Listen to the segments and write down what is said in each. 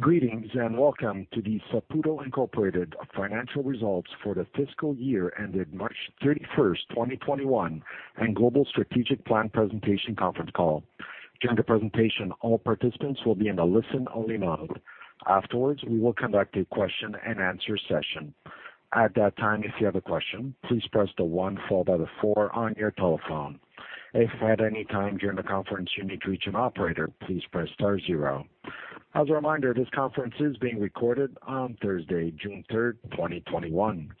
Greetings, and welcome to the Saputo Inc. Financial Results for the Fiscal Year Ended March 31st, 2021, and Global Strategic Plan Presentation Conference Call. As a reminder, this conference is being recorded on Thursday, June 3rd, 2021.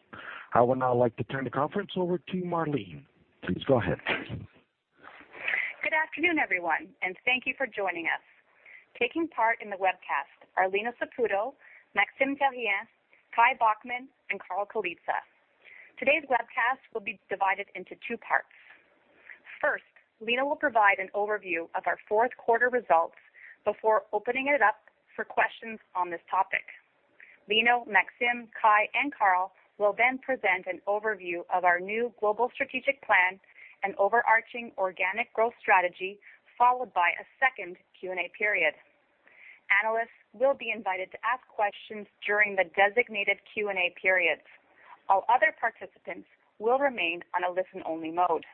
I would now like to turn the conference over to Marlene. Please go ahead. Good afternoon, everyone, and thank you for joining us. Taking part in the webcast are Lino Saputo, Maxime Therrien, Kai Bockmann, and Carl Colizza. Today's webcast will be divided into two parts. First, Lino will provide an overview of our fourth quarter results before opening it up for questions on this topic. Lino, Maxime, Kai, and Carl will then present an overview of our new Global Strategic Plan and overarching organic growth strategy, followed by a second Q&A period. Analysts will be invited to ask questions during the designated Q&A periods, while other participants will remain on a listen-only mode.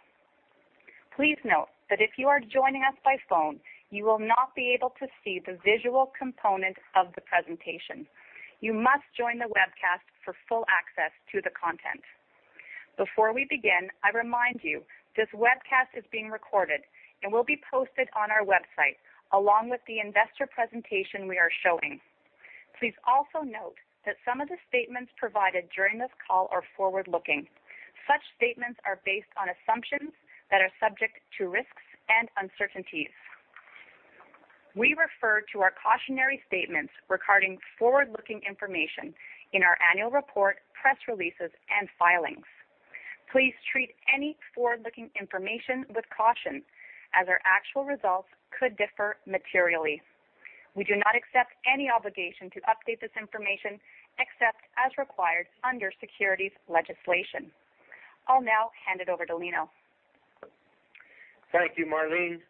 Please note that if you are joining us by phone, you will not be able to see the visual components of the presentation. You must join the webcast for full access to the content. Before we begin, I remind you this webcast is being recorded and will be posted on our website along with the investor presentation we are showing. Please also note that some of the statements provided during this call are forward-looking. Such statements are based on assumptions that are subject to risks and uncertainties. We refer to our cautionary statements regarding forward-looking information in our annual report, press releases, and filings. Please treat any forward-looking information with caution, as our actual results could differ materially. We do not accept any obligation to update this information, except as required under securities legislation. I'll now hand it over to Lino. Thank you, Marlene.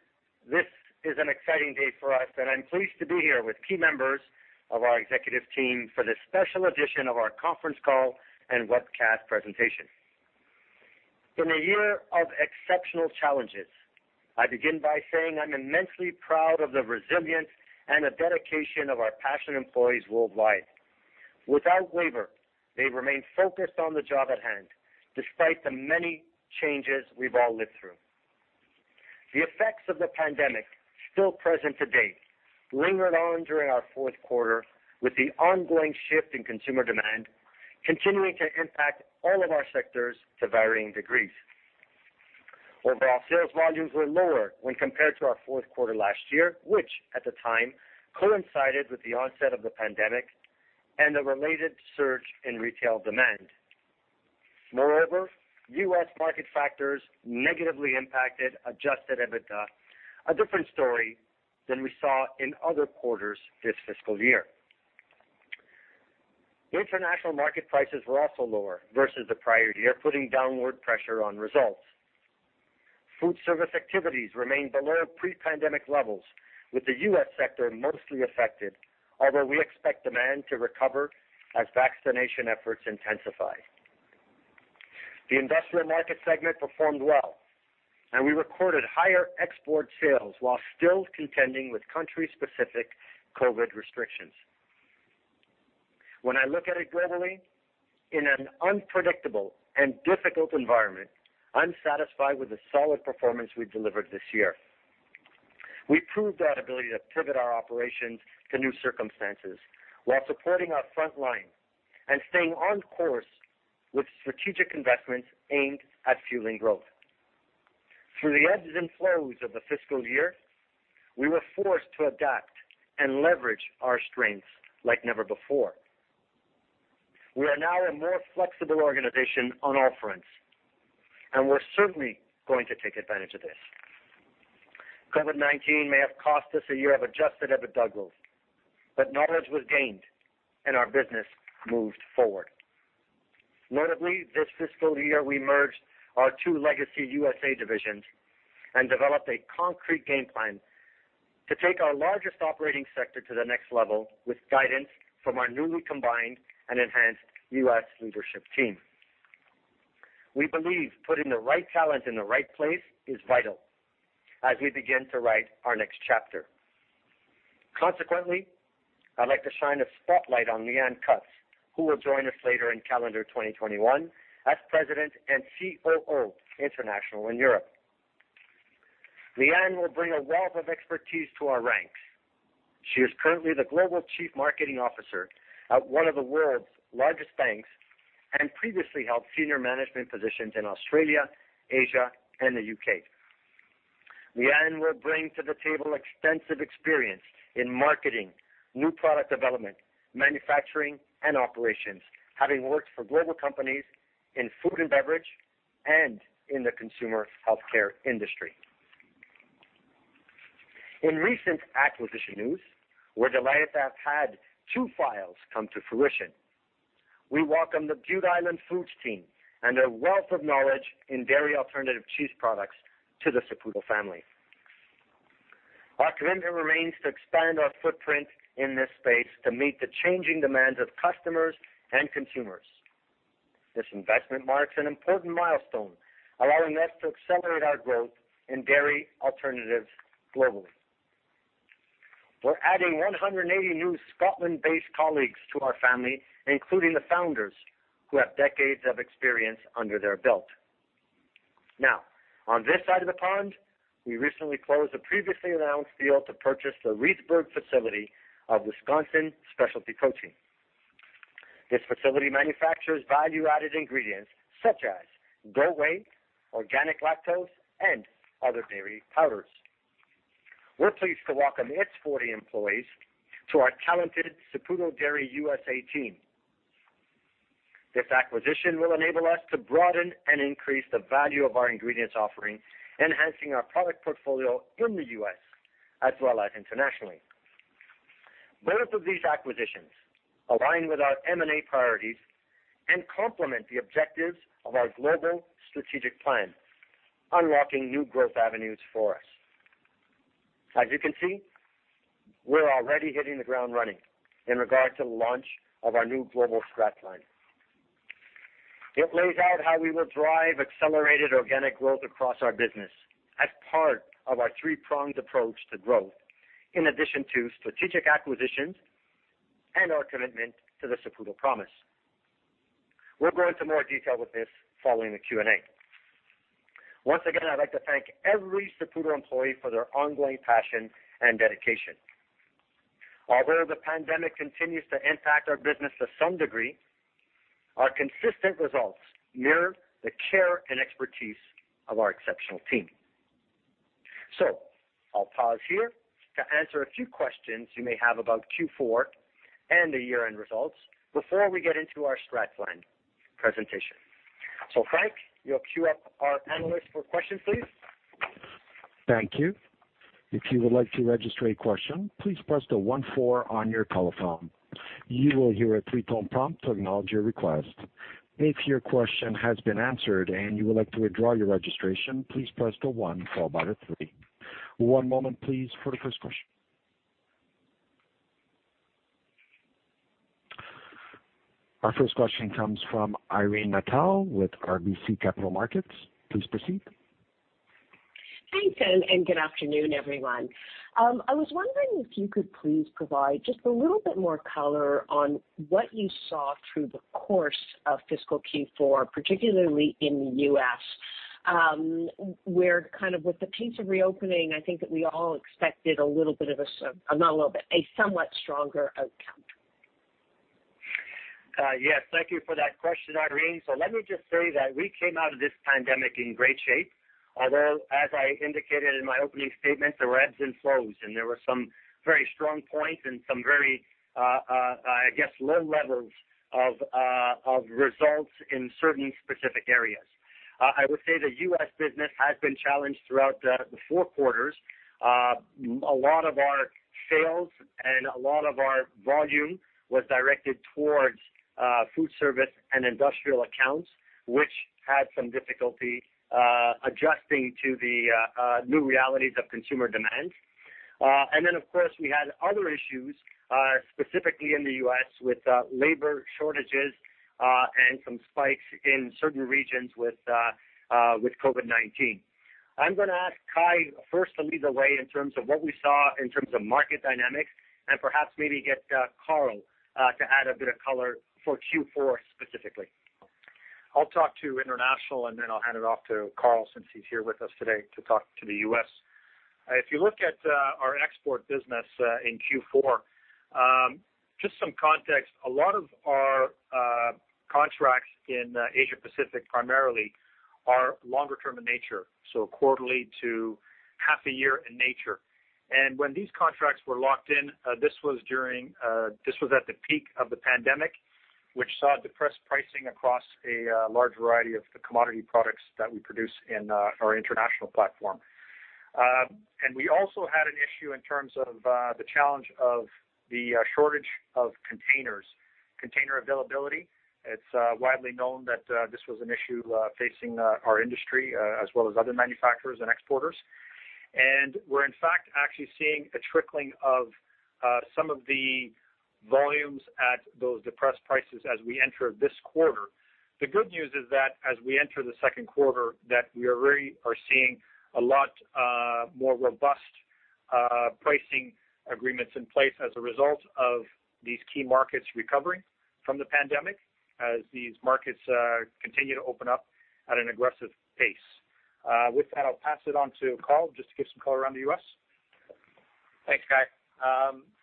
This is an exciting day for us, and I'm pleased to be here with key members of our executive team for this special edition of our conference call and webcast presentation. In a year of exceptional challenges, I begin by saying I'm immensely proud of the resilience and the dedication of our passionate employees worldwide. Without waiver, they remain focused on the job at hand despite the many changes we've all lived through. The effects of the pandemic, still present to date, lingered on during our fourth quarter, with the ongoing shift in consumer demand continuing to impact all of our sectors to varying degrees. Overall sales volumes were lower when compared to our fourth quarter last year, which at the time coincided with the onset of the pandemic and a related surge in retail demand. Moreover, U.S. market factors negatively impacted adjusted EBITDA, a different story than we saw in other quarters this fiscal year. International market prices were also lower versus the prior year, putting downward pressure on results. Food service activities remained below pre-pandemic levels, with the U.S. sector mostly affected, although we expect demand to recover as vaccination efforts intensify. The investment market segment performed well, and we recorded higher export sales while still contending with country-specific COVID restrictions. When I look at it globally, in an unpredictable and difficult environment, I'm satisfied with the solid performance we delivered this year. We proved our ability to pivot our operations to new circumstances while supporting our front line and staying on course with strategic investments aimed at fueling growth. Through the lens of employees of the fiscal year, we were forced to adapt and leverage our strengths like never before. We are now a more flexible organization on all fronts, and we're certainly going to take advantage of this. COVID-19 may have cost us a year of adjusted EBITDA growth, but knowledge was gained and our business moved forward. Notably, this fiscal year, we merged our two legacy USA divisions and developed a concrete game plan to take our largest operating sector to the next level with guidance from our newly combined and enhanced U.S. leadership team. We believe putting the right talent in the right place is vital as we begin to write our next chapter. Consequently, I'd like to shine a spotlight on Leanne Cutts, who will join us later in calendar 2021 as President and COO International and Europe. Leanne will bring a wealth of expertise to our ranks. She is currently the Global Chief Marketing Officer at one of the world's largest banks and previously held senior management positions in Australia, Asia, and the U.K. Leanne will bring to the table extensive experience in marketing, new product development, manufacturing, and operations, having worked for global companies in food and beverage and in the consumer healthcare industry. In recent acquisition news, we're delighted to have had two files come to fruition We welcome the Bute Island Foods team and their wealth of knowledge in dairy alternative cheese products to the Saputo family. Our commitment remains to expand our footprint in this space to meet the changing demands of customers and consumers. This investment marks an important milestone, allowing us to accelerate our growth in dairy alternatives globally. We're adding 180 new Scotland-based colleagues to our family, including the founders, who have decades of experience under their belt. Now, on this side of the pond, we recently closed the previously announced deal to purchase the Reedsburg facility of Wisconsin Specialty Protein. This facility manufactures value-added ingredients such as goat whey, organic lactose, and other dairy powders. We're pleased to welcome its 40 employees to our talented Saputo Dairy USA team. This acquisition will enable us to broaden and increase the value of our ingredients offering, enhancing our product portfolio in the U.S., as well as internationally. Both of these acquisitions align with our M&A priorities and complement the objectives of our Global Strategic Plan, unlocking new growth avenues for us. As you can see, we're already hitting the ground running in regard to the launch of our new global STRAT Plan. It lays out how we will drive accelerated organic growth across our business as part of our three-pronged approach to growth, in addition to strategic acquisitions and our commitment to the Saputo Promise. We'll go into more detail with this following the Q&A. Once again, I'd like to thank every Saputo employee for their ongoing passion and dedication. While we know the pandemic continues to impact our business to some degree, our consistent results mirror the care and expertise of our exceptional team. I'll pause here to answer a few questions you may have about Q4 and the year-end results before we get into our STRAT Plan presentation. Frank, you'll queue up our analysts for questions, please. Thank you. If you would like to register a question, please press the one four on your call phone. You will hear a three-tone prompt to acknowledge your request. If your question has been answered and you would like to withdraw your registration, please press the one followed by the three. One moment please for the first question. Our first question comes from Irene Nattel with RBC Capital Markets. Please proceed. Thanks, good afternoon, everyone. I was wondering if you could please provide just a little bit more color on what you saw through the course of fiscal Q4, particularly in the U.S., where kind of with the pace of reopening, I think that we all expected a somewhat stronger outcome. Yes, thank you for that question, Irene. Let me just say that we came out of this pandemic in great shape, although, as I indicated in my opening statement, there were ebbs and flows, and there were some very strong points and some very, I guess, low levels of results in certain specific areas. I would say the U.S. business has been challenged throughout the four quarters. A lot of our sales and a lot of our volume was directed towards food service and industrial accounts, which had some difficulty adjusting to the new realities of consumer demand. Of course, we had other issues, specifically in the U.S., with labor shortages, and some spikes in certain regions with COVID-19. I'm going to ask Kai first to lead the way in terms of what we saw in terms of market dynamics, and perhaps maybe get Carl to add a bit of color for Q4 specifically. I'll talk to international, and then I'll hand it off to Carl since he's here with us today to talk to the U.S. If you look at our export business in Q4, just some context, a lot of our contracts in Asia-Pacific primarily are longer-term in nature, so quarterly to half a year in nature. When these contracts were locked in, this was at the peak of the pandemic, which saw depressed pricing across a large variety of the commodity products that we produce in our international platform. We also had an issue in terms of the challenge of the shortage of containers, container availability. It's widely known that this was an issue facing our industry as well as other manufacturers and exporters. We're in fact actually seeing a trickling of some of the volumes at those depressed prices as we enter this quarter. The good news is that as we enter the second quarter, that we already are seeing a lot more robust pricing agreements in place as a result of these key markets recovering from the pandemic as these markets continue to open up at an aggressive pace. With that, I'll pass it on to Carl just to give some color on the U.S. Thanks, Kai.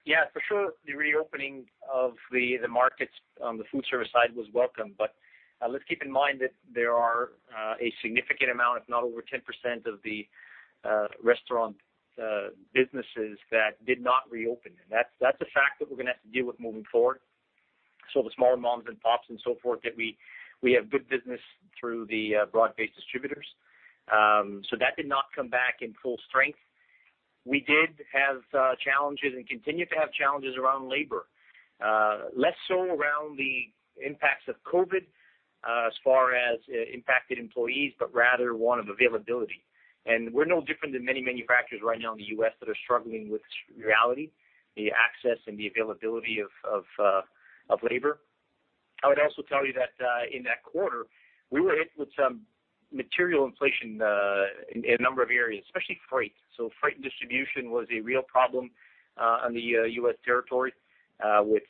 Yeah, for sure, the reopening of the markets on the food service side was welcome. Let's keep in mind that there are a significant amount, if not over 10%, of the restaurant businesses that did not reopen. That's a fact that we're going to have to deal with moving forward. The small moms-and-pops and so forth that we have good business through the broad-based distributors. That did not come back in full strength. We did have challenges and continue to have challenges around labor. Less so around the impacts of COVID as far as impacted employees, but rather one of availability. We're no different than many manufacturers right now in the U.S. that are struggling with reality, the access and the availability of labor. I would also tell you that in that quarter, we were hit with some material inflation in a number of areas, especially freight. Freight and distribution was a real problem in the U.S. territory with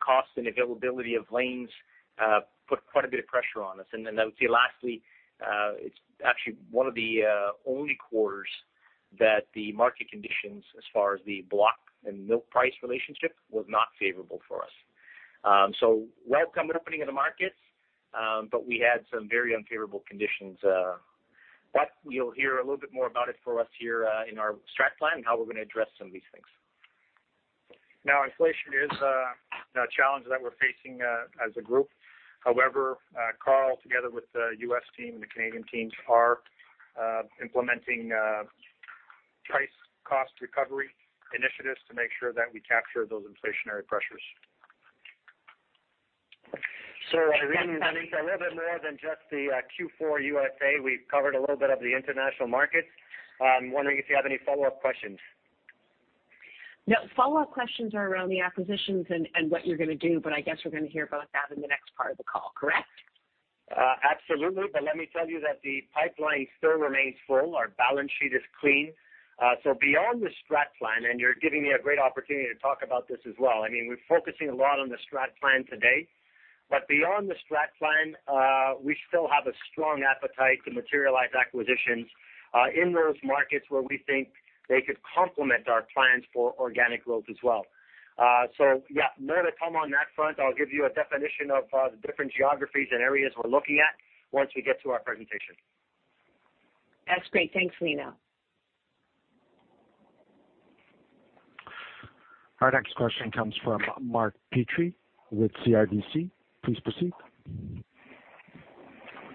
cost and availability of lanes, put quite a bit of pressure on us. I would say lastly, it's actually one of the only quarters that the market conditions as far as the block-and-milk price relationship was not favorable for us. Welcome opening of the markets, but we had some very unfavorable conditions. That, you'll hear a little bit more about it from us here in our STRAT Plan, how we're going to address some of these things. Inflation is a challenge that we're facing as a group. Carl, together with the U.S. team, the Canadian teams, are implementing price cost recovery initiatives to make sure that we capture those inflationary pressures. I think a little bit more than just the Q4 USA, we've covered a little bit of the international markets. I'm wondering if you have any follow-up questions. No. Follow-up questions are around the acquisitions and what you're going to do, but I guess we're going to hear about that in the next part of the call, correct? Absolutely. Let me tell you that the pipeline still remains full. Our balance sheet is clean. Beyond the STRAT Plan, and you're giving me a great opportunity to talk about this as well, we're focusing a lot on the STRAT Plan today. Beyond the STRAT Plan, we still have a strong appetite to materialize acquisitions in those markets where we think they could complement our plans for organic growth as well. Yeah, later on that front, I'll give you a definition of the different geographies and areas we're looking at once we get to our presentation. That's great. Thanks Lino. Our next question comes from Mark Petrie with CIBC. Please proceed.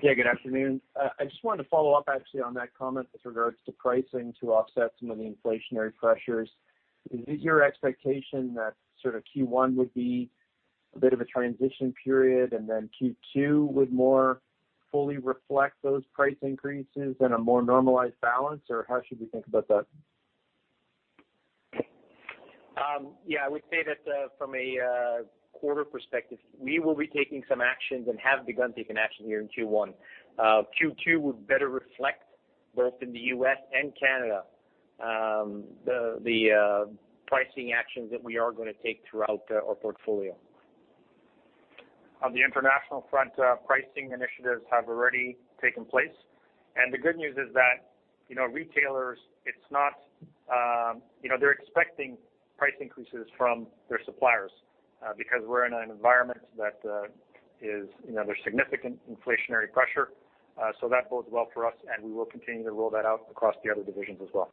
Yeah, good afternoon. I just wanted to follow up actually on that comment with regards to pricing to offset some of the inflationary pressures. Is it your expectation that sort of Q1 would be a bit of a transition period, and then Q2 would more fully reflect those price increases and a more normalized balance, or how should we think about that? Yeah I would say that from a quarter perspective, we will be taking some actions and have begun taking action here in Q1. Q2 would better reflect both in the U.S. and Canada, the pricing actions that we are going to take throughout our portfolio. On the international front, pricing initiatives have already taken place, and the good news is that retailers, they're expecting price increases from their suppliers because we're in an environment that is under significant inflationary pressure. That bodes well for us, and we will continue to roll that out across the other divisions as well.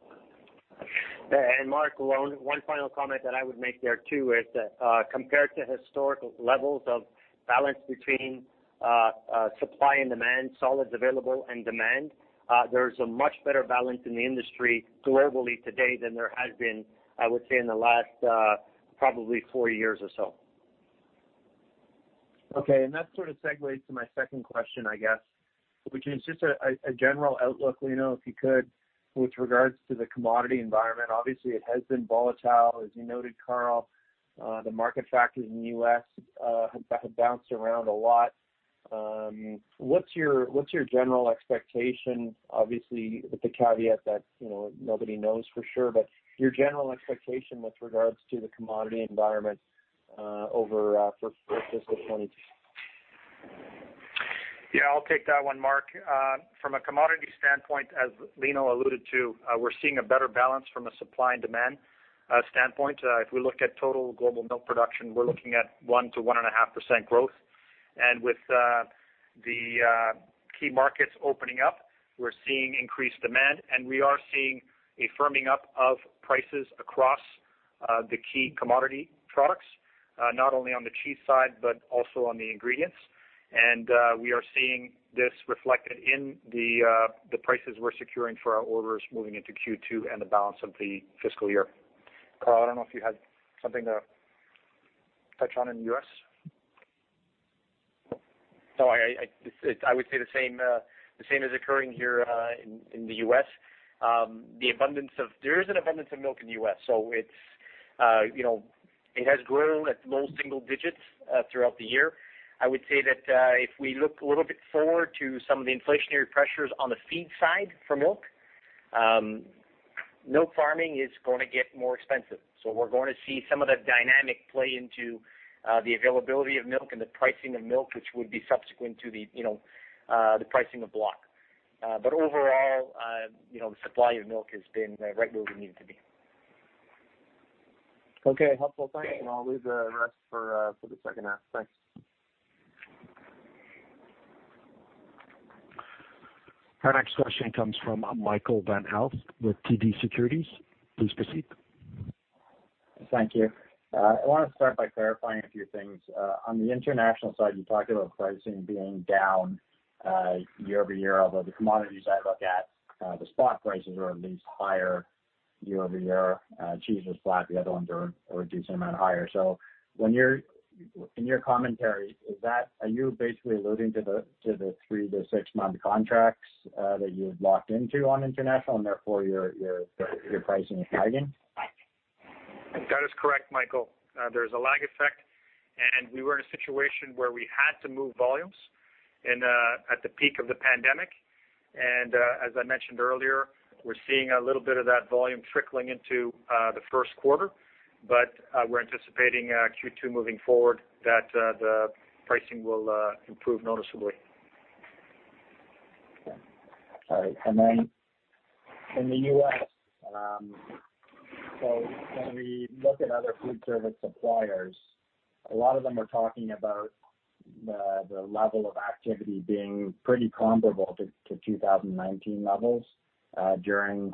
Mark, one final comment that I would make there, too, is that compared to historical levels of balance between supply and demand, solids available and demand, there is a much better balance in the industry globally today than there has been, I would say, in the last probably four years or so. Okay, that sort of segues to my second question, I guess, which is just a general outlook, Lino, if you could, with regards to the commodity environment. Obviously, it has been volatile. As you noted, Carl, the market factor in the U.S. has bounced around a lot. What's your general expectation, obviously, with the caveat that nobody knows for sure, but your general expectation with regards to the commodity environment for fiscal 2023? Yeah, I'll take that one, Mark. From a commodity standpoint, as Lino alluded to, we're seeing a better balance from a supply and demand standpoint. If we look at total global milk production, we're looking at 1%-1.5% growth. With the key markets opening up, we're seeing increased demand, and we are seeing a firming up of prices across the key commodity products, not only on the cheese side, but also on the ingredients. We are seeing this reflected in the prices we're securing for our orders moving into Q2 and the balance of the fiscal year. Carl, I don't know if you had something to touch on in the U.S. No, I would say the same is occurring here in the U.S. There is an abundance of milk in the U.S., so it has grown at low single digits throughout the year. I would say that if we look a little bit forward to some of the inflationary pressures on the feed side for milk farming is going to get more expensive. We're going to see some of the dynamic play into the availability of milk and the pricing of milk, which would be subsequent to the pricing of block. Overall, the supply of milk has been right where we need to be. Okay, helpful. Thanks. I'll leave the rest for the second half. Thanks. Our next question comes from Michael van Aelst with TD Securities. Please proceed. Thank you. I want to start by clarifying a few things. On the International side, you talked about pricing being down year-over-year, although the commodity side looked at the spot prices are at least higher year-over-year. Cheese was flat, the other ones are a decent amount higher. In your commentary, are you basically alluding to the three to six-month contracts that you've locked into on International and therefore your pricing is lagging? That is correct, Michael. There's a lag effect, and we were in a situation where we had to move volumes at the peak of the pandemic. As I mentioned earlier, we're seeing a little bit of that volume trickling into the first quarter, but we're anticipating Q2 moving forward that the pricing will improve noticeably. All right. In the U.S., when we look at other food service suppliers, a lot of them are talking about the level of activity being pretty comparable to 2019 levels during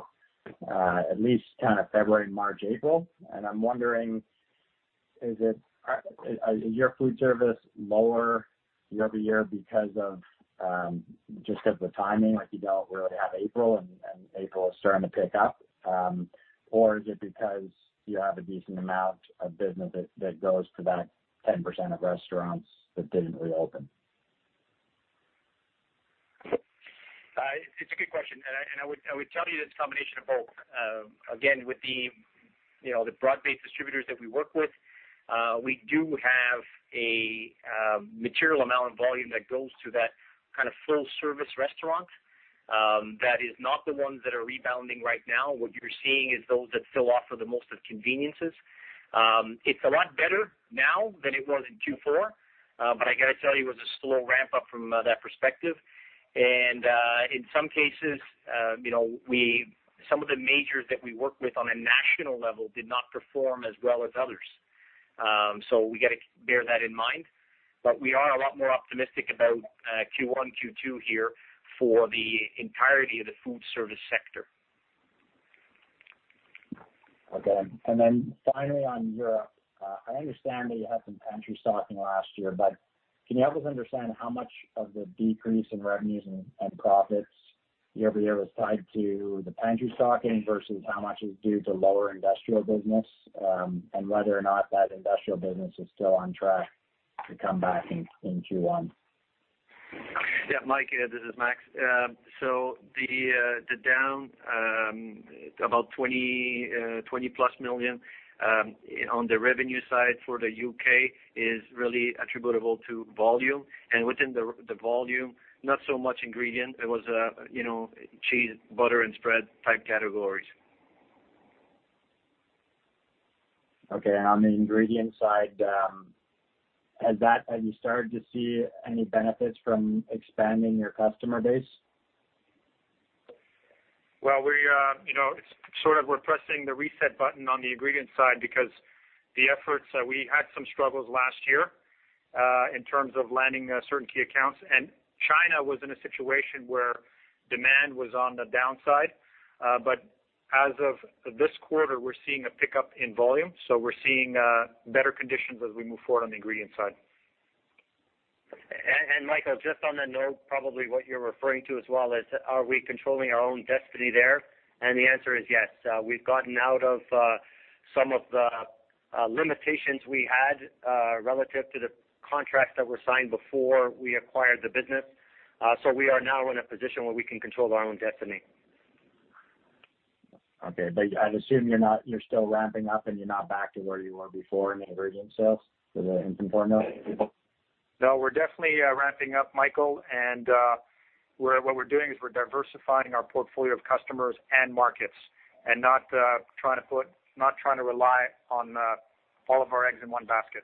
at least February, March, April. I'm wondering, is your food service lower year-over-year just because of the timing, like you don't really have April and April is starting to pick up? Or is it because you have a decent amount of business that goes to that 10% of restaurants that didn't reopen? It's a good question. I would tell you it's a combination of both. Again, with the broad-based distributors that we work with, we do have a material amount of volume that goes to that kind of full-service restaurant that is not the ones that are rebounding right now. What you're seeing is those that still offer the most of conveniences. It's a lot better now than it was in Q4. I got to tell you, it was a slow ramp up from that perspective. In some cases, some of the majors that we work with on a national level did not perform as well as others. We got to bear that in mind. We are a lot more optimistic about Q1, Q2 here for the entirety of the food service sector. Okay. Finally on Europe, I understand that you had some pantry stocking last year. Can you help us understand how much of the decrease in revenues and profits year-over-year was tied to the pantry stocking versus how much is due to lower industrial business? Whether or not that industrial business is still on track to come back in Q1. Yeah, Michael, this is Maxime. The down about 20 million+, on the revenue side for the U.K. is really attributable to volume. Within the volume, not so much ingredient, it was cheese, butter, and spread type categories. Okay, on the ingredient side, have you started to see any benefits from expanding your customer base? Well, we're pressing the reset button on the ingredient side because the efforts that we had some struggles last year in terms of landing certain key accounts, and China was in a situation where demand was on the downside. As of this quarter, we're seeing a pickup in volume. We're seeing better conditions as we move forward on the ingredient side. Michael, just on the note, probably what you're referring to as well is, are we controlling our own destiny there? The answer is yes. We've gotten out of some of the limitations we had relative to the contracts that were signed before we acquired the business. We are now in a position where we can control our own destiny. Okay. I assume you're still ramping up and you're not back to where you were before in the ingredient sales in Q4? No, we're definitely ramping up, Michael, and what we're doing is we're diversifying our portfolio of customers and markets and not trying to rely on all of our eggs in one basket.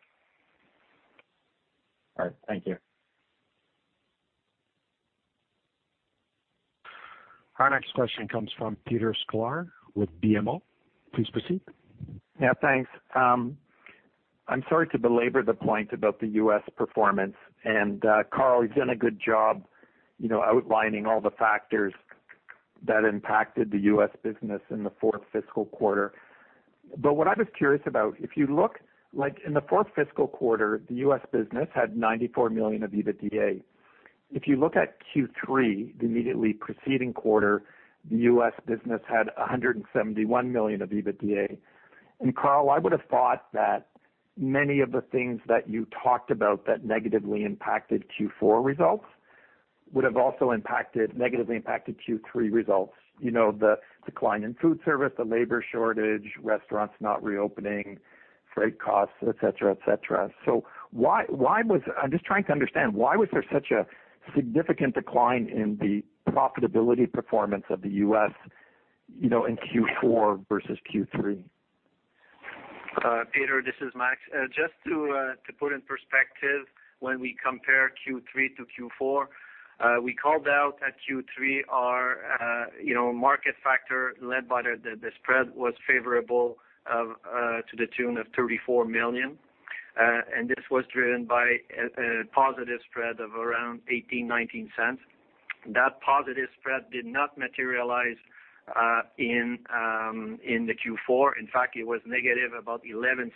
All right. Thank you. Our next question comes from Peter Sklar with BMO. Please proceed. Yeah, thanks. I'm sorry to belabor the point about the US performance. Carl, you've done a good job outlining all the factors that impacted the US business in the fourth fiscal quarter. What I was curious about, if you look, in the fourth fiscal quarter, the US business had $94 million of EBITDA. If you look at Q3, the immediately preceding quarter, the US business had $171 million of EBITDA. Carl, I would've thought that many of the things that you talked about that negatively impacted Q4 results would've also negatively impacted Q3 results. The decline in food service, the labor shortage, restaurants not reopening, freight costs, et cetera. I'm just trying to understand, why was there such a significant decline in the profitability performance of the US, in Q4 versus Q3? Peter, this is Maxime Therrien. Just to put in perspective, when we compare Q3 to Q4, we called out that Q3, our market factor led by the spread was favorable to the tune of 34 million. This was driven by a positive spread of around 0.18-0.19. That positive spread did not materialize in the Q4. In fact, it was negative about 0.11,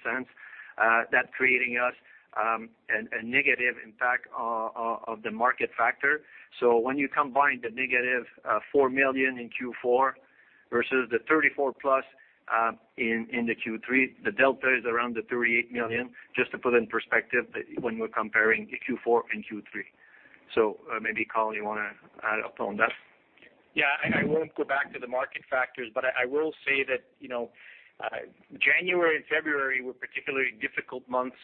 that creating us a negative impact of the market factor. When you combine the negative 4 million in Q4 versus the 34 plus in the Q3, the delta is around the 38 million, just to put in perspective when we're comparing the Q4 and Q3. Maybe, Carl Colizza, you want to add upon that? Yeah, I won't go back to the market factors, but I will say that January and February were particularly difficult months,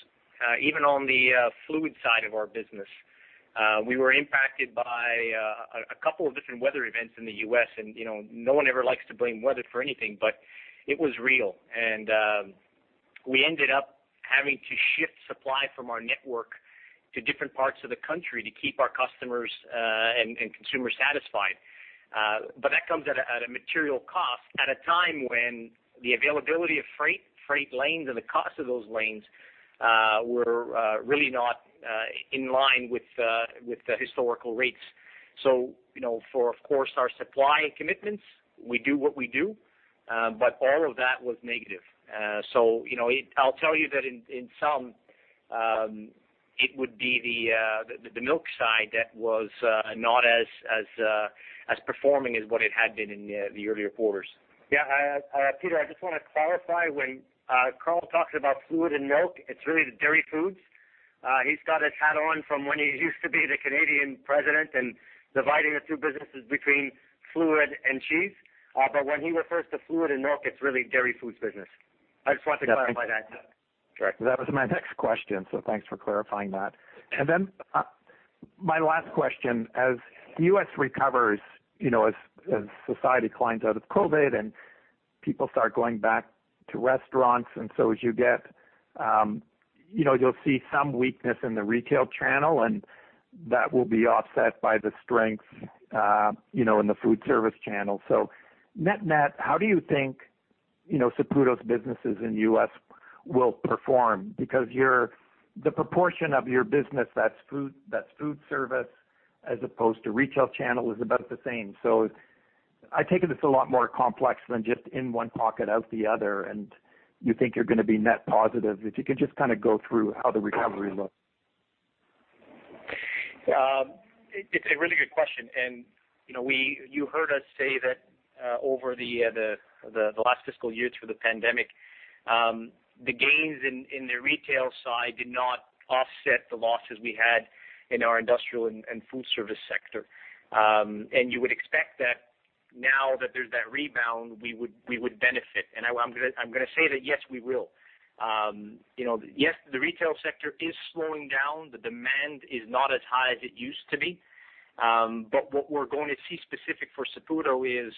even on the fluid side of our business. We were impacted by a couple of different weather events in the U.S. No one ever likes to blame weather for anything, but it was real, and we ended up having to shift supply from our network to different parts of the country to keep our customers and consumers satisfied. That comes at a material cost at a time when the availability of freight lanes and the cost of those lanes were really not in line with the historical rates. For, of course, our supply commitments, we do what we do, but all of that was negative. I'll tell you that in sum, it would be the milk side that was not as performing as what it had been in the earlier quarters. Peter, I just want to clarify, when Carl talks about fluid and milk, it's really the dairy foods. He's got his hat on from when he used to be the Canadian president and dividing the two businesses between fluid and cheese. When he refers to fluid and milk, it's really dairy foods business. I just wanted to clarify that. Correct. That was my next question, so thanks for clarifying that. My last question, as U.S. recovers, as society climbs out of COVID and people start going back to restaurants, and so as you get, you'll see some weakness in the retail channel, and that will be offset by the strength in the food service channel. Net net, how do you think Saputo's businesses in U.S. will perform? The proportion of your business that's food service as opposed to retail channel is about the same. I take it it's a lot more complex than just in one pocket out the other, and you think you're going to be net positive. If you could just kind of go through how the recovery looks. It's a really good question. You heard us say that over the last fiscal year through the pandemic, the gains in the retail side did not offset the losses we had in our industrial and food service sector. You would expect that now that there's that rebound, we would benefit. I'm going to say that, yes, we will. Yes, the retail sector is slowing down. The demand is not as high as it used to be. What we're going to see specific for Saputo is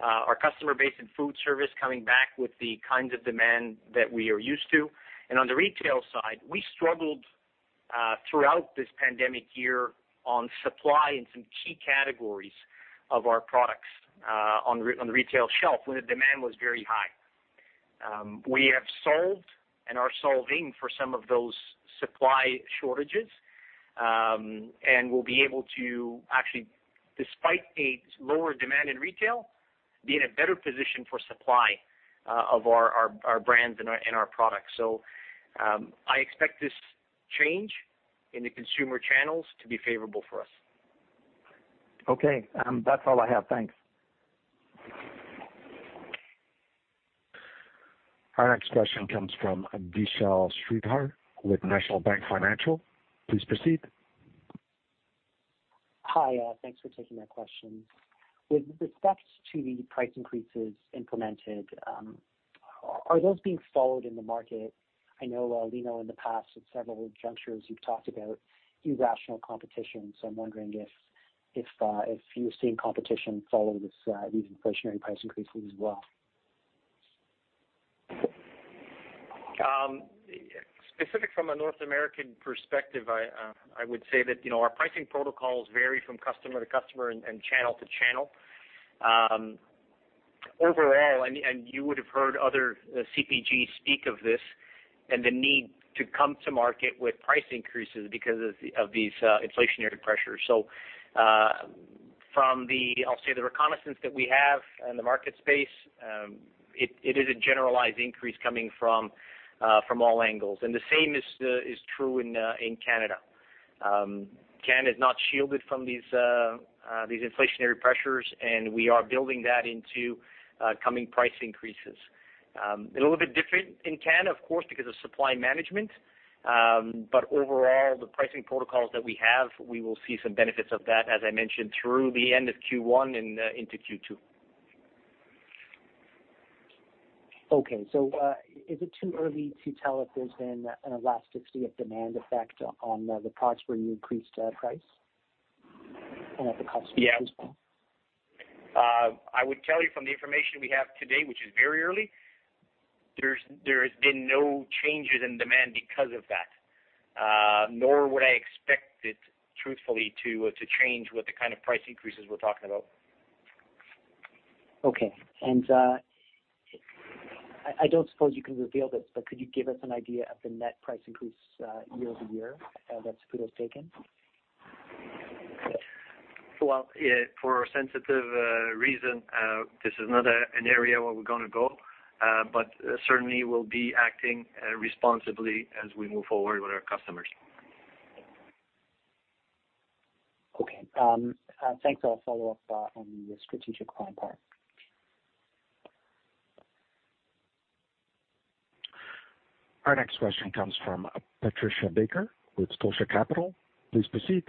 our customer base in food service coming back with the kind of demand that we are used to. On the retail side, we struggled throughout this pandemic year on supply in some key categories of our products on the retail shelf, where the demand was very high. We have solved and are solving for some of those supply shortages, and we'll be able to actually, despite the lower demand in retail, be in a better position for supply of our brand and our product. I expect this change in the consumer channels to be favorable for us. Okay. That's all I have. Thanks. Our next question comes from Vishal Shreedhar with National Bank Financial. Please proceed. Hi, thanks for taking my questions. With the steps to the price increases implemented, are those being followed in the market? I know, Lino, in the past, at several junctures, you've talked about international competition. I'm wondering if you're seeing competition follow these inflationary price increases as well. Specific from a North American perspective, I would say that our pricing protocols vary from customer to customer and channel to channel. Overall, you would have heard other CPGs speak of this, and the need to come to market with price increases because of these inflationary pressures. From the, I'll say, the reconnaissance that we have in the market space, it is a generalized increase coming from all angles, and the same is true in Canada. Canada is not shielded from these inflationary pressures, and we are building that into coming price increases. A little bit different in Canada, of course, because of supply management. Overall, the pricing protocols that we have, we will see some benefits of that, as I mentioned, through the end of Q1 and into Q2. Okay. Is it too early to tell if there's been an elasticity of demand effect on the products where you increased price? Yeah. I would tell you from the information we have today, which is very early, there's been no changes in demand because of that, nor would I expect it, truthfully, to change with the kind of price increases we're talking about. Okay. I don't suppose you can reveal this, but could you give us an idea of the net price increase year-over-year that Saputo's taken? Well, for sensitive reasons, this is not an area where we're going to go. Certainly, we'll be acting responsibly as we move forward with our customers. Okay. Thanks. I'll follow up on the strategic front then. Our next question comes from Patricia Baker with Scotia Capital. Please proceed.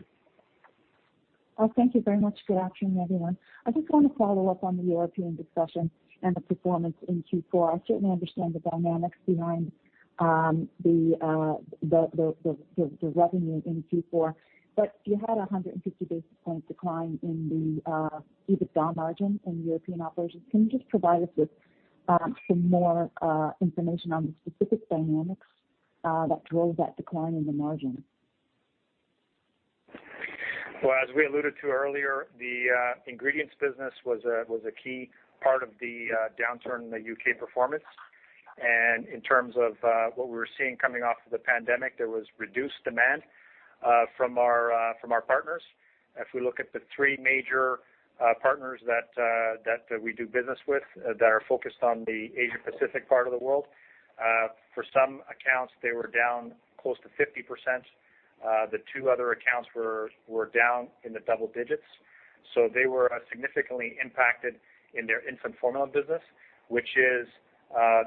Thank you very much. Good afternoon, everyone. I just want to follow up on the European discussion and the performance in Q4. I certainly understand the dynamics behind the revenues in Q4. You had a 150 basis point decline in the EBITDA margin in the European operations. Can you just provide us with some more information on the specific dynamics that drove that decline in the margin? Well, as we alluded to earlier, the ingredients business was a key part of the downturn in the U.K. performance. In terms of what we were seeing coming off of the pandemic, there was reduced demand from our partners. If we look at the three major partners that we do business with that are focused on the Asia Pacific part of the world, for some accounts, they were down close to 50%. The two other accounts were down in the double digits. They were significantly impacted in their infant formula business, which is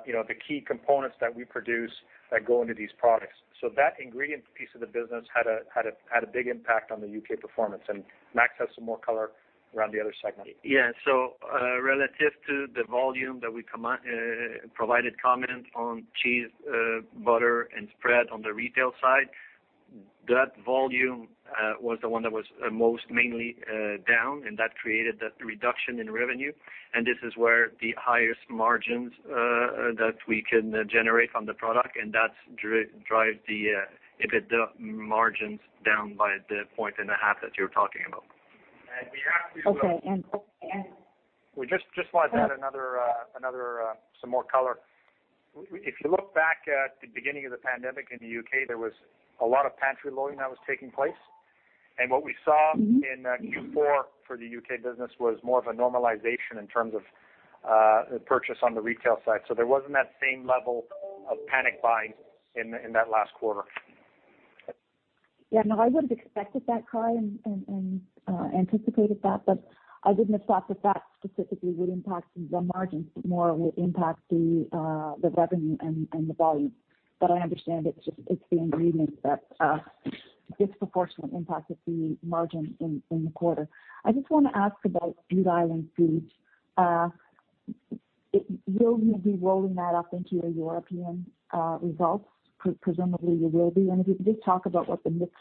the key components that we produce that go into these products. That ingredients piece of the business had a big impact on the U.K. performance, and Max has some more color around the other segments. Relative to the volume that we provided comment on cheese, butter, and spread on the retail side, that volume was the one that was most mainly down, and that created that reduction in revenue. This is where the highest margins that we can generate on the product, and that drives the EBITDA margins down by the point and a half that you're talking about. We just wanted to add some more color. If you look back at the beginning of the pandemic in the U.K., there was a lot of pantry loading that was taking place. What we saw in Q4 for the U.K. business was more of a normalization in terms of the purchase on the retail side. There wasn't that same level of panic buying in that last quarter. Yeah. No, I would have expected that, Kai, and anticipated that, but I didn't expect that that specifically would impact the margins, but more it would impact the revenue and the volume. I understand it's the ingredients that disproportionately impacted the margin in the quarter. I just want to ask about Bute Island Foods. You'll be rolling that up into your European results, presumably you will be. Can you just talk about what the mix is in that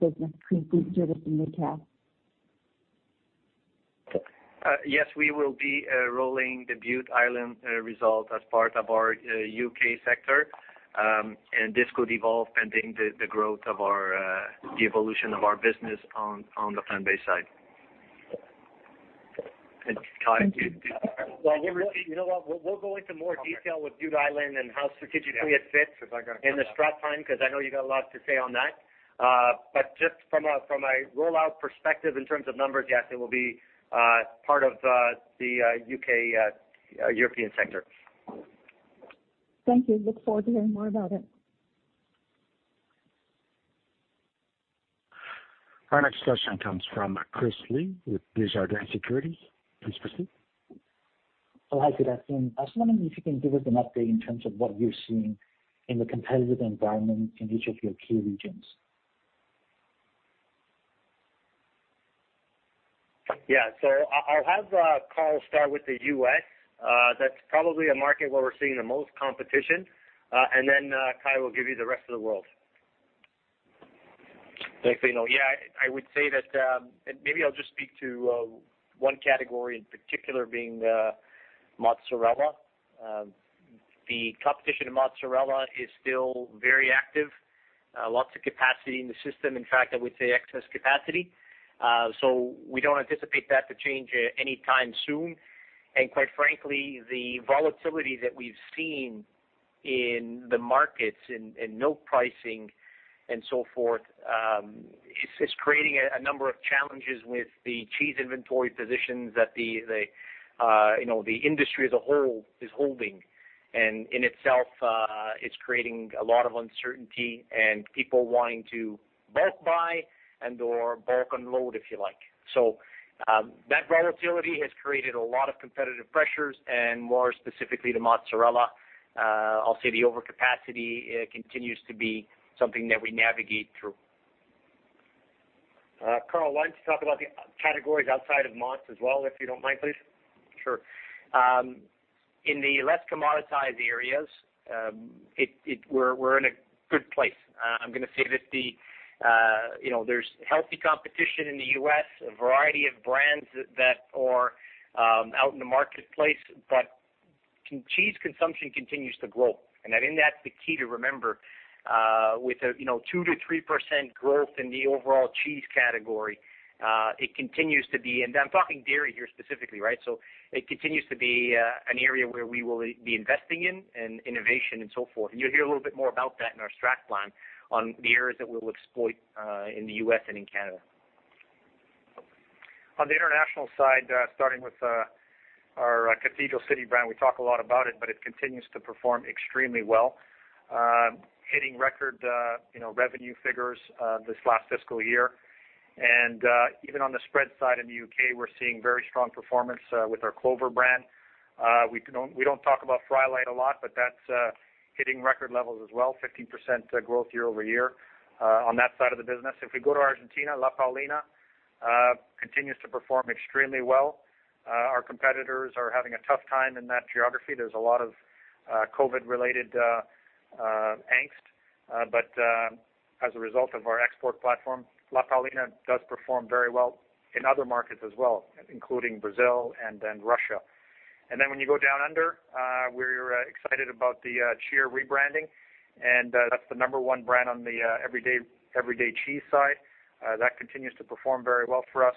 business between food service and retail? Yes, we will be rolling the Bute Island result as part of our U.K. sector. This could evolve pending the growth of the evolution of our business on the plant-based side. Kai, do you? Well, we'll go into more detail with Bute Island and how strategically it fits in the STRAT Plan because I know you've got a lot to say on that. Just from a rollout perspective in terms of numbers, yes, it will be part of the UK European sector. Thank you. Look forward to hearing more about it. Our next question comes from Christopher Li with Desjardins Securities. Please proceed. Hi, good afternoon. I was wondering if you can give us an update in terms of what you're seeing in the competitive environment in each of your key regions? Yeah. I'll have Carl start with the U.S. That's probably a market where we're seeing the most competition. Kai will give you the rest of the world. Thanks. Yeah, I would say that maybe I'll just speak to one category in particular, being mozzarella. The competition in mozzarella is still very active. Lots of capacity in the system. In fact, I would say excess capacity. We don't anticipate that to change anytime soon. Quite frankly, the volatility that we've seen in the markets and milk pricing and so forth, is creating a number of challenges with the cheese inventory positions that the industry as a whole is holding. In itself, it's creating a lot of uncertainty and people wanting to bulk buy and/or bulk unload, if you like. That volatility has created a lot of competitive pressures, and more specifically, the mozzarella. I'll say the overcapacity continues to be something that we navigate through. Carl, why don't you talk about the categories outside of mozz as well, if you don't mind, please? Sure. In the less commoditized areas, we're in a good place. I'm going to say that there's healthy competition in the U.S., a variety of brands that are out in the marketplace. Cheese consumption continues to grow. I think that's the key to remember with a 2%-3% growth in the overall cheese category. I'm talking dairy here specifically, right? It continues to be an area where we will be investing in and innovation and so forth. You'll hear a little bit more about that in our Global Strategic Plan on the areas that we'll exploit in the U.S. and in Canada. On the international side, starting with our Cathedral City brand, we talk a lot about it continues to perform extremely well, hitting record revenue figures this last fiscal year. Even on the spread side in the U.K., we're seeing very strong performance with our Clover brand. We don't talk about Frylight a lot, that's hitting record levels as well, 15% growth year-over-year on that side of the business. If we go to Argentina, La Paulina continues to perform extremely well. Our competitors are having a tough time in that geography. There's a lot of COVID-related angst, as a result of our export platform, La Paulina does perform very well in other markets as well, including Brazil, Russia. When you go down under, we're excited about the Cheer rebranding, that's the number one brand on the everyday cheese side. That continues to perform very well for us.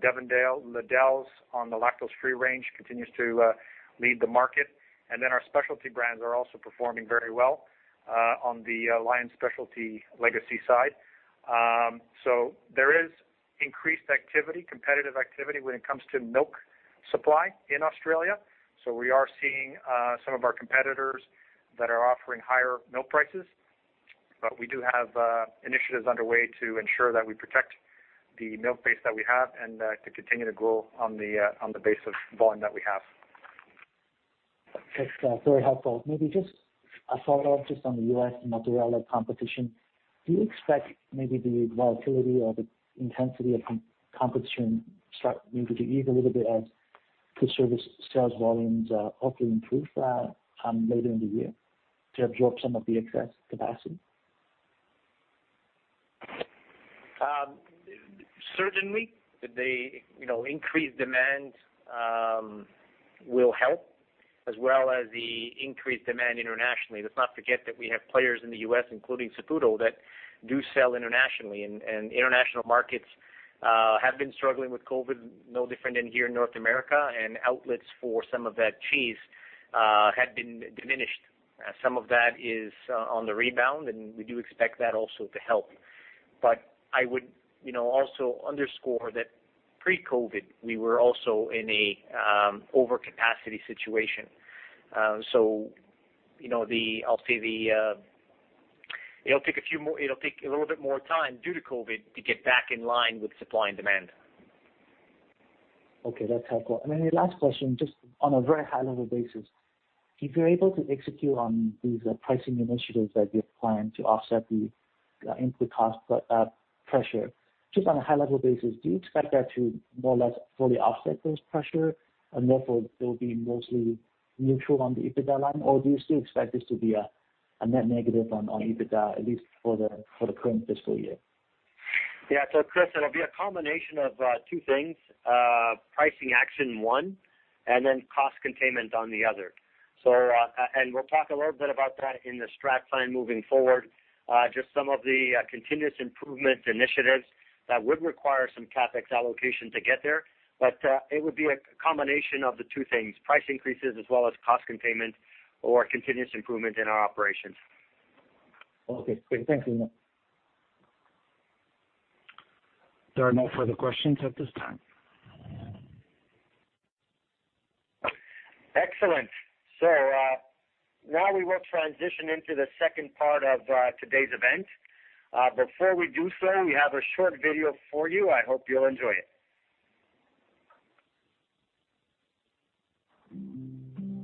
Devondale and Liddells on the lactose-free range continues to lead the market. Our specialty brands are also performing very well on the Lion Specialty legacy side. There is increased activity, competitive activity when it comes to milk supply in Australia. We are seeing some of our competitors that are offering higher milk prices, but we do have initiatives underway to ensure that we protect the milk base that we have and to continue to grow on the base of volume that we have. That's very helpful. Maybe just a follow-up just on the U.S. mozzarella competition. Do you expect maybe the volatility or the intensity of competition start maybe to ease a little bit as food service sales volumes hopefully improve later in the year to absorb some of the excess capacity? Certainly, the increased demand will help, as well as the increased demand internationally. Let's not forget that we have players in the U.S., including Saputo, that do sell internationally, and international markets have been struggling with COVID, no different than here in North America, and outlets for some of that cheese have been diminished. Some of that is on the rebound, and we do expect that also to help. I would also underscore that pre-COVID, we were also in a overcapacity situation. It'll take a little bit more time due to COVID to get back in line with supply and demand. Okay, that's helpful. Last question, just on a very high-level basis, if you're able to execute on these pricing initiatives that you're planning to offset the input cost pressure, just on a high-level basis, do you expect that to more or less fully offset those pressure and therefore they'll be mostly neutral on the EBITDA? Or do you still expect this to be a net negative on EBITDA, at least for the current fiscal year? Yeah. Christopher Li, it'll be a combination of two things, pricing action one, and then cost containment on the other. We'll talk a little bit about that in the STRAT Plan moving forward just some of the continuous improvement initiatives that would require some CapEx allocation to get there. It would be a combination of the two things, price increases as well as cost containment or continuous improvement in our operations. Okay. Great. Thank you. There are no further questions at this time. Excellent. Now we will transition into the second part of today's event. Before we do so, we have a short video for you. I hope you'll enjoy it.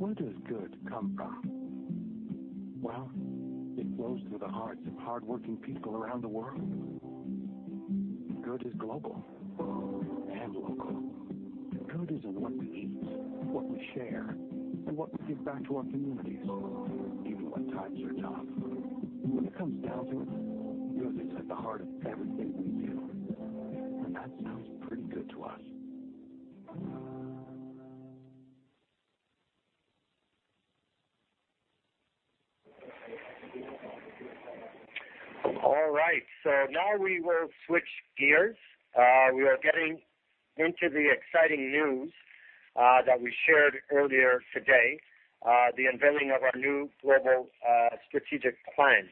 Where does good come from? Well, it flows through the hearts of hardworking people around the world. Good is global and local. Good is in what we eat, what we share, and what we give back to our communities, even when times are tough. When it comes down to it, good is at the heart of everything we do. That sounds pretty good to us. All right, now we will switch gears. We are getting into the exciting news that we shared earlier today, the unveiling of our new Global Strategic Plan.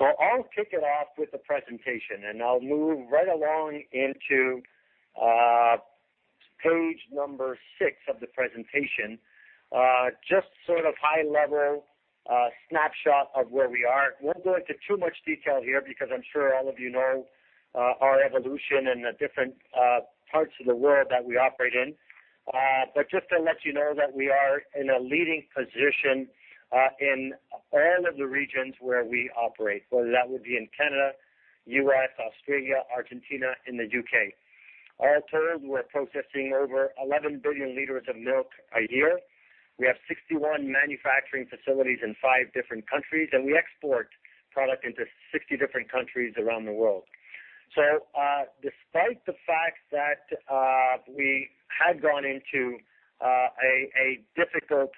I'll kick it off with the presentation, and I'll move right along into page number six of the presentation. Just sort of high-level snapshot of where we are. Won't go into too much detail here because I'm sure all of you know our evolution and the different parts of the world that we operate in. Just to let you know that we are in a leading position in all of the regions where we operate, whether that would be in Canada, U.S., Australia, Argentina, and the U.K. All told, we're processing over 11 billion liters of milk a year. We have 61 manufacturing facilities in five different countries, and we export product into 60 different countries around the world. Despite the fact that we had gone into a difficult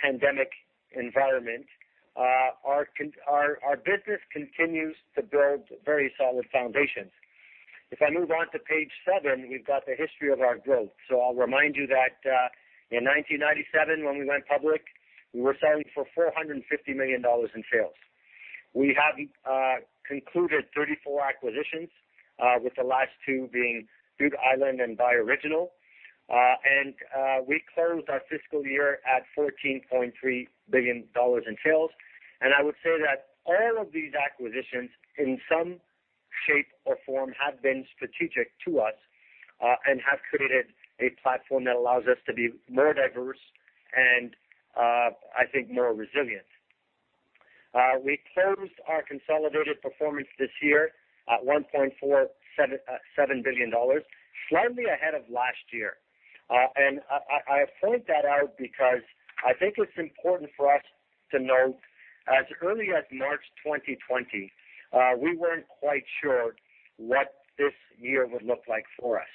pandemic environment, our business continues to build very solid foundations. If I move on to page seven, we've got the history of our growth. I'll remind you that in 1997 when we went public, we were selling for 450 million dollars in sales. We have concluded 34 acquisitions, with the last two being Bute Island and Bioriginal. We closed our fiscal year at 14.3 billion dollars in sales. I would say that all of these acquisitions, in some shape or form, have been strategic to us and have created a platform that allows us to be more diverse and, I think, more resilient. We closed our consolidated performance this year at 1.47 billion dollars, slightly ahead of last year. I point that out because I think it's important for us to note, as early as March 2020, we weren't quite sure what this year would look like for us.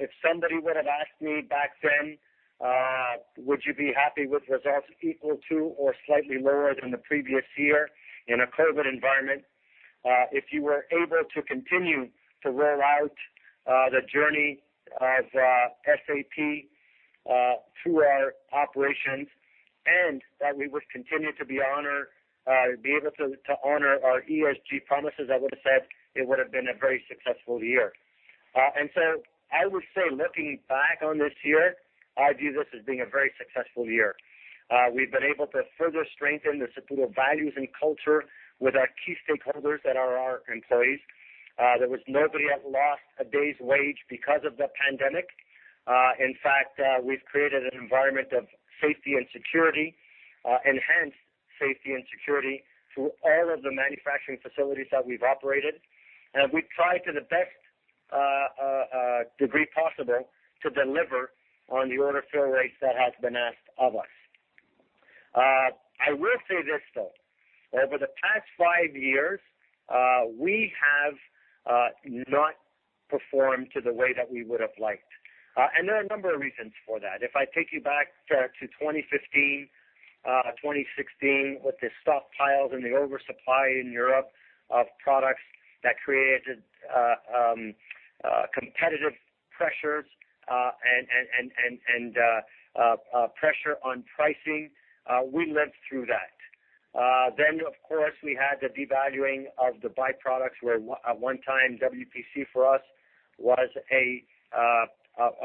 If somebody would have asked me back then, "Would you be happy with results equal to or slightly lower than the previous year in a COVID environment if you were able to continue to roll out the journey of SAP through our operations and that we would continue to be able to honor our ESG promises?" I would've said it would've been a very successful year. I would say, looking back on this year, I view this as being a very successful year. We've been able to further strengthen the Saputo values and culture with our key stakeholders that are our employees. There was nobody that lost a day's wage because of the pandemic. In fact, we've created an environment of safety and security, enhanced safety and security through all of the manufacturing facilities that we've operated. We've tried to the best degree possible to deliver on the order fill rates that has been asked of us. I will say this, though. Over the past five years, we have not performed to the way that we would've liked. There are a number of reasons for that. If I take you back to 2015, 2016, with the stockpiles and the oversupply in Europe of products that created competitive pressures and pressure on pricing, we lived through that. Of course, we had the devaluing of the byproducts, where at one time, WPC for us was a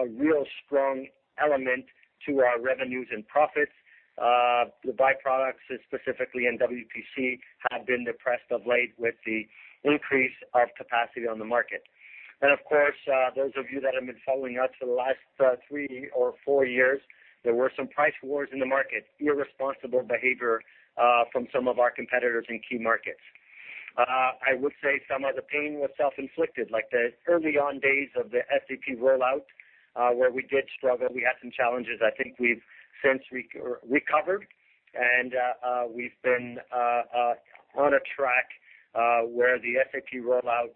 real strong element to our revenues and profits. The byproducts, specifically in WPC, have been depressed of late with the increase of capacity on the market. Of course, those of you that have been following us for the last three or four years, there were some price wars in the market, irresponsible behavior from some of our competitors in key markets. I would say some of the pain was self-inflicted, like the early on days of the SAP rollout, where we did struggle. We had some challenges. I think we've since recovered, and we've been on a track where the SAP rollout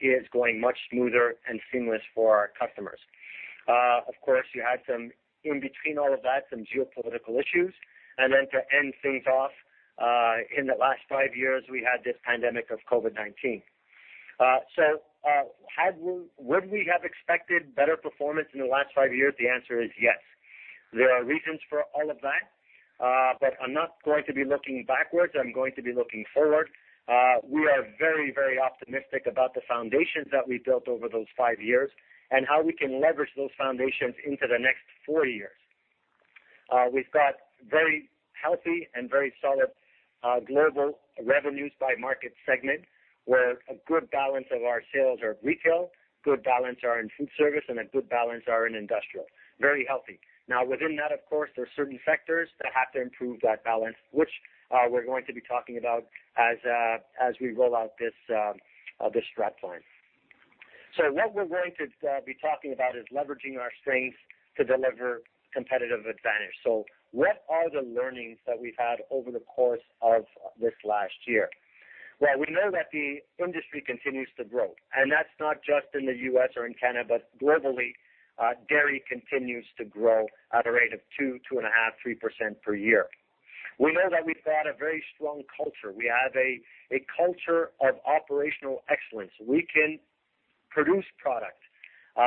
is going much smoother and seamless for our customers. Of course, you add in between all of that some geopolitical issues. To end things off, in the last five years, we had this pandemic of COVID-19. Would we have expected better performance in the last five years? The answer is yes. There are reasons for all of that, but I'm not going to be looking backwards. I'm going to be looking forward. We are very, very optimistic about the foundations that we built over those five years and how we can leverage those foundations into the next four years. We've got very healthy and very solid global revenues by market segment, where a good balance of our sales are retail, good balance are in food service, and a good balance are in industrial. Very healthy. Now, within that, of course, there are certain sectors that have to improve that balance, which we're going to be talking about as we roll out this Global Strategic Plan. What we're going to be talking about is leveraging our strengths to deliver competitive advantage. What are the learnings that we've had over the course of this last year? Well, we know that the industry continues to grow. That's not just in the U.S. or in Canada, but globally, dairy continues to grow at a rate of 2%, 2.5%, 3% per year. We know that we've got a very strong culture. We have a culture of operational excellence. We can produce product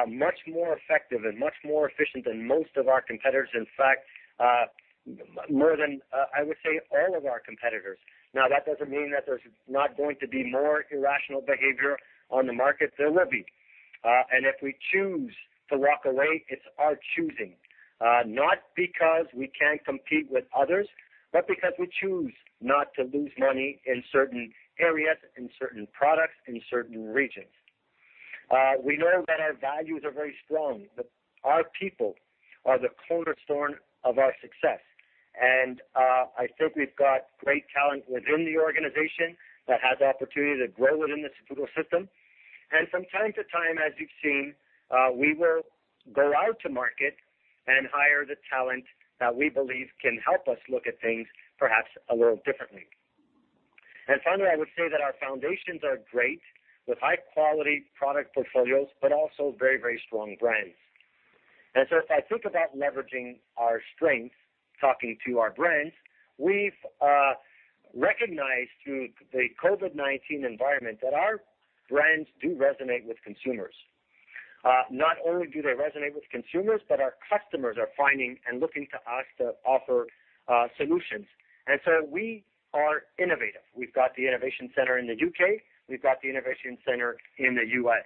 much more effective and much more efficient than most of our competitors. In fact, more than, I would say, all of our competitors. Now, that doesn't mean that there's not going to be more irrational behavior on the market. There will be. If we choose to walk away, it's our choosing. Not because we can't compete with others, because we choose not to lose money in certain areas, in certain products, in certain regions. We know that our values are very strong, but our people are the cornerstone of our success, and I think we've got great talent within the organization that has the opportunity to grow within the Saputo system. From time to time, as you've seen, we will go out to market and hire the talent that we believe can help us look at things perhaps a little differently. Finally, I would say that our foundations are great with high-quality product portfolios, but also very strong brands. As I think about leveraging our strengths, talking to our brands, we've recognized through the COVID-19 environment that our brands do resonate with consumers. Not only do they resonate with consumers, but our customers are finding and looking to us to offer solutions. We are innovative. We've got the innovation center in the U.K., we've got the innovation center in the U.S.,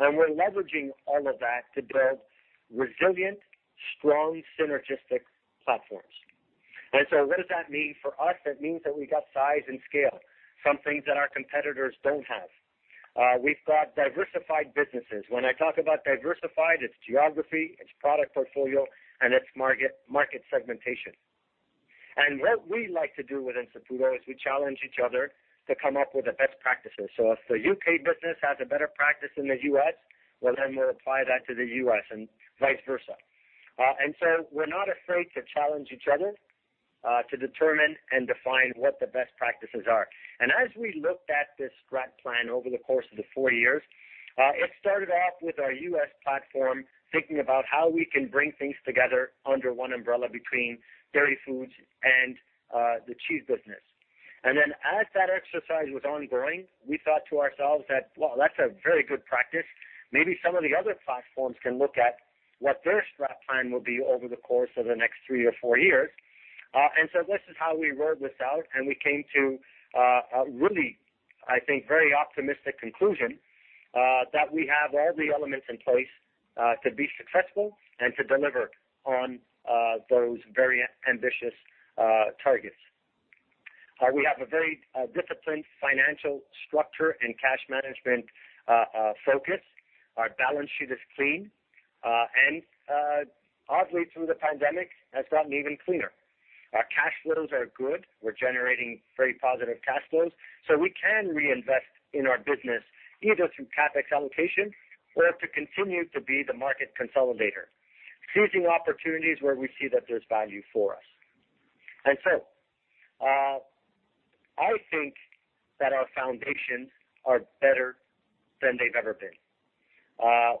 we're leveraging all of that to build resilient, strong, synergistic platforms. What does that mean for us? That means that we got size and scale, something that our competitors don't have. We've got diversified businesses. When I talk about diversified, it's geography, it's product portfolio, and it's market segmentation. What we like to do within Saputo is we challenge each other to come up with the best practices. If the U.K. business has a better practice than the U.S., well, then we'll apply that to the U.S. and vice versa. We're not afraid to challenge each other, to determine and define what the best practices are. As we looked at this STRAT Plan over the course of the four years, it started off with our U.S. platform, thinking about how we can bring things together under One USA between Dairy Foods and the cheese business. Then as that exercise was ongoing, we thought to ourselves that, well, that's a very good practice. Maybe some of the other platforms can look at what their STRAT Plan will be over the course of the next three or four years. This is how we wrote this out, and we came to a really, I think, very optimistic conclusion, that we have all the elements in place to be successful and to deliver on those very ambitious targets. We have a very disciplined financial structure and cash management focus. Our balance sheet is clean, and oddly from the pandemic has gotten even cleaner. Our cash flows are good. We're generating very positive cash flows, so we can reinvest in our business, either through CapEx allocation or to continue to be the market consolidator, seizing opportunities where we see that there's value for us. I think that our foundations are better than they've ever been.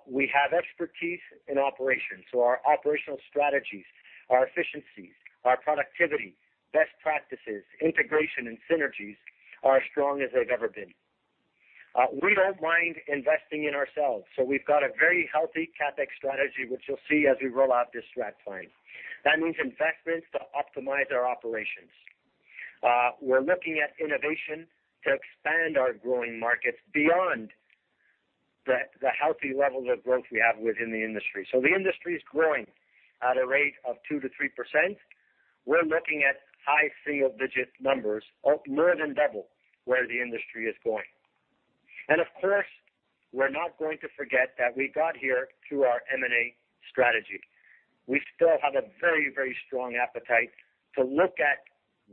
We have expertise in operations. Our operational strategies, our efficiencies, our productivity, best practices, integration, and synergies are as strong as they've ever been. We don't mind investing in ourselves, so we've got a very healthy CapEx strategy, which you'll see as we roll out this STRAT Plan. That means investments to optimize our operations. We're looking at innovation to expand our growing markets beyond the healthy levels of growth we have within the industry. The industry's growing at a rate of 2%-3%. We're looking at high single-digit numbers, more than double where the industry is going. Of course, we're not going to forget that we got here through our M&A strategy. We still have a very strong appetite to look at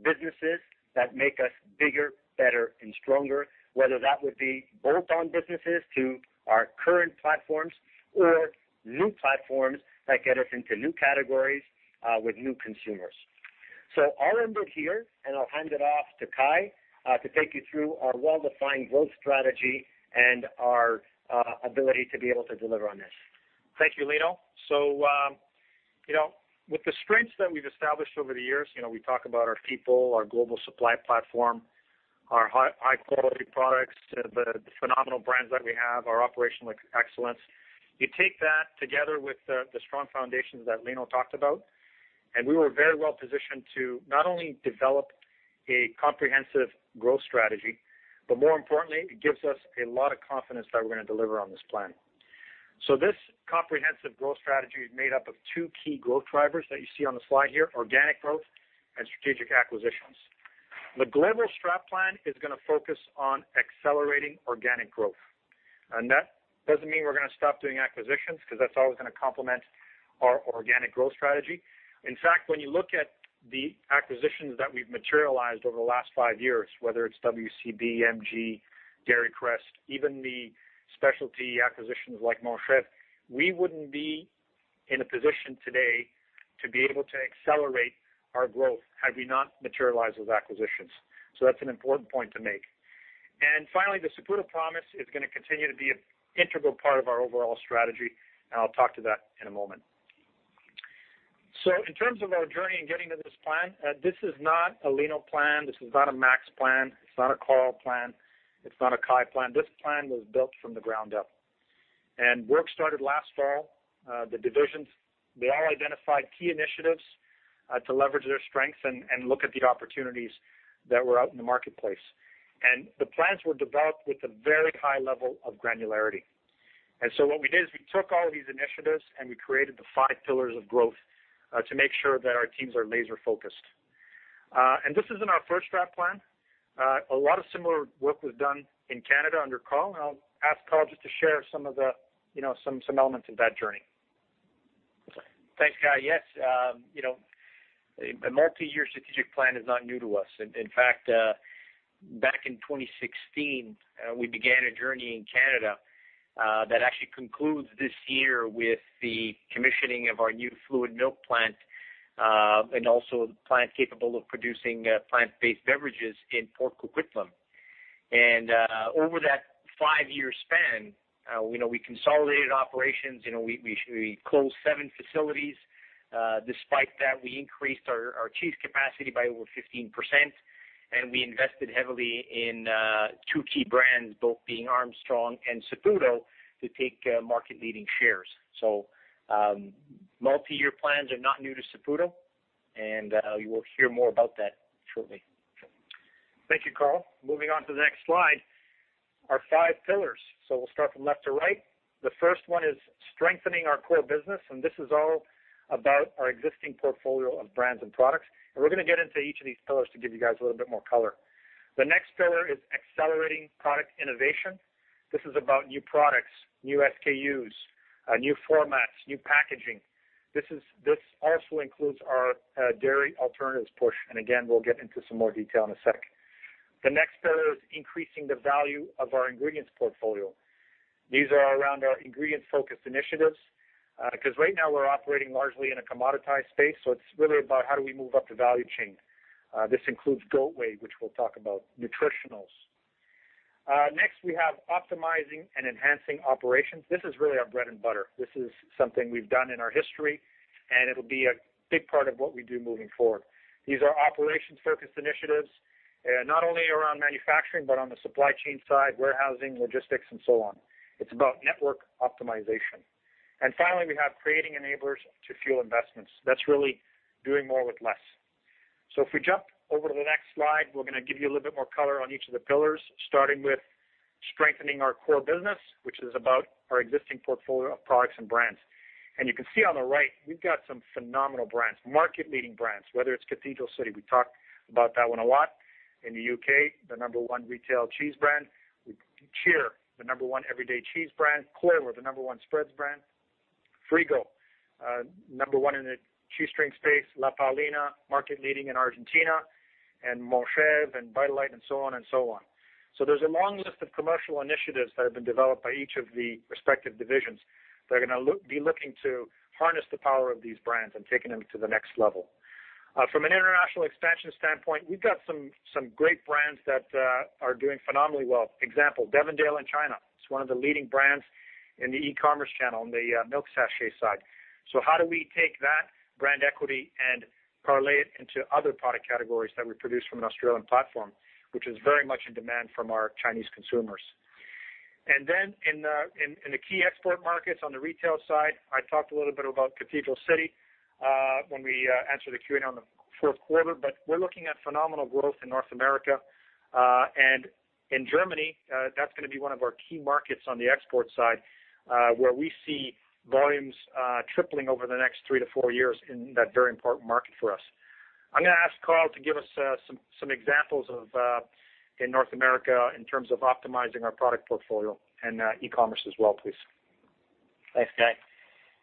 businesses that make us bigger, better, and stronger, whether that would be bolt-on businesses to our current platforms or new platforms that get us into new categories with new consumers. I'll end here, and I'll hand it off to Kai to take you through our well-defined growth strategy and our ability to be able to deliver on this. Thank you, Lino. With the strengths that we've established over the years, we talk about our people, our global supply platform, our high-quality products, the phenomenal brands that we have, our operational excellence. You take that together with the strong foundations that Lino talked about, we were very well positioned to not only develop a comprehensive growth strategy, but more importantly, it gives us a lot of confidence that we're going to deliver on this plan. This comprehensive growth strategy is made up of two key growth drivers that you see on the slide here, organic growth and strategic acquisitions. The Global STRAT Plan is going to focus on accelerating organic growth, that doesn't mean we're going to stop doing acquisitions because that's always going to complement our organic growth strategy. In fact, when you look at the acquisitions that we've materialized over the last five years, whether it's WCB, MG, Dairy Crest, even the specialty acquisitions like Montchevre, we wouldn't be in a position today to be able to accelerate our growth had we not materialized those acquisitions. That's an important point to make. Finally, the Saputo Promise is going to continue to be an integral part of our overall strategy, and I'll talk to that in a moment. In terms of our journey in getting to this plan, this is not a Lino plan. This is not a Max plan. It's not a Carl plan. It's not a Kai plan. This plan was built from the ground up, and work started last fall. The divisions, they all identified key initiatives to leverage their strengths and look at the opportunities that were out in the marketplace. The plans were developed with a very high level of granularity. What we did is we took all these initiatives, we created the five pillars of growth to make sure that our teams are laser-focused. This isn't our first STRAT Plan. A lot of similar work was done in Canada under Carl, and I'll ask Carl just to share some elements of that journey. Thanks, Carl. The multi-year strategic plan is not new to us. In fact, back in 2016, we began a journey in Canada that actually concludes this year with the commissioning of our new fluid milk plant and also a plant capable of producing plant-based beverages in Port Coquitlam. Over that five-year span, we consolidated operations. We closed seven facilities. Despite that, we increased our cheese capacity by over 15%, and we invested heavily in two key brands, both being Armstrong and Saputo, to take market-leading shares. Multi-year plans are not new to Saputo, and you will hear more about that shortly. Thank you, Carl. Moving on to the next slide, our five pillars. We'll start from left to right. The first one is strengthening our core business, and this is all about our existing portfolio of brands and products. We're going to get into each of these pillars to give you guys a little bit more color. The next pillar is accelerating product innovation. This is about new products, new SKUs, new formats, new packaging. This also includes our dairy alternatives portion. Again, we'll get into some more detail in a sec. The next pillar is increasing the value of our ingredients portfolio. These are around our ingredient-focused initiatives, because right now we're operating largely in a commoditized space, so it's really about how do we move up the value chain. This includes goat whey, which we'll talk about nutritionals. Next, we have optimizing and enhancing operations. This is really our bread and butter. This is something we've done in our history, and it'll be a big part of what we do moving forward. These are operation-focused initiatives, not only around manufacturing but on the supply chain side, warehousing, logistics, and so on. It's about network optimization. Finally, we have creating enablers to fuel investments. That's really doing more with less. If we jump over to the next slide, we're going to give you a little bit more color on each of the pillars, starting with strengthening our core business, which is about our existing portfolio of products and brands. You can see on the right, we've got some phenomenal brands, market-leading brands, whether it's Cathedral City, we talk about that one a lot. In the U.K., the number one retail cheese brand. Cheer, the number one everyday cheese brand. Clover, the number one spreads brand. Frigo, number one in the cheese string space. La Paulina, market-leading in Argentina, Montchevre and Vitalite, and so on and so on. There's a long list of commercial initiatives that have been developed by each of the respective divisions that are going to be looking to harness the power of these brands and taking them to the next level. From an international expansion standpoint, we've got some great brands that are doing phenomenally well. Example, Devondale in China. It's one of the leading brands in the e-commerce channel on the milk sachet side. How do we take that brand equity and parlay it into other product categories that we produce from an Australian platform, which is very much in demand from our Chinese consumers? In the key export markets on the retail side, I talked a little bit about Cathedral City when we answered the Q&A on the fourth quarter, but we're looking at phenomenal growth in North America and in Germany. That's going to be one of our key markets on the export side, where we see volumes tripling over the next three to four years in that very important market for us. I'm going to ask Carl to give us some examples in North America in terms of optimizing our product portfolio and e-commerce as well, please. Thanks, Kai.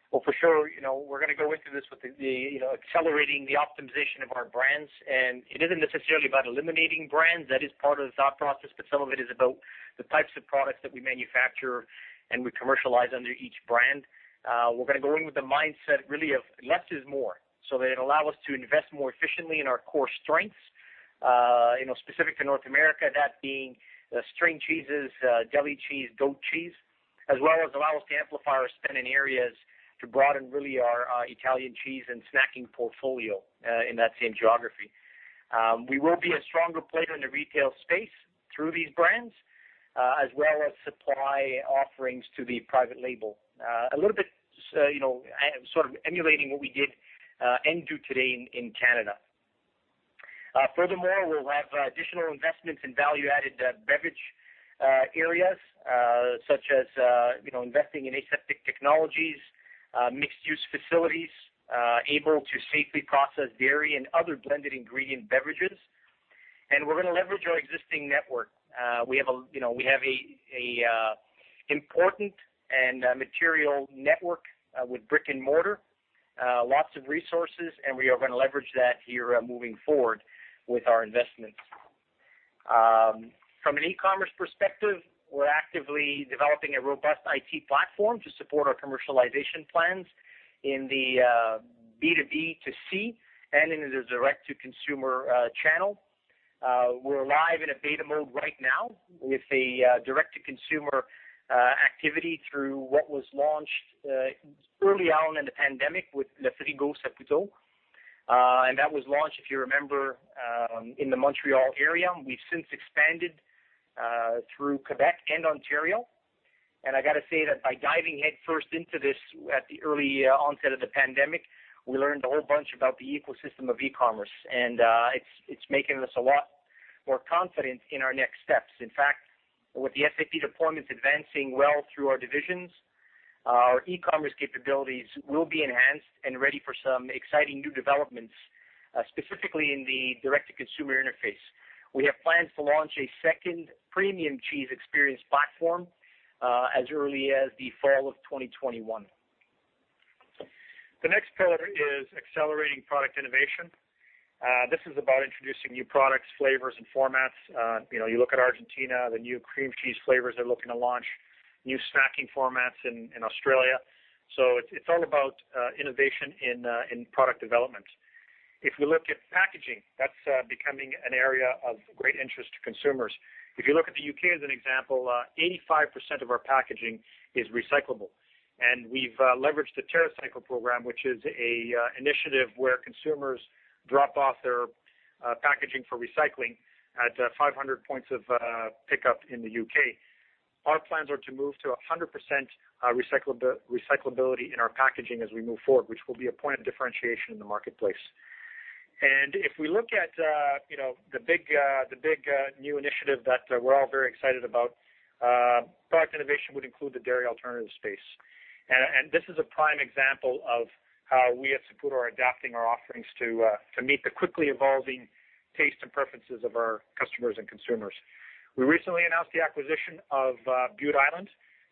Well, for sure, we're going to go into this with accelerating the optimization of our brands, it isn't necessarily about eliminating brands. That is part of the thought process. It's really is about the types of products that we manufacture and we commercialize under each brand. We're going to go in with the mindset really of less is more. It allows us to invest more efficiently in our core strengths. Specific to North America, that being string cheeses, deli cheese, goat cheese, as well as allows us to amplify our spend in areas to broaden really our Italian cheese and snacking portfolio in that same geography. We will be a stronger player in the retail space through these brands, as well as supply offerings to the private label. A little bit sort of emulating what we did and do today in Canada. Furthermore, we'll have additional investments in value-added beverage areas, such as investing in aseptic technologies, mixed-use facilities able to safely process dairy and other blended ingredient beverages. We're going to leverage our existing network. We have an important and material network with brick and mortar, lots of resources, and we are going to leverage that here moving forward with our investments. From an e-commerce perspective, we're actively developing a robust IT platform to support our commercialization plans in the B2B2C and in the direct-to-consumer channel. We're live in a beta mode right now with a direct-to-consumer activity through what was launched early on in the pandemic with Le Frigo de Saputo. That was launched, if you remember, in the Montreal area. We've since expanded through Quebec and Ontario. I got to say that by diving headfirst into this at the early onset of the pandemic, we learned a whole bunch about the ecosystem of e-commerce, and it's making us a lot more confident in our next steps. In fact, with the SAP deployments advancing well through our divisions, our e-commerce capabilities will be enhanced and ready for some exciting new developments. Specifically in the direct-to-consumer interface. We have plans to launch a second premium cheese experience platform as early as the fall of 2021. The next pillar is accelerating product innovation. This is about introducing new products, flavors, and formats. You look at Argentina, the new cream cheese flavors they're looking to launch, new snacking formats in Australia. It's all about innovation in product development. If we looked at packaging, that's becoming an area of great interest to consumers. If you look at the U.K. as an example, 85% of our packaging is recyclable, and we've leveraged the TerraCycle program, which is an initiative where consumers drop off their packaging for recycling at 500 points of pickup in the U.K. Our plans are to move to 100% recyclability in our packaging as we move forward, which will be a point of differentiation in the marketplace. If we look at the big new initiative that we're all very excited about, product innovation would include the dairy alternative space. This is a prime example of how we at Saputo are adapting our offerings to meet the quickly evolving taste and preferences of our customers and consumers. We recently announced the acquisition of Bute Island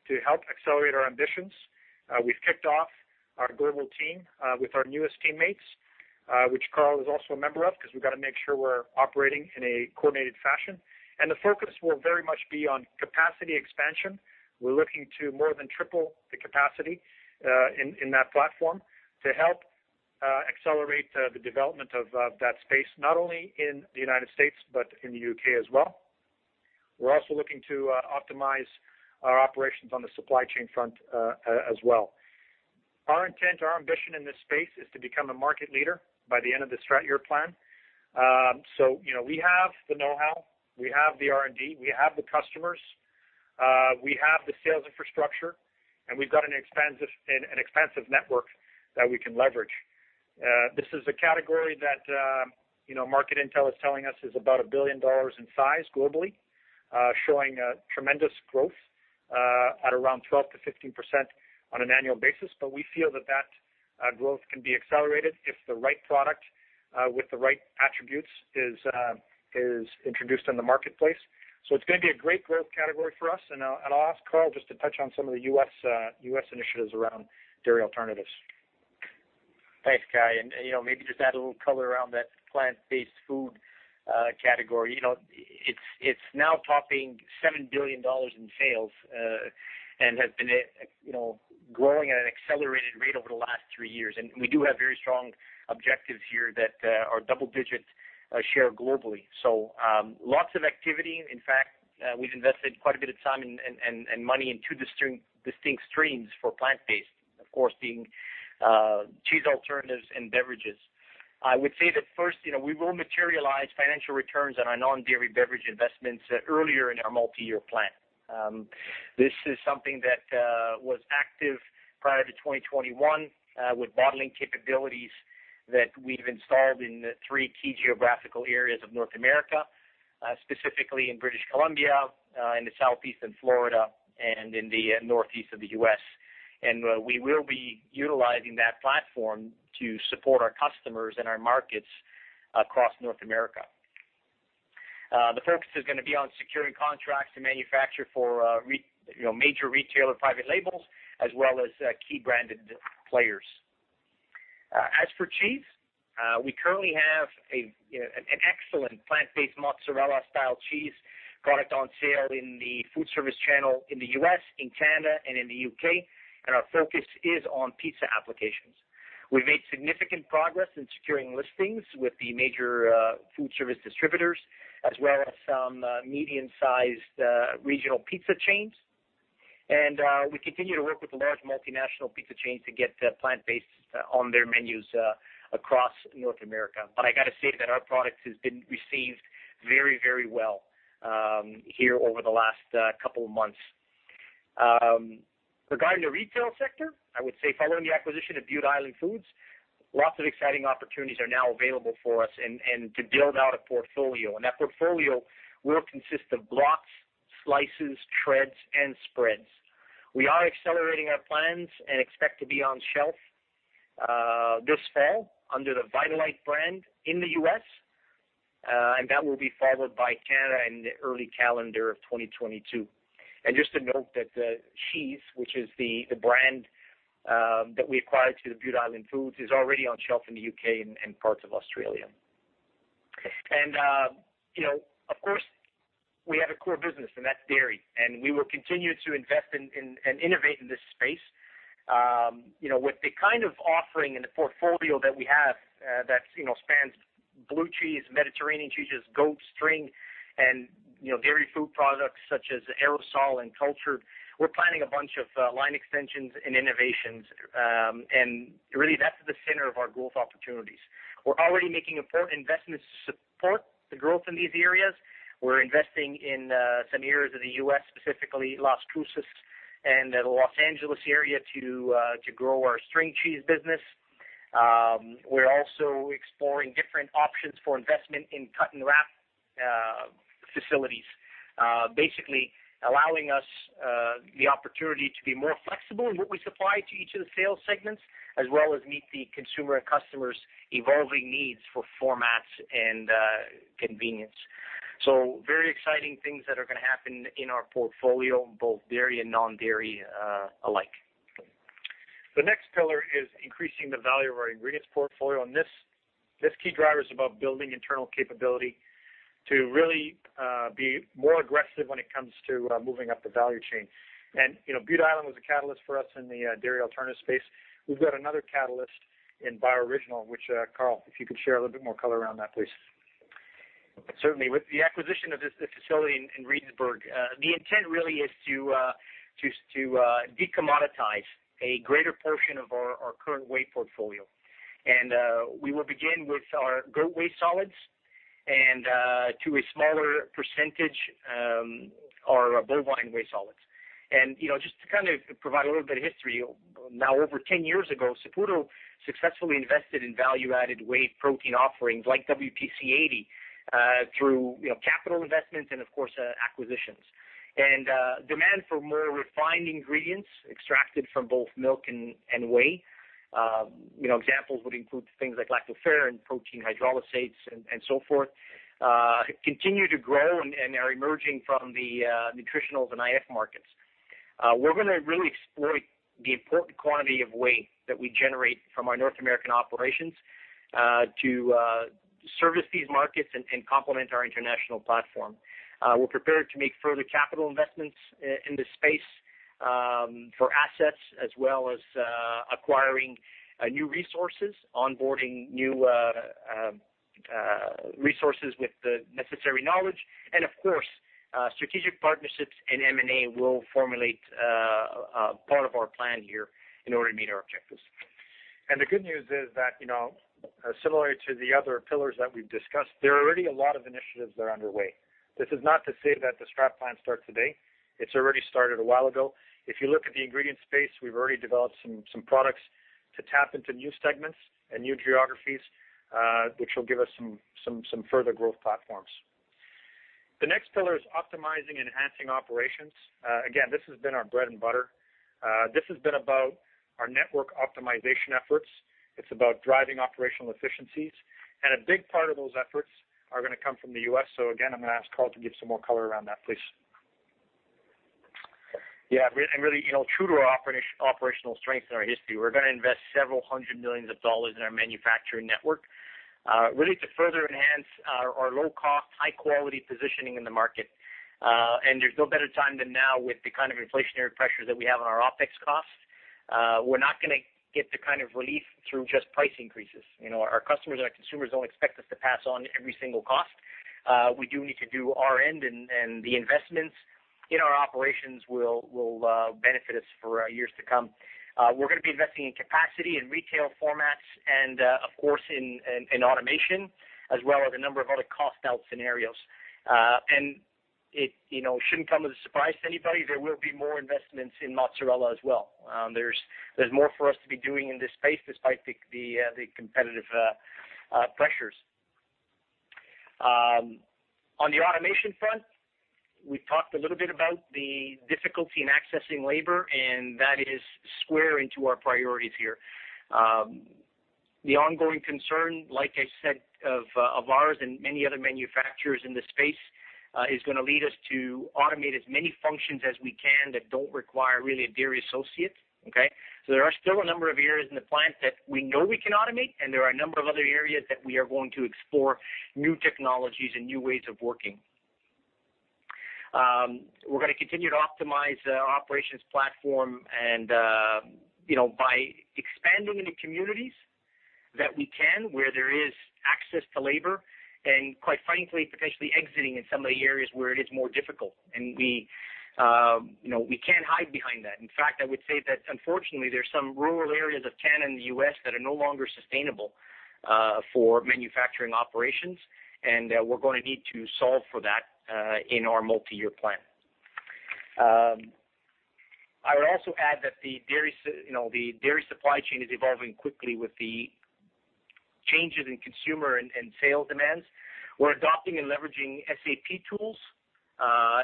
to help accelerate our ambitions. We've kicked off our global team with our newest teammates, which Carl is also a member of, because we've got to make sure we're operating in a coordinated fashion. The focus will very much be on capacity expansion. We're looking to more than triple the capacity in that platform to help accelerate the development of that space, not only in the United States but in the U.K. as well. We're also looking to optimize our operations on the supply chain front as well. Our intent, our ambition in this space is to become a market leader by the end of the Global Strategic Plan. We have the know-how, we have the R&D, we have the customers, we have the sales infrastructure, and we've got an expansive network that we can leverage. This is a category that market intel is telling us is about 1 billion dollars in size globally, showing tremendous growth at around 12%-15% on an annual basis. We feel that that growth can be accelerated if the right product with the right attributes is introduced in the marketplace. It's going to be a great growth category for us, and I'll ask Carl just to touch on some of the U.S. initiatives around dairy alternatives. Thanks Kai. Maybe just add a little color around that plant-based food category. It's now topping 7 billion dollars in sales and has been growing at an accelerated rate over the last three years, and we do have very strong objectives here that are double-digit share globally. Lots of activity. In fact, we've invested quite a bit of time and money in two distinct streams for plant-based, of course, being cheese alternatives and beverages. I would say that first, we will materialize financial returns on our non-dairy beverage investments earlier in our multi-year plan. This is something that was active prior to 2021 with bottling capabilities that we've installed in the three key geographical areas of North America, specifically in British Columbia, in the southeast in Florida, and in the northeast of the U.S. We will be utilizing that platform to support our customers and our markets across North America. The focus is going to be on securing contracts to manufacture for major retail or private labels, as well as key branded players. As for cheese, we currently have an excellent plant-based mozzarella-style cheese product on sale in the food service channel in the U.S., in Canada, and in the U.K., and our focus is on pizza applications. We've made significant progress in securing listings with the major food service distributors as well as some medium-sized regional pizza chains, and we continue to work with a large multinational pizza chain to get plant-based on their menus across North America. I got to say that our product has been received very well here over the last couple of months. Regarding the retail sector, I would say following the acquisition of Bute Island Foods, lots of exciting opportunities are now available for us and to build out a portfolio. That portfolio will consist of blocks, slices, shreds, and spreads. We are accelerating our plans and expect to be on shelf this fall under the Vitalite brand in the U.S., and that will be followed by Canada in the early calendar of 2022. Just to note that Sheese, which is the brand that we acquired through Bute Island Foods, is already on shelf in the U.K. and parts of Australia. Of course, we have a core business, and that's dairy, and we will continue to invest in and innovate in this space. With the kind of offering and the portfolio that we have that spans blue cheese, Mediterranean cheeses, goat, string, and dairy food products such as aseptic and cultured, we're planning a bunch of line extensions and innovations, really, that's at the center of our growth opportunities. We're already making important investments to support the growth in these areas. We're investing in some areas of the U.S., specifically Las Cruces and the Los Angeles area to grow our string cheese business. We're also exploring different options for investment in cut and wrap facilities. Basically allowing us the opportunity to be more flexible in what we supply to each of the sales segments, as well as meet the consumer and customers' evolving needs for formats and convenience. Very exciting things that are going to happen in our portfolio in both dairy and non-dairy alike. The next pillar is increasing the value of our ingredients portfolio, this key driver is about building internal capability to really be more aggressive when it comes to moving up the value chain. Bute Island was a catalyst for us in the dairy alternative space. We've got another catalyst in Bioriginal, which Carl, if you can share a little bit more color around that, please. Certainly, with the acquisition of this facility in Reedsburg, the intent really is to de-commoditize a greater portion of our current whey portfolio. We will begin with our goat whey solids and to a smaller percentage, our bovine whey solids. Just to kind of provide a little bit of history, now over 10 years ago, Saputo successfully invested in value-added whey protein offerings like WPC80, through capital investments and of course, acquisitions. Demand for more refined ingredients extracted from both milk and whey, examples would include things like lactoferrin, protein hydrolysates, and so forth, continue to grow and are emerging from the nutritional and IF markets. We're going to really exploit the important quantity of whey that we generate from our North American operations, to service these markets and complement our international platform. We're prepared to make further capital investments in the space, for assets as well as acquiring new resources, onboarding new resources with the necessary knowledge. Of course, strategic partnerships in M&A will formulate part of our plan here in order to meet our objectives. The good news is that, similar to the other pillars that we've discussed, there are already a lot of initiatives that are underway. This is not to say that the STRAT Plan starts today. It's already started a while ago. If you look at the ingredient space, we've already developed some products to tap into new segments and new geographies, which will give us some further growth platforms. The next pillar is optimizing and enhancing operations. This has been our bread and butter. This has been about our network optimization efforts. It's about driving operational efficiencies. A big part of those efforts are going to come from the U.S., so again, I'm going to ask Carl to give some more color around that, please. Really, true to our operational strength and our history, we're going to invest CAD several hundred million in our manufacturing network, really to further enhance our low-cost, high-quality positioning in the market. There's no better time than now with the kind of inflationary pressure that we have on our OpEx costs. We're not going to get the kind of relief through just price increases. Our customers and our consumers don't expect us to pass on every single cost. We do need to do our end, and the investments in our operations will benefit us for years to come. We're going to be investing in capacity, in retail formats, and of course, in automation, as well as a number of other cost-out scenarios. It shouldn't come as a surprise to anybody, there will be more investments in mozzarella as well. There's more for us to be doing in this space, despite the competitive pressures. On the automation front, we talked a little bit about the difficulty in accessing labor, and that is square into our priorities here. The ongoing concern, like I said, of ours and many other manufacturers in the space, is going to lead us to automate as many functions as we can that don't require really a dairy associate. Okay? There are still a number of areas in the plant that we know we can automate, and there are a number of other areas that we are going to explore new technologies and new ways of working. We're going to continue to optimize our operations platform and by expanding in the communities that we can, where there is access to labor, and quite frankly, potentially exiting in some of the areas where it is more difficult. We can't hide behind that. In fact, I would say that unfortunately, there's some rural areas of Canada and the U.S. that are no longer sustainable for manufacturing operations, and we're going to need to solve for that, in our multi-year plan. I'd also add that the dairy supply chain is evolving quickly with the changes in consumer and sale demands. We're adopting and leveraging SAP tools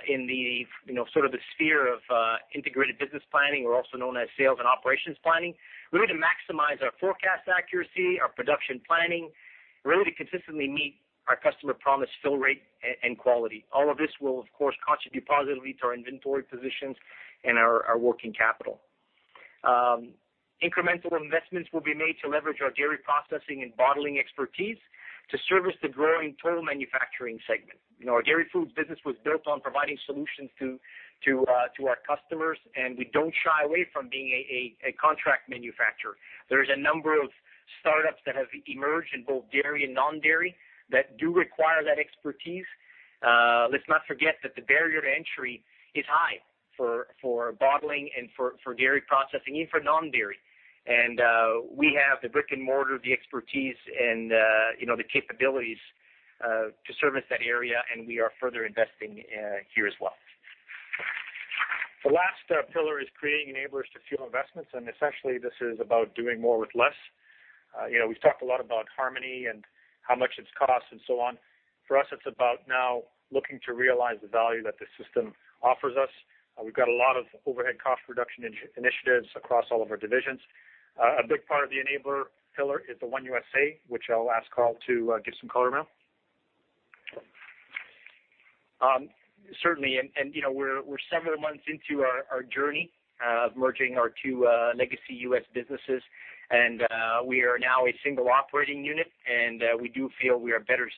in the sphere of integrated business planning, or also known as sales and operations planning. We're going to maximize our forecast accuracy, our production planning, really to consistently meet our customer promise, fill rate, and quality. All of this will, of course, contribute positively to our inventory positions and our working capital. Incremental investments will be made to leverage our dairy processing and bottling expertise to service the growing co-manufacturing segment. Our dairy foods business was built on providing solutions to our customers, and we don't shy away from being a contract manufacturer. There's a number of startups that have emerged in both dairy and non-dairy that do require that expertise. Let's not forget that the barrier to entry is high for bottling and for dairy processing and for non-dairy. We have the brick and mortar, the expertise, and the capabilities to service that area, and we are further investing here as well. The last pillar is creating enablers to fuel investments, essentially this is about doing more with less. We've talked a lot about Harmony and how much it's cost and so on. For us, it's about now looking to realize the value that the system offers us. We've got a lot of overhead cost reduction initiatives across all of our divisions. A big part of the enabler pillar is the One USA, which I'll ask Carl to give some color on. Sure. Certainly, and we're several months into our journey of merging our two legacy U.S. businesses and we are now a single operating unit, and we do feel we are better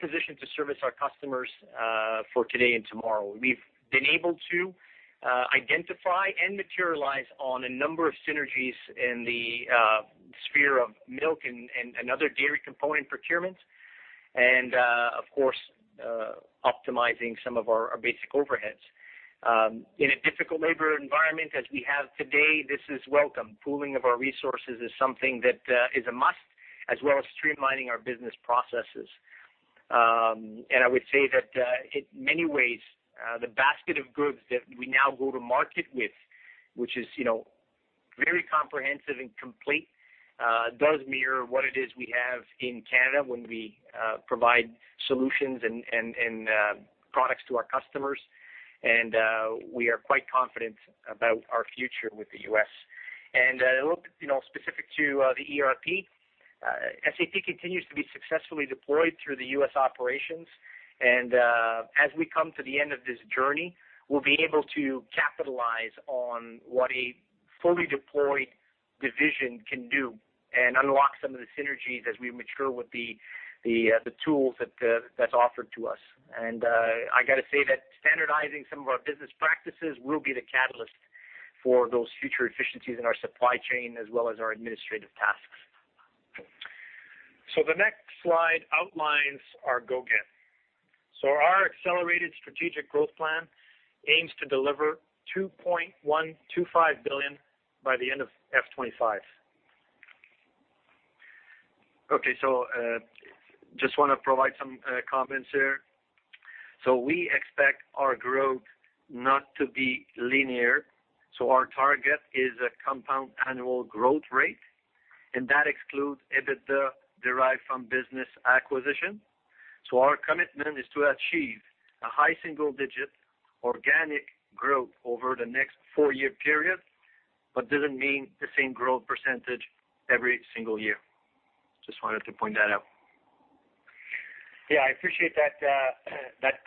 positioned to service our customers for today and tomorrow. We've been able to identify and materialize on a number of synergies in the sphere of milk and other dairy component procurement, and of course, optimizing some of our basic overheads. In a difficult labor environment as we have today, this is welcome. Pooling of our resources is something that is a must, as well as streamlining our business processes. I would say that in many ways, the basket of goods that we now go to market with, which is very comprehensive and complete, does mirror what it is we have in Canada when we provide solutions and products to our customers, and we are quite confident about our future with the U.S. Look, specific to the ERP, SAP continues to be successfully deployed through the U.S. operations, and as we come to the end of this journey, we'll be able to capitalize on what a fully deployed division can do and unlock some of the synergies as we mature with the tools that's offered to us. I got to say that standardizing some of our business practices will be the catalyst for those future efficiencies in our supply chain as well as our administrative tasks. The next slide outlines our Go-Get. Our accelerated strategic growth plan aims to deliver 2.125 billion by the end of FY 2025. Okay. Just want to provide some comments here. We expect our growth not to be linear. Our target is a compound annual growth rate, and that excludes EBITDA derived from business acquisition. Our commitment is to achieve a high single-digit organic growth over the next four-year period, but doesn't mean the same growth percentage every single year. Just wanted to point that out. Yeah, I appreciate that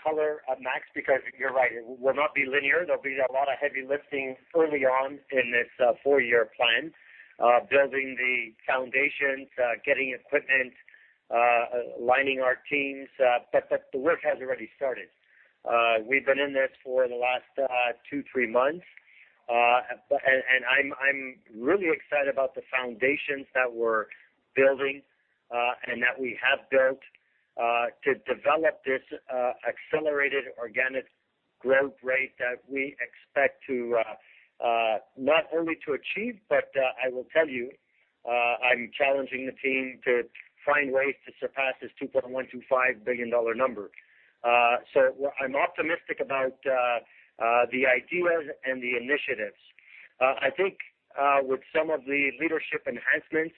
color, Maxime, because you're right. It will not be linear. There'll be a lot of heavy lifting early on in this four-year plan, building the foundations, getting equipment, aligning our teams, but the work has already started. We've been in this for the last two, three months, and I'm really excited about the foundations that we're building and that we have built to develop this accelerated organic growth rate that we expect not only to achieve, but I will tell you, I'm challenging the team to find ways to surpass this 2.125 billion dollar number. I'm optimistic about the ideas and the initiatives. I think with some of the leadership enhancements,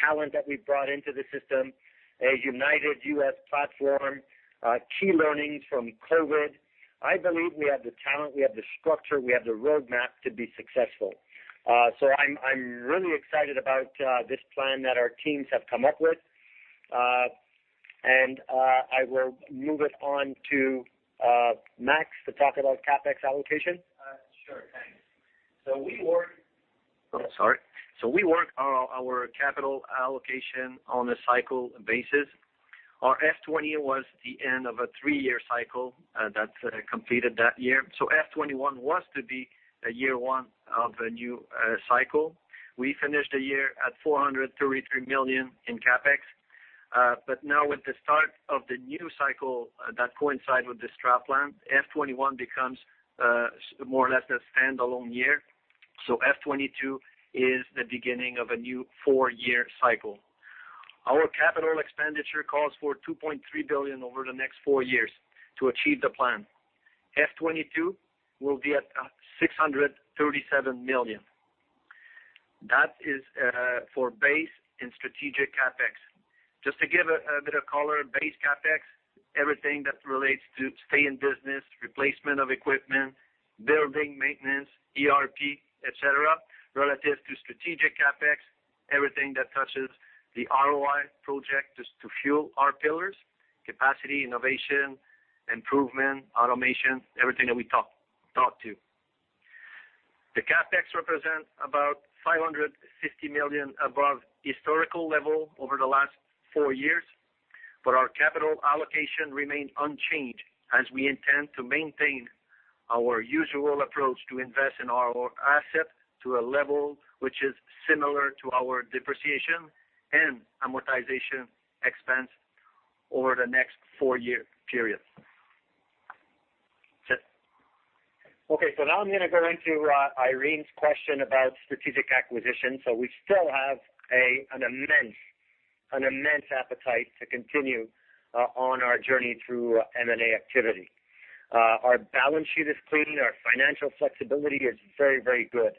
talent that we brought into the system, a united U.S. platform, key learnings from COVID, I believe we have the talent, we have the structure, we have the roadmap to be successful. I'm really excited about this plan that our teams have come up with. I will move it on to Max to talk about CapEx allocation. Sure thing. Sorry. We work our capital allocation on a cycle basis. Our FY 2020 was the end of a three-year cycle that completed that year. FY 2021 was to be the year one of the new cycle. We finished the year at 433 million in CapEx. Now with the start of the new cycle that coincides with the Strategic plan, FY 2021 becomes more or less a standalone year. FY 2022 is the beginning of a new four-year cycle. Our capital expenditure calls for 2.3 billion over the next four years to achieve the plan. FY 2022 will be at 637 million. That is for base and strategic CapEx. Just to give a bit of color, base CapEx, everything that relates to stay in business, replacement of equipment, building maintenance, ERP, et cetera, relative to strategic CapEx, everything that touches the ROI project is to fuel our pillars, capacity, innovation, improvement, automation, everything that we talked to. The CapEx represents about 550 million above historical level over the last four years, but our capital allocation remains unchanged as we intend to maintain our usual approach to invest in our assets to a level which is similar to our depreciation and amortization expense over the next four-year period. Now I'm going to go into Irene's question about strategic acquisition. We still have an immense An immense appetite to continue on our journey through M&A activity. Our balance sheet is clean, our financial flexibility is very good.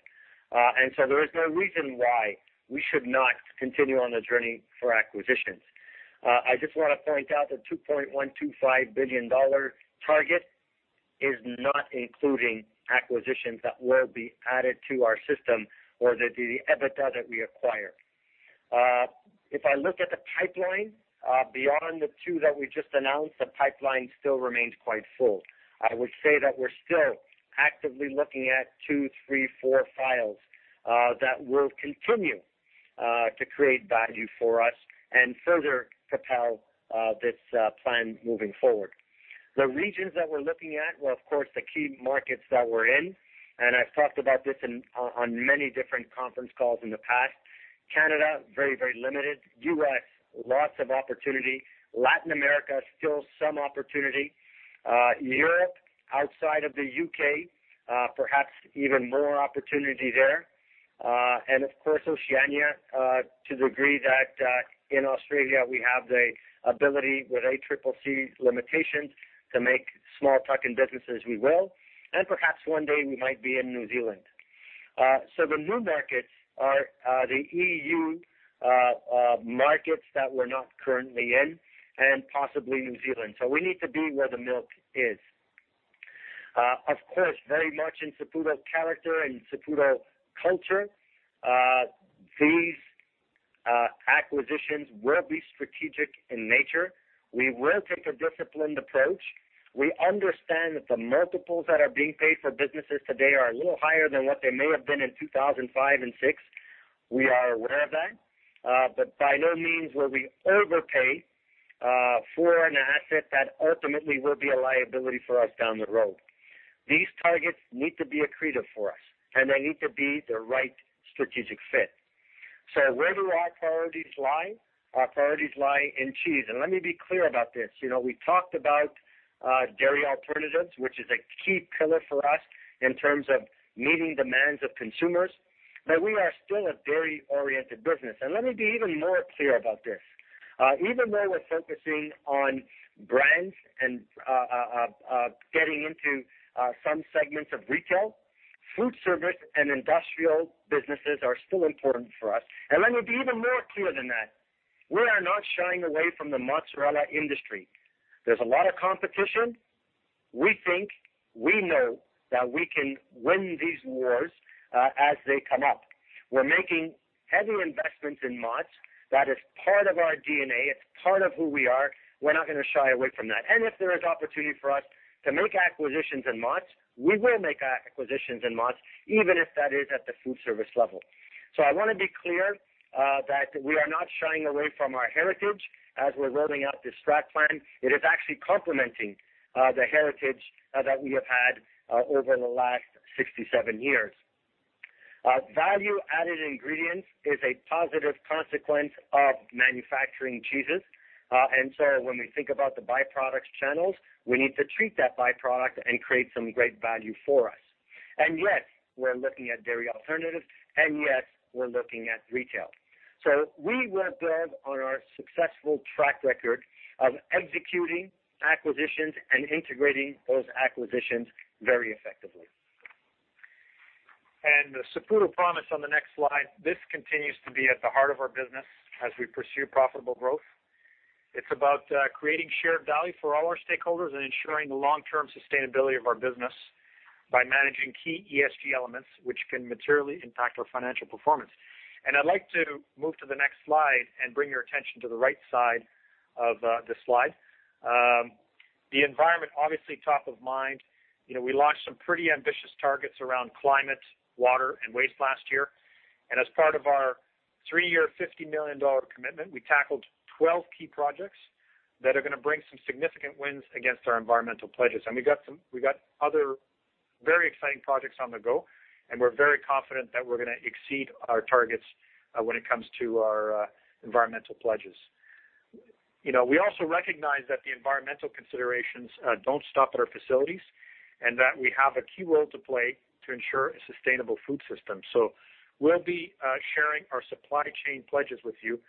There is no reason why we should not continue on the journey for acquisitions. I just want to point out the 2.125 billion dollar target is not including acquisitions that will be added to our system or the EBITDA that we acquire. If I look at the pipeline, beyond the two that we just announced, the pipeline still remains quite full. I would say that we're still actively looking at two, three, four files that will continue to create value for us and further propel this plan moving forward. The regions that we're looking at were, of course, the key markets that we're in, I've talked about this on many different conference calls in the past. Canada, very limited. U.S., lots of opportunity. Latin America, still some opportunity. Europe, outside of the U.K., perhaps even more opportunity there. Of course, Oceania, to the degree that in Australia we have the ability with ACCC limitations to make small tuck-in businesses we will, and perhaps one day we might be in New Zealand. The new markets are the EU markets that we're not currently in and possibly New Zealand. We need to be where the milk is. Of course, very much in Saputo character and Saputo culture, these acquisitions will be strategic in nature. We will take a disciplined approach. We understand that the multiples that are being paid for businesses today are a little higher than what they may have been in 2005 and 2006. We are aware of that. By no means will we overpay for an asset that ultimately will be a liability for us down the road. These targets need to be accretive for us, and they need to be the right strategic fit. Where do our priorities lie? Our priorities lie in cheese. Let me be clear about this. We talked about dairy alternatives, which is a key pillar for us in terms of meeting demands of consumers, but we are still a dairy-oriented business. Let me be even more clear about this. Even though we're focusing on brands and getting into some segments of retail, food service and industrial businesses are still important for us. Let me be even more clear than that. We are not shying away from the mozzarella industry. There's a lot of competition. We think we know that we can win these wars as they come up. We're making heavy investments in mozz. That is part of our DNA. It's part of who we are. We're not going to shy away from that. If there is opportunity for us to make acquisitions in mozz, we will make acquisitions in mozz, even if that is at the food service level. I want to be clear that we are not shying away from our heritage as we're rolling out the STRAT Plan. It is actually complementing the heritage that we have had over the last 67 years. Value-added ingredients is a positive consequence of manufacturing cheeses. When we think about the byproducts channels, we need to treat that byproduct and create some great value for us. Yes, we're looking at dairy alternatives, and yes, we're looking at retail. We will build on our successful track record of executing acquisitions and integrating those acquisitions very effectively. The Saputo Promise on the next slide, this continues to be at the heart of our business as we pursue profitable growth. It's about creating shared value for all our stakeholders and ensuring the long-term sustainability of our business by managing key ESG elements, which can materially impact our financial performance. I'd like to move to the next slide and bring your attention to the right side of the slide. The environment, obviously top of mind. We launched some pretty ambitious targets around climate, water, and waste last year. As part of our three-year, 50 million dollar commitment, we tackled 12 key projects that are going to bring some significant wins against our environmental pledges. We got other very exciting projects on the go, and we're very confident that we're going to exceed our targets when it comes to our environmental pledges. We also recognize that the environmental considerations don't stop at our facilities and that we have a key role to play to ensure a sustainable food system. We'll be sharing our supply chain pledges with you,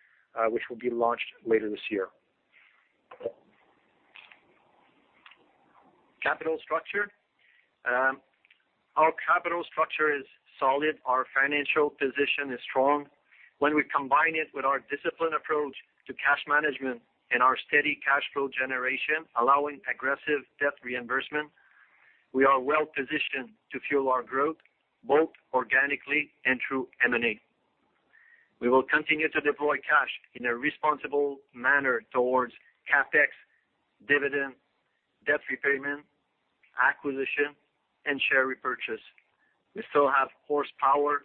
which will be launched later this year. Capital structure. Our capital structure is solid. Our financial position is strong. When we combine it with our disciplined approach to cash management and our steady cash flow generation, allowing aggressive debt reimbursement, we are well-positioned to fuel our growth, both organically and through M&A. We will continue to deploy cash in a responsible manner towards CapEx, dividends, debt repayment, acquisition, and share repurchase. We still have horsepower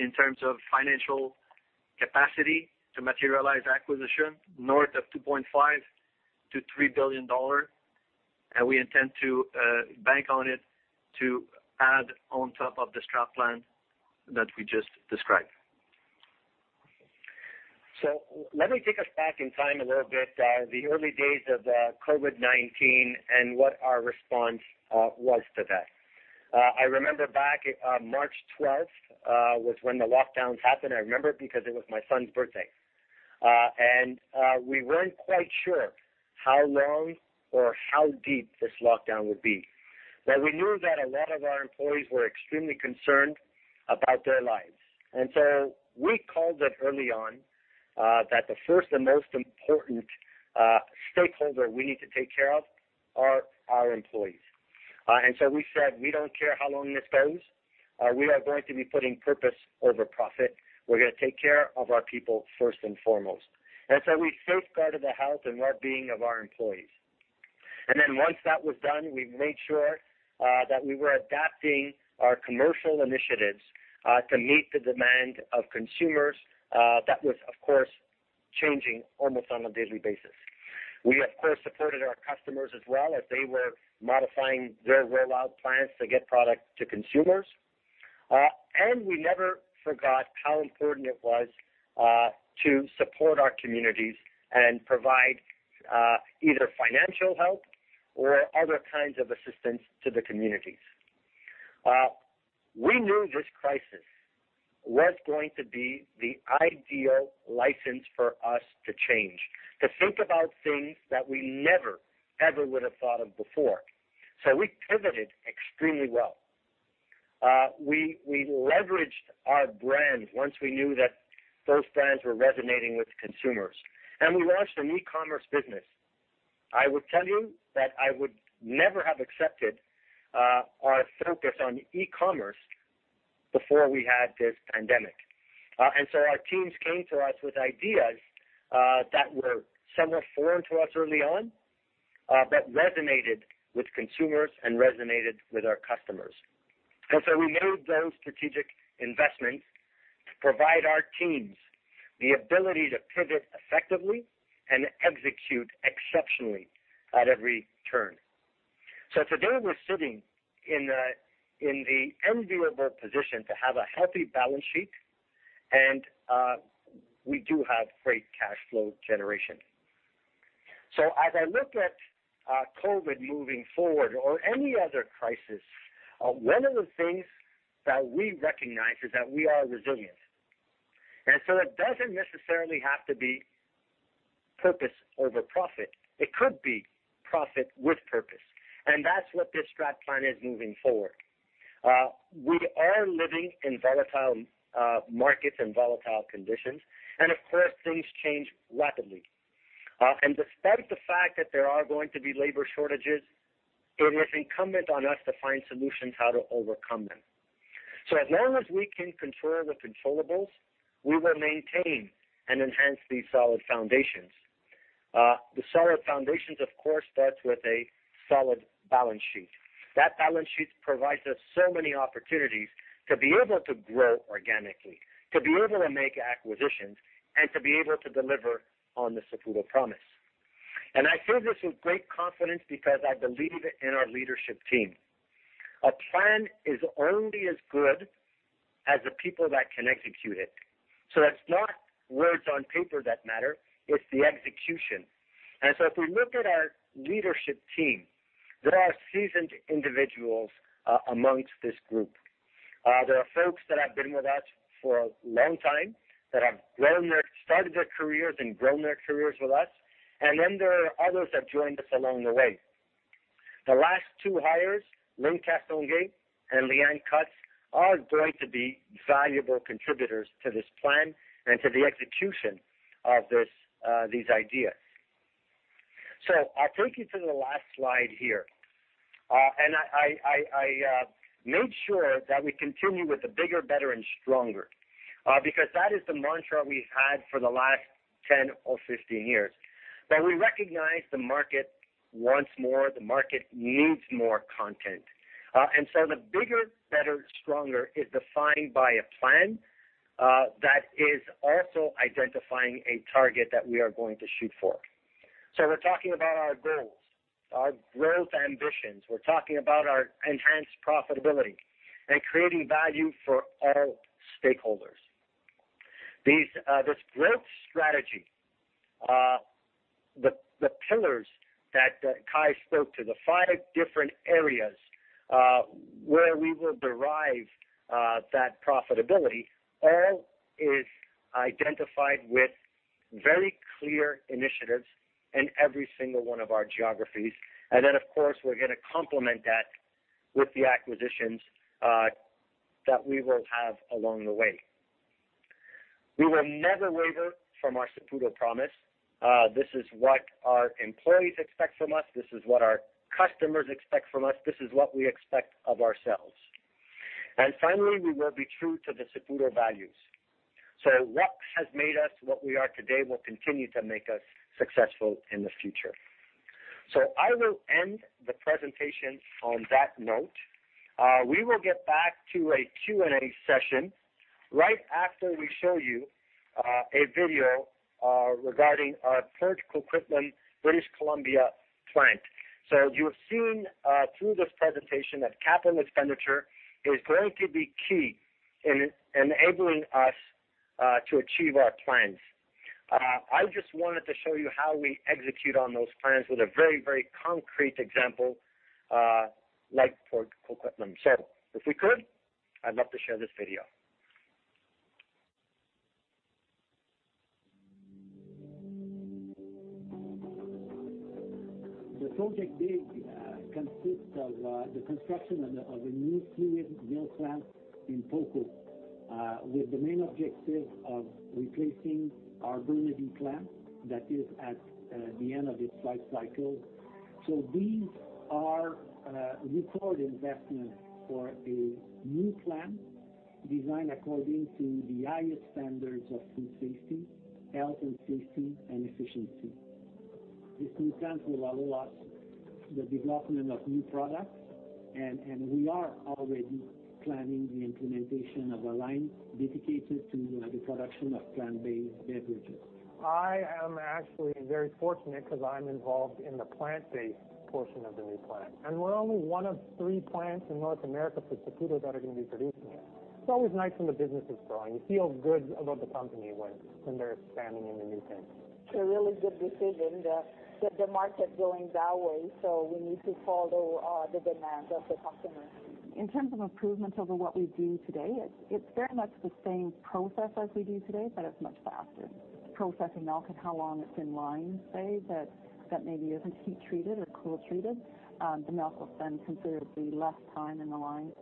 in terms of financial capacity to materialize acquisition north of 2.5 billion-3 billion dollars, and we intend to bank on it to add on top of the Strategic plan that we just described. Let me take us back in time a little bit, the early days of COVID-19 and what our response was to that. I remember back March 12th was when the lockdowns happened. I remember because it was my son's birthday. We weren't quite sure how long or how deep this lockdown would be, but we knew that a lot of our employees were extremely concerned about their lives. We called it early on that the first and most important stakeholder we need to take care of are our employees. We said, "We don't care how long this goes. We are going to be putting purpose over profit. We're going to take care of our people first and foremost." We safeguarded the health and well-being of our employees. Once that was done, we made sure that we were adapting our commercial initiatives to meet the demand of consumers that was, of course, changing almost on a daily basis. We, of course, supported our customers as well as they were modifying their warehouse plans to get product to consumers. We never forgot how important it was to support our communities and provide either financial help or other kinds of assistance to the communities. We knew this crisis was going to be the ideal license for us to change, to think about things that we never, ever would have thought of before. We pivoted extremely well. We leveraged our brand once we knew that those brands were resonating with consumers, and we launched an e-commerce business. I will tell you that I would never have accepted our focus on e-commerce before we had this pandemic. Our teams came to us with ideas that were somewhat foreign to us early on, that resonated with consumers and resonated with our customers. We made those strategic investments to provide our teams the ability to pivot effectively and execute exceptionally at every turn. Today we're sitting in the enviable position to have a healthy balance sheet, and we do have great cash flow generation. As I look at COVID moving forward or any other crisis, one of the things that we recognize is that we are resilient. It doesn't necessarily have to be purpose over profit. It could be profit with purpose. That's what this draft plan is moving forward. We are living in volatile markets and volatile conditions, and of course, things change rapidly. Despite the fact that there are going to be labor shortages, it is incumbent on us to find solutions how to overcome them. As long as we can control the controllables, we will maintain and enhance these solid foundations. The solid foundations, of course, starts with a solid balance sheet. That balance sheet provides us so many opportunities to be able to grow organically, to be able to make acquisitions, and to be able to deliver on the Saputo Promise. I say this with great confidence because I believe in our leadership team. A plan is only as good as the people that can execute it. It's not words on paper that matter, it's the execution. If we look at our leadership team, there are seasoned individuals amongst this group. There are folks that have been with us for a long time that have started their careers and grown their careers with us, and then there are others that joined us along the way. The last two hires, Lyne Castonguay and Leanne Cutts, are going to be valuable contributors to this plan and to the execution of these ideas. I'll take you to the last slide here. I made sure that we continue with the bigger, better and stronger, because that is the mantra we've had for the last 10 or 15 years. We recognize the market wants more, the market needs more content. The bigger, better, stronger is defined by a plan that is also identifying a target that we are going to shoot for. We're talking about our goals, our growth ambitions. We're talking about our enhanced profitability and creating value for all stakeholders. This growth strategy, the pillars that Kai spoke to, the five different areas where we will derive that profitability, all is identified with very clear initiatives in every single one of our geographies. Of course, we're going to complement that with the acquisitions that we will have along the way. We will never waver from our Saputo Promise. This is what our employees expect from us. This is what our customers expect from us. This is what we expect of ourselves. Finally, we will be true to the Saputo values. What has made us what we are today will continue to make us successful in the future. I will end the presentation on that note. We will get back to a Q&A session right after we show you a video regarding our Port Coquitlam, British Columbia plant. As you're seeing through this presentation that capital expenditure is going to be key in enabling us to achieve our plans. I just wanted to show you how we execute on those plans with a very concrete example like Port Coquitlam Cheddar. If we could, I'd love to share this video. The Project Big consists of the construction of a new fluid milk plant in Port Coquitlam, with the main objective of replacing our existing plant that is at the end of its life cycle. These are record investments for a new plant designed according to the highest standards of food safety, health, and safety and efficiency. This new plant will allow us the development of new products, and we are already planning the implementation of a line dedicated to the production of plant-based beverages. I am actually very fortunate because I'm involved in the plant-based portion of the new plant, and we're only one of three plants in North America for Saputo that are going to be producing it. It's always nice when the business is growing. You feel good about the company when they're expanding into new things. It's a really good decision. The market's going that way. We need to follow the demands of the customers. In terms of improvements over what we do today, it's very much the same process as we do today, but it's much faster. Processing milk and how long it's in line, say that maybe isn't heat treated or cool treated, the milk will spend considerably less time in the line.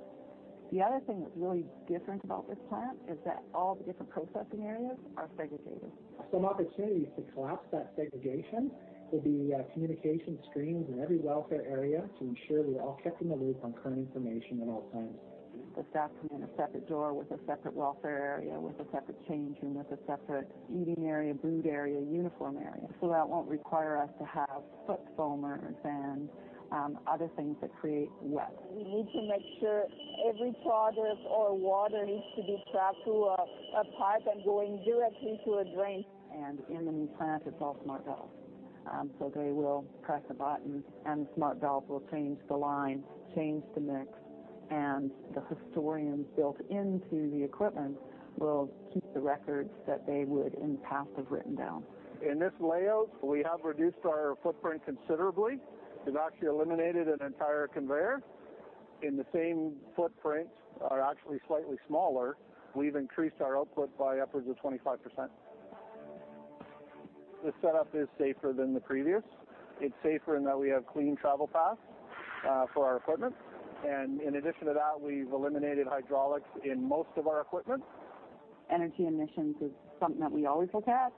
The other thing that's really different about this plant is that all the different processing areas are segregated. Some opportunities to cap that segregation will be communication screens in every welfare area to ensure we're all kept in the loop on current information at all times. The staff come in a separate door with a separate welfare area, with a separate change room, with a separate eating area, boot area, uniform area. That won't require us to have foot foamers and other things that create mess. We need to make sure every product or water needs to be trapped through a pipe and going directly to a drain. In the new plant, it’s all smart valves. They will press a button and the smart valves will change the line, change the mix, and the historians built into the equipment will keep the records that they would in passive written down. In this layout, we have reduced our footprint considerably. We've actually eliminated an entire conveyor. In the same footprint, or actually slightly smaller, we've increased our output by upwards of 25%. This setup is safer than the previous. It's safer in that we have clean travel paths for our equipment. In addition to that, we've eliminated hydraulics in most of our equipment. Energy emissions is something that we always look at.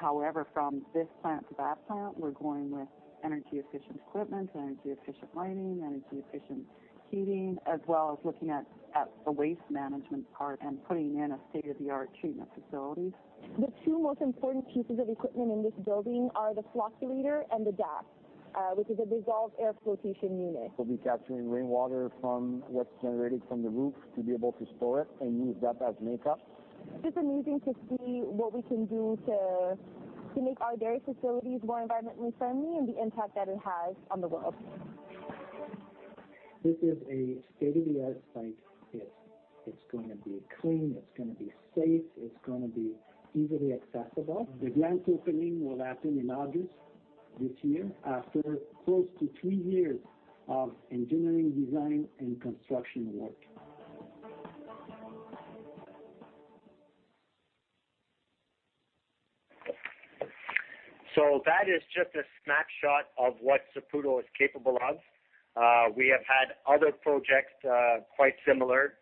However, from this plant to that plant, we are going with energy-efficient equipment, energy-efficient lighting, energy-efficient heating, as well as looking at the waste management part and putting in a state-of-the-art treatment facility. The two most important pieces of equipment in this building are the flocculator and the DAF, which is a dissolved air flotation unit. We'll be capturing rainwater from what's generated from the roof to be able to store it and use that as makeup. It's amazing to see what we can do to make our dairy facilities more environmentally friendly and the impact that it has on the world. This is a state-of-the-art site. It's going to be clean, it's going to be safe, it's going to be easily accessible. The plant opening will happen in August this 2021 after close to three years of engineering, design, and construction work. That is just a snapshot of what Saputo is capable of. We have had other projects quite similar,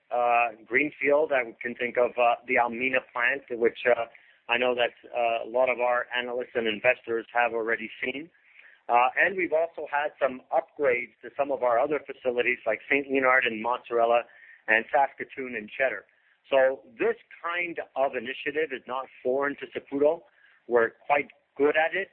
greenfield. I can think of the Almena plant, which I know that a lot of our analysts and investors have already seen. We've also had some upgrades to some of our other facilities, like St. Leonard in mozzarella, and Saskatoon in cheddar. This kind of initiative is not foreign to Saputo. We're quite good at it,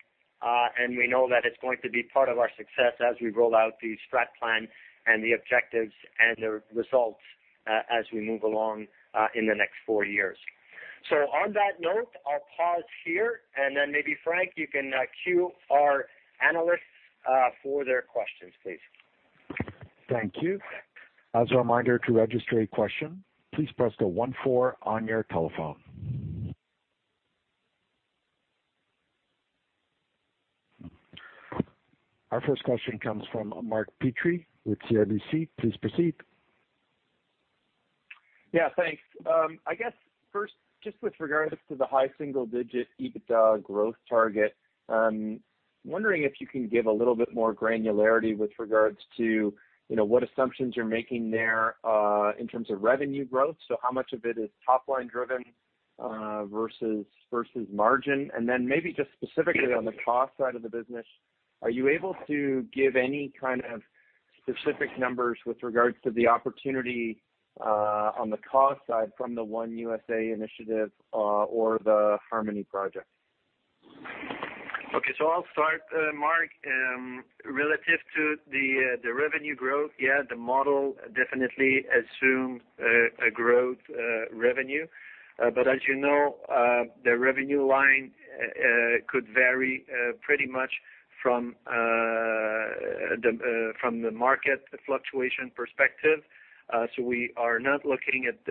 and we know that it's going to be part of our success as we roll out the STRAT Plan and the objectives and the results as we move along in the next four years. On that note, I'll pause here and then maybe, Frank, you can cue our analysts for their questions, please. Thank you. As a reminder, to register a question, please press the one four on your telephone. Our first question comes from Mark Petrie with CIBC. Please proceed. Yeah, thanks. I guess first, just with regards to the high single-digit EBITDA growth target, I'm wondering if you can give a little bit more granularity with regards to what assumptions you're making there in terms of revenue growth. How much of it is top-line driven versus margin? Maybe just specifically on the cost side of the business, are you able to give any kind of specific numbers with regards to the opportunity on the cost side from the One USA initiative or the Harmony project? Okay. I'll start, Mark. Relative to the revenue growth, yeah, the model definitely assumes a growth revenue. As you know, the revenue line could vary pretty much from the market fluctuation perspective, we are not looking at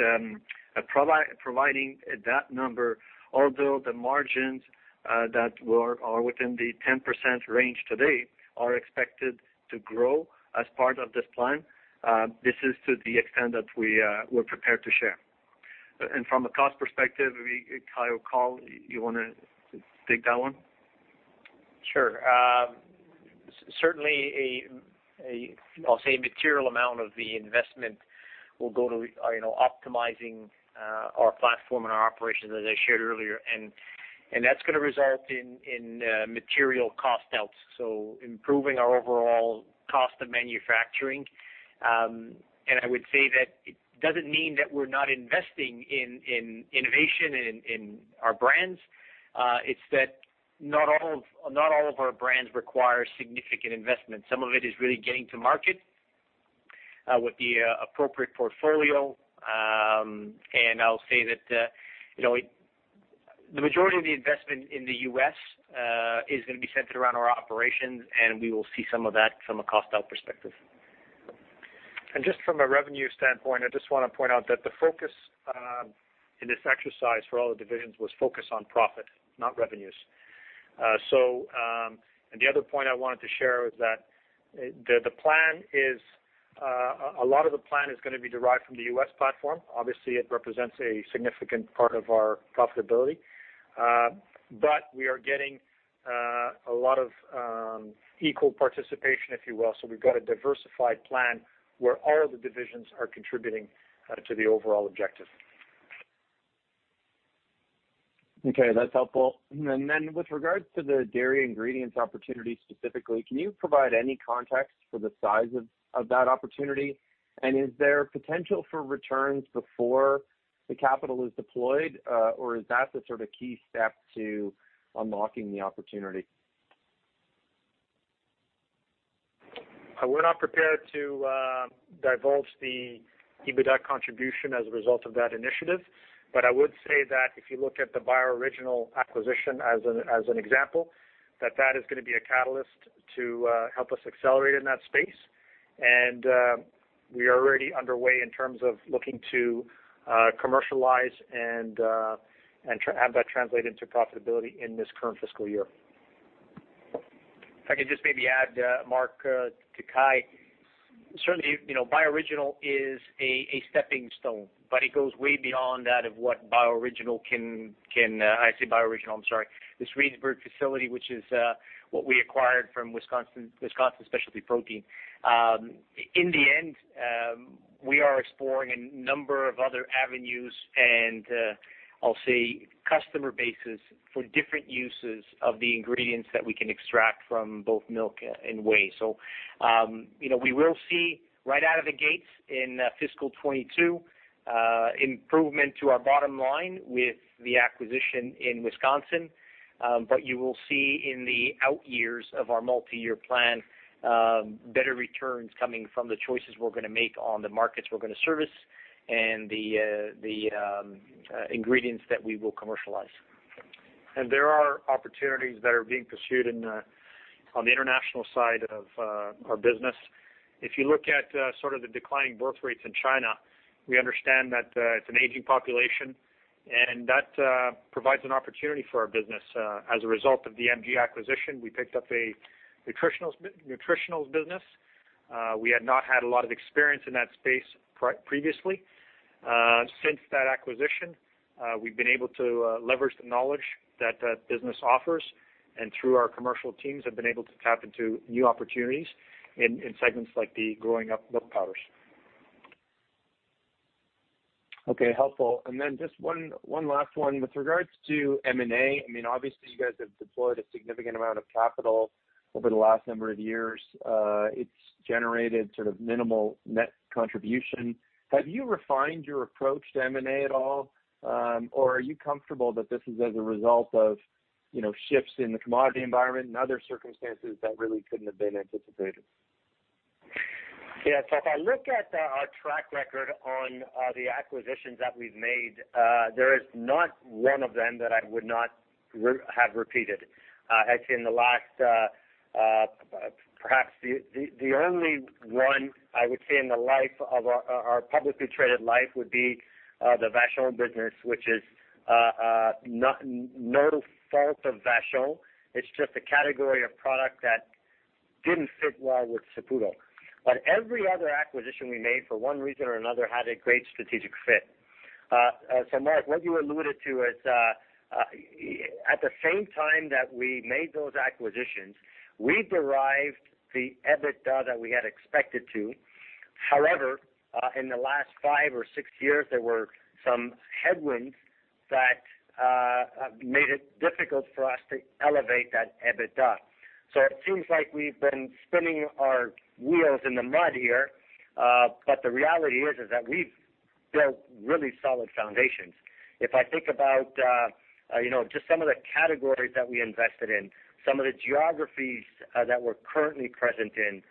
providing that number, although the margins that are within the 10% range today are expected to grow as part of this plan. This is to the extent that we're prepared to share. From a cost perspective, Kai or Carl, you want to take that one? Sure. Certainly, I'll say a material amount of the investment will go to optimizing our platform and our operations, as I shared earlier, that's going to result in material cost outs, so improving our overall cost of manufacturing. I would say that it doesn't mean that we're not investing in innovation in our brands. It's that not all of our brands require significant investment. Some of it is really getting to market with the appropriate portfolio. I'll say that the majority of the investment in the U.S. is going to be centered around our operations, and we will see some of that from a cost out perspective. Just from a revenue standpoint, I just want to point out that the focus in this exercise for all the divisions was focused on profit, not revenues. The other point I wanted to share was that a lot of the plan is going to be derived from the U.S. platform. Obviously, it represents a significant part of our profitability. We are getting a lot of equal participation, if you will. We've got a diversified plan where all the divisions are contributing to the overall objective. Okay, that's helpful. With regards to the dairy ingredients opportunity specifically, can you provide any context for the size of that opportunity? Is there potential for returns before the capital is deployed? Is that the sort of key step to unlocking the opportunity? I would not prepare to divulge the EBITDA contribution as a result of that initiative. I would say that if you look at the Bioriginal acquisition as an example, that that is going to be a catalyst to help us accelerate in that space. We are already underway in terms of looking to commercialize and have that translate into profitability in this current fiscal year. If I can just maybe add, Mark, to Kai. Certainly, Bioriginal is a stepping stone, but it goes way beyond that of what I say Bioriginal, I'm sorry, this Reedsburg facility, which is what we acquired from Wisconsin Specialty Protein. In the end, we are exploring a number of other avenues, and I'll say customer bases for different uses of the ingredients that we can extract from both milk and whey. We will see right out of the gates in fiscal 2022 improvement to our bottom line with the acquisition in Wisconsin. You will see in the out years of our multi-year plan better returns coming from the choices we're going to make on the markets we're going to service and the ingredients that we will commercialize. There are opportunities that are being pursued on the international side of our business. If you look at sort of the declining birth rates in China, we understand that it's an aging population, and that provides an opportunity for our business. As a result of the MG acquisition, we picked up a nutritional business. We had not had a lot of experience in that space previously. Since that acquisition, we've been able to leverage the knowledge that that business offers, and through our commercial teams, have been able to tap into new opportunities in segments like the growing up milk powders. Okay, helpful. Just one last one. With regards to M&A, I mean, obviously, you guys have deployed a significant amount of capital over the last number of years. It's generated sort of minimal net contribution. Have you refined your approach to M&A at all? Are you comfortable that this is as a result of shifts in the commodity environment and other circumstances that really couldn't have been anticipated? Yeah. If I look at our track record on the acquisitions that we've made, there is not one of them that I would not have repeated. I'd say in the last, perhaps the only one I would say in the life of our publicly traded life would be the Vachon business, which is no fault of Vachon. It's just a category of product that didn't fit well with Saputo. Every other acquisition we made for one reason or another, had a great strategic fit. Mark, what you alluded to is at the same time that we made those acquisitions, we derived the EBITDA that we had expected to. However, in the last five or six years, there were some headwinds that made it difficult for us to elevate that EBITDA. It seems like we've been spinning our wheels in the mud here. The reality is that we've built really solid foundations. If I think about just some of the categories that we invested in, some of the geographies that we're currently present in,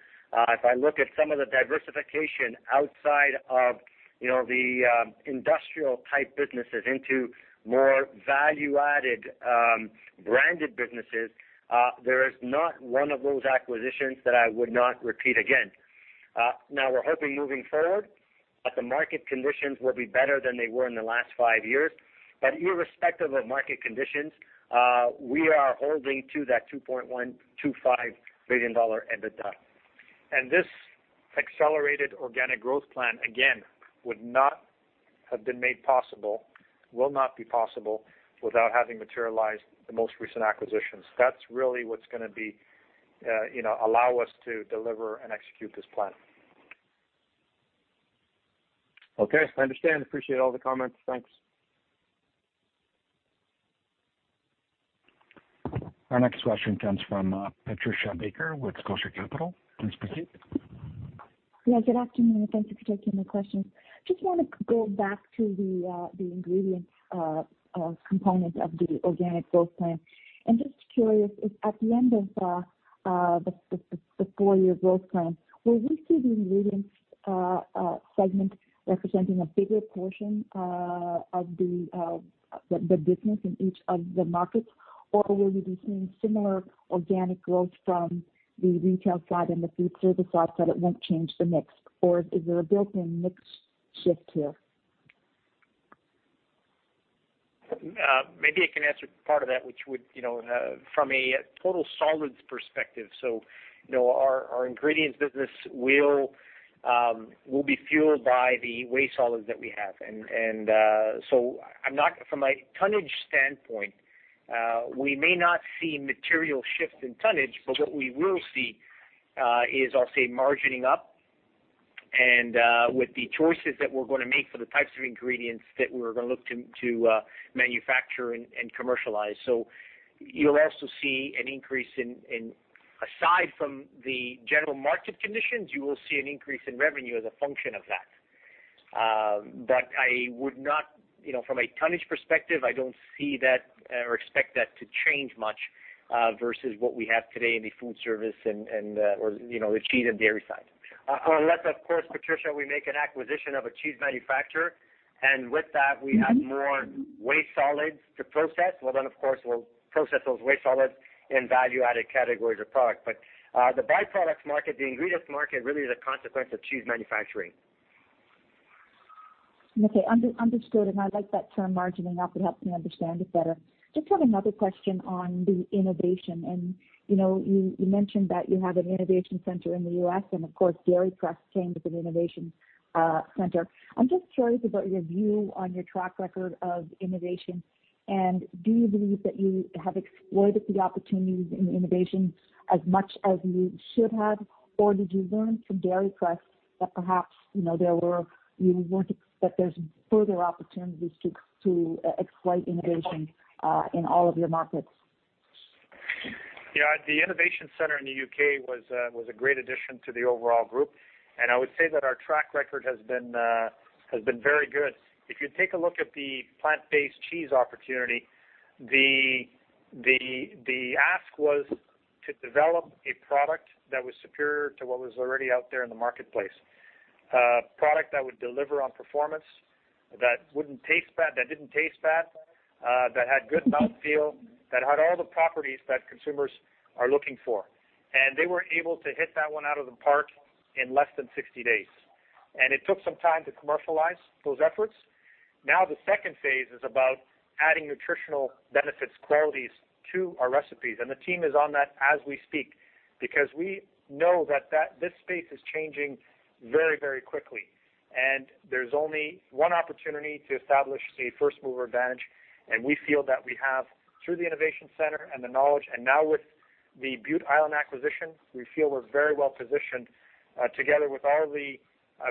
if I look at some of the diversification outside of the industrial type businesses into more value-added branded businesses, there is not one of those acquisitions that I would not repeat again. We're hoping moving forward that the market conditions will be better than they were in the last five years. Irrespective of market conditions, we are holding to that 2.125 billion dollar EBITDA. This accelerated organic growth plan, again, would not have been made possible, will not be possible without having materialized the most recent acquisitions. That's really what's going to allow us to deliver and execute this plan. Okay, I understand. Appreciate all the comments. Thanks. Our next question comes from Patricia Baker with Scotia Capital. Please proceed. Yeah, good afternoon and thank you for taking my questions. Just want to go back to the ingredients component of the organic growth plan. Just curious, at the end of the four-year growth plan, will we see the ingredients segment representing a bigger portion of the business in each of the markets? Or will we be seeing similar organic growth from the retail side and the food service side that it won't change the mix? Or is there a bit of a mix shift here? Maybe I can answer part of that, from a total solids perspective. Our ingredients business will be fueled by the waste solids that we have. From a tonnage standpoint, we may not see material shift in tonnage, but what we will see is, I'll say, margining up and with the choices that we're going to make for the types of ingredients that we're going to look to manufacture and commercialize. You'll also see an increase in, aside from the general market conditions, you will see an increase in revenue as a function of that. From a tonnage perspective, I don't see that or expect that to change much, versus what we have today in the food service and the cheese and dairy side. Unless, of course, Patricia, we make an acquisition of a cheese manufacturer, and with that, we have more waste solids to process. Of course, we'll process those waste solids in value-added categories of product. The by-products market, the ingredients market, really is a consequence of cheese manufacturing. Okay, understood. I like that term margining. That helps me understand it better. Just have another question on the innovation. You mentioned that you have an innovation center in the U.S. and of course, Dairy Crest came with an innovation center. I'm just curious about your view on your track record of innovation, and do you believe that you have exploited the opportunities in innovation as much as you should have? Did you learn from Dairy Crest that perhaps there's further opportunities to exploit innovation in all of your markets? Yeah, the innovation center in the U.K. was a great addition to the overall group, and I would say that our track record has been very good. If you take a look at the plant-based cheese opportunity, the ask was to develop a product that was superior to what was already out there in the marketplace, a product that would deliver on performance, that didn't taste bad, that had good mouthfeel, that had all the properties that consumers are looking for. They were able to hit that one out of the park in less than 60 days. It took some time to commercialize those efforts. Now the second phase is about adding nutritional benefits, qualities to our recipes, and the team is on that as we speak because we know that this space is changing very quickly, and there's only one opportunity to establish a first-mover advantage. We feel that we have, through the innovation center and the knowledge, now with the Bute Island acquisition, we feel we're very well positioned, together with all the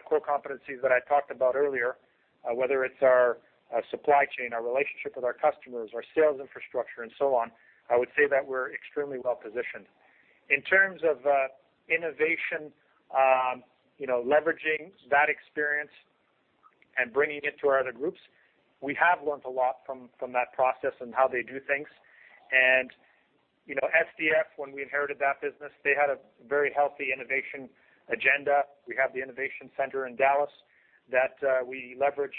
core competencies that I talked about earlier, whether it's our supply chain, our relationship with our customers, our sales infrastructure, and so on. I would say that we're extremely well positioned. In terms of innovation, leveraging that experience and bringing it to our other groups, we have learned a lot from that process and how they do things. SDF, when we inherited that business, they had a very healthy innovation agenda. We have the innovation center in Dallas that we leverage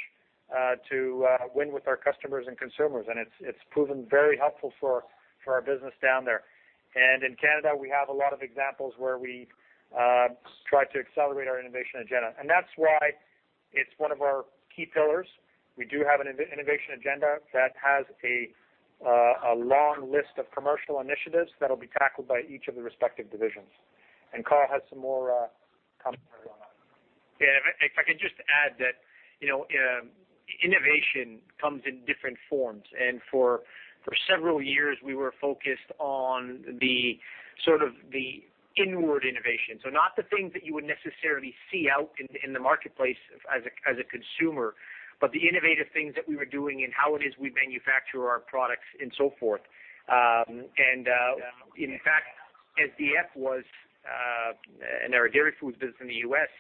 to win with our customers and consumers, and it's proven very helpful for our business down there. In Canada, we have a lot of examples where we try to accelerate our innovation agenda, and that's why it's one of our key pillars. We do have an innovation agenda that has a long list of commercial initiatives that will be tackled by each of the respective divisions. Carl has some more comments on that. If I could just add that innovation comes in different forms, and for several years, we were focused on the inward innovation. Not the things that you would necessarily see out in the marketplace as a consumer, but the innovative things that we were doing in how it is we manufacture our products and so forth. In fact, SDF was, and our dairy foods business in the U.S.,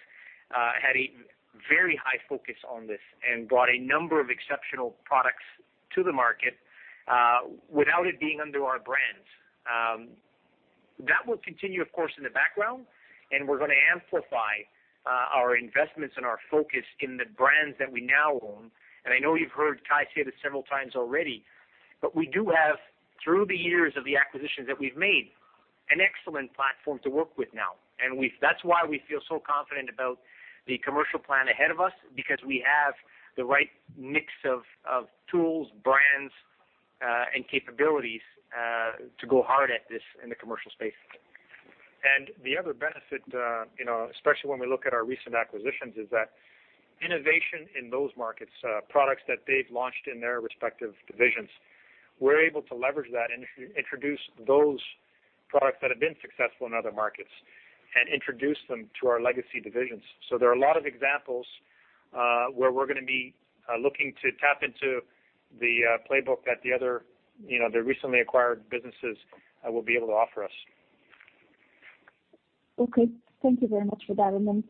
had a very high focus on this and brought a number of exceptional products to the market without it being under our brands. That will continue, of course, in the background, and we are going to amplify our investments and our focus in the brands that we now own. I know you have heard Kai say this several times already. We do have, through the years of the acquisitions that we've made, an excellent platform to work with now. That's why we feel so confident about the commercial plan ahead of us, because we have the right mix of tools, brands, and capabilities to go hard at this in the commercial space. The other benefit, especially when we look at our recent acquisitions, is that innovation in those markets, products that they've launched in their respective divisions, we're able to leverage that and introduce those products that have been successful in other markets and introduce them to our legacy divisions. There are a lot of examples where we're going to be looking to tap into the playbook that the other recently acquired businesses will be able to offer us. Okay. Thank you very much for that. Then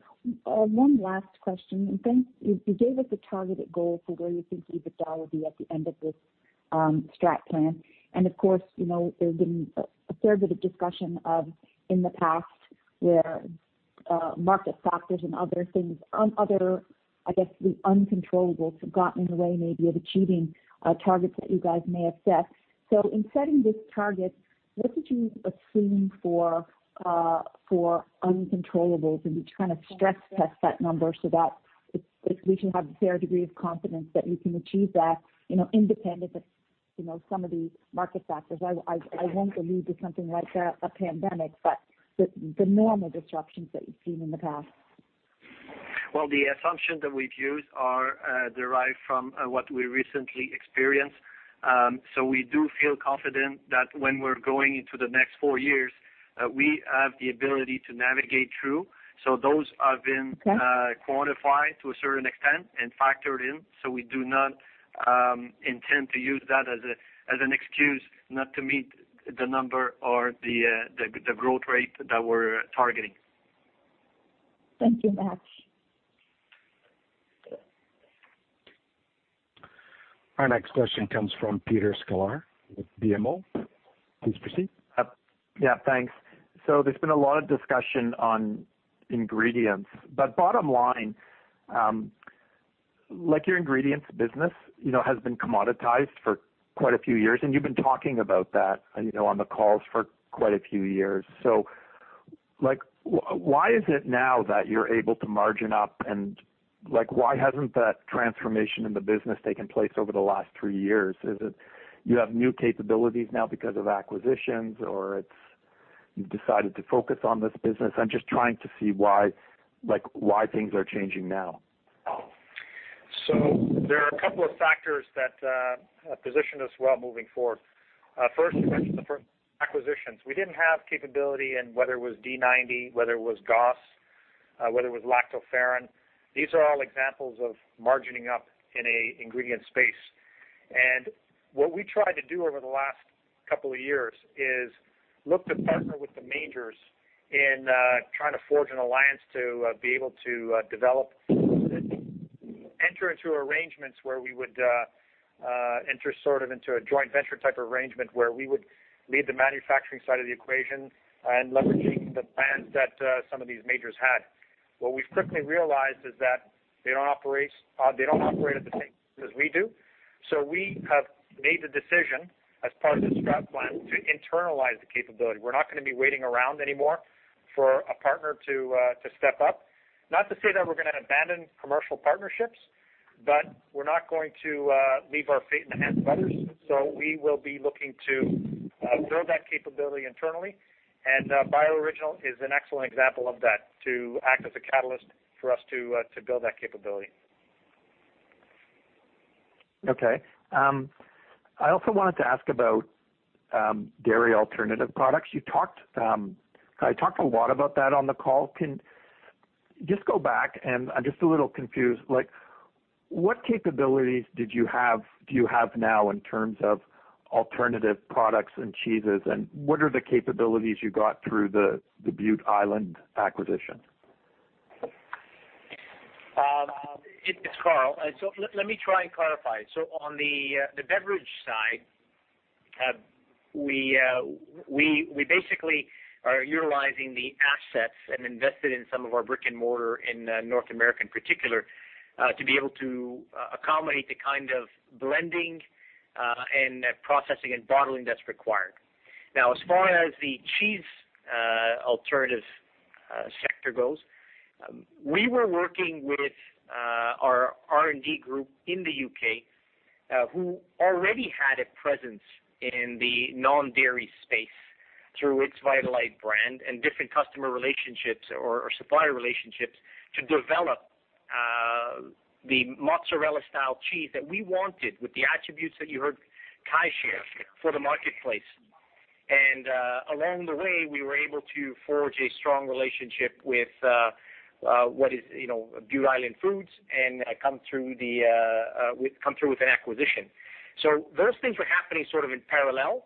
one last question. You gave us a targeted goal for where you think EBITDA will be at the end of this STRAT Plan, and of course, there's been a fair bit of discussion of in the past, where market factors and other things, other, I guess, the uncontrollables have gotten in the way maybe of achieving targets that you guys may have set. In setting this target, what did you assume for uncontrollables when you kind of stress test that number so that we should have a fair degree of confidence that you can achieve that, independent of some of these market factors? I won't allude to something like a pandemic, but the normal disruptions that we've seen in the past. Well, the assumptions that we've used are derived from what we recently experienced. We do feel confident that when we're going into the next four years, we have the ability to navigate through. Those have been quantified to a certain extent and factored in. We do not intend to use that as an excuse not to meet the number or the growth rate that we're targeting. Thank you much. Our next question comes from Peter Sklar with BMO. Please proceed. Yeah, thanks. There's been a lot of discussion on ingredients, but bottom line, your ingredients business has been commoditized for quite a few years, and you've been talking about that on the calls for quite a few years. Why is it now that you're able to margin up, and why hasn't that transformation in the business taken place over the last three years? Is it you have new capabilities now because of acquisitions, or it's you've decided to focus on this business? I'm just trying to see why things are changing now. There are a couple of factors that position us well moving forward. First, you mentioned the acquisitions. We didn't have capability in whether it was D90, whether it was GOS, whether it was lactoferrin. These are all examples of margining up in an ingredient space. What we tried to do over the last couple of years is look to partner with the majors in trying to forge an alliance to be able to develop and enter into arrangements where we would enter sort of into a joint venture type of arrangement where we would lead the manufacturing side of the equation and leveraging the plans that some of these majors had. What we've quickly realized is that they don't operate at the same pace as we do. We have made the decision as part of the STRAT Plan to internalize the capability. We're not going to be waiting around anymore for a partner to step up. Not to say that we're going to abandon commercial partnerships, but we're not going to leave our fate in the hands of others. We will be looking to build that capability internally, and Bioriginal is an excellent example of that to act as a catalyst for us to build that capability. Okay. I also wanted to ask about dairy alternative products. Kai talked a lot about that on the call. Can you just go back, and I'm just a little confused. What capabilities do you have now in terms of alternative products and cheeses, and what are the capabilities you got through the Bute Island acquisition? It's Carl. Let me try and clarify. On the beverage side, we basically are utilizing the assets and invested in some of our brick-and-mortar in North America in particular, to be able to accommodate the kind of blending and processing and bottling that's required. As far as the cheese alternative sector goes, we were working with our R&D group in the U.K., who already had a presence in the non-dairy space through its Vitalite brand and different customer relationships or supplier relationships to develop the mozzarella-style cheese that we wanted with the attributes that you heard Kai share for the marketplace. Along the way, we were able to forge a strong relationship with what is Bute Island Foods and come through with an acquisition. Those things were happening sort of in parallel,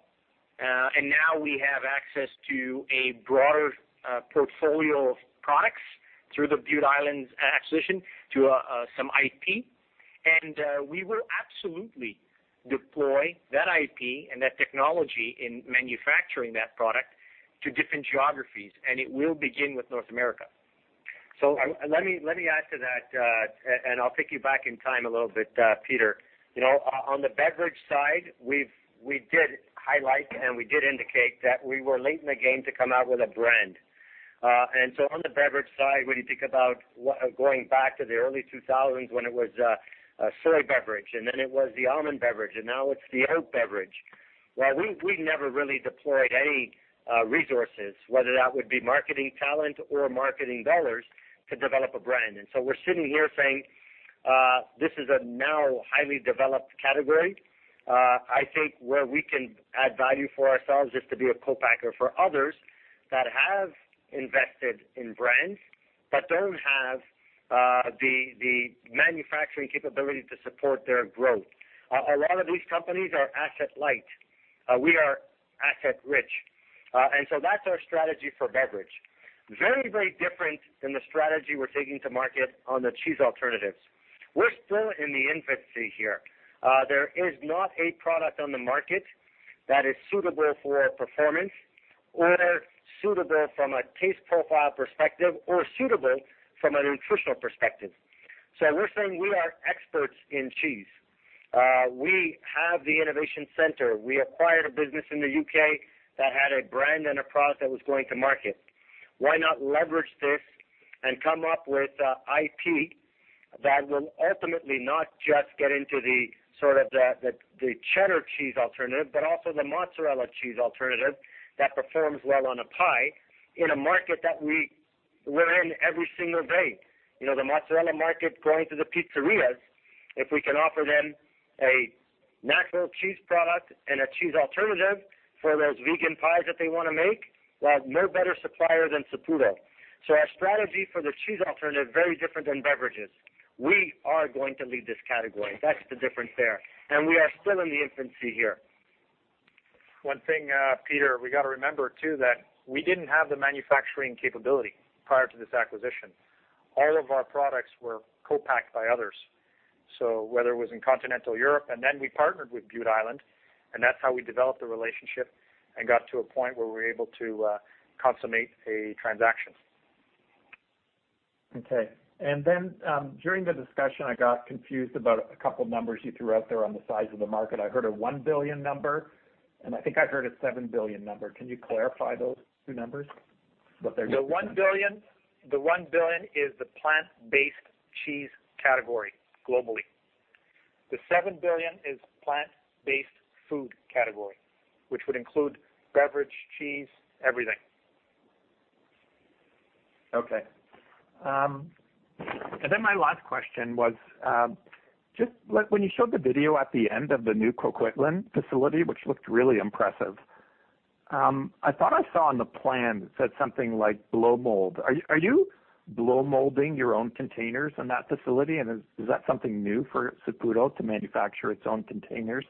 and now we have access to a broader portfolio of products through the Bute Island acquisition to some IP. We will absolutely deploy that IP and that technology in manufacturing that product to different geographies, and it will begin with North America. Let me add to that, and I'll take you back in time a little bit, Peter. On the beverage side, we did highlight and we did indicate that we were late in the game to come out with a brand. On the beverage side, when you think about going back to the early 2000s when it was a soy beverage, and then it was the almond beverage, and now it's the oat beverage. Well, we never really deployed any resources, whether that would be marketing talent or marketing dollars, to develop a brand. We're sitting here saying, this is a now highly developed category. I think where we can add value for ourselves is to be a co-packer for others that have invested in brands, but don't have the manufacturing capability to support their growth. A lot of these companies are asset-light. We are asset-rich. That's our strategy for beverage. Very, very different than the strategy we're taking to market on the cheese alternatives. We're still in the infancy here. There is not a product on the market that is suitable for performance or suitable from a taste profile perspective or suitable from a nutritional perspective. We're saying we are experts in cheese. We have the innovation center. We acquired a business in the U.K. that had a brand and a product that was going to market. Why not leverage this and come up with IP that will ultimately not just get into the cheddar cheese alternative, but also the mozzarella cheese alternative that performs well on a pie in a market that we're in every single day. The mozzarella market going to the pizzerias, if we can offer them a natural cheese product and a cheese alternative for those vegan pies that they want to make, well, no better supplier than Saputo. Our strategy for the cheese alternative is very different than beverages. That's the difference there. We are still in the infancy here. One thing, Peter, we got to remember too that we didn't have the manufacturing capability prior to this acquisition. All of our products were co-packed by others. Whether it was in continental Europe, and then we partnered with Bute Island, and that's how we developed the relationship and got to a point where we were able to consummate a transaction. Okay. During the discussion, I got confused about a couple numbers you threw out there on the size of the market. I heard a 1 billion number, and I think I heard a 7 billion number. Can you clarify those two numbers, what they represent? The 1 billion is the plant-based cheese category globally. The 7 billion is plant-based food category, which would include beverage, cheese, everything. Okay. Then my last question was, when you showed the video at the end of the new Coquitlam facility, which looked really impressive, I thought I saw on the plan it said something like blow mold. Are you blow molding your own containers in that facility? Is that something new for Saputo to manufacture its own containers?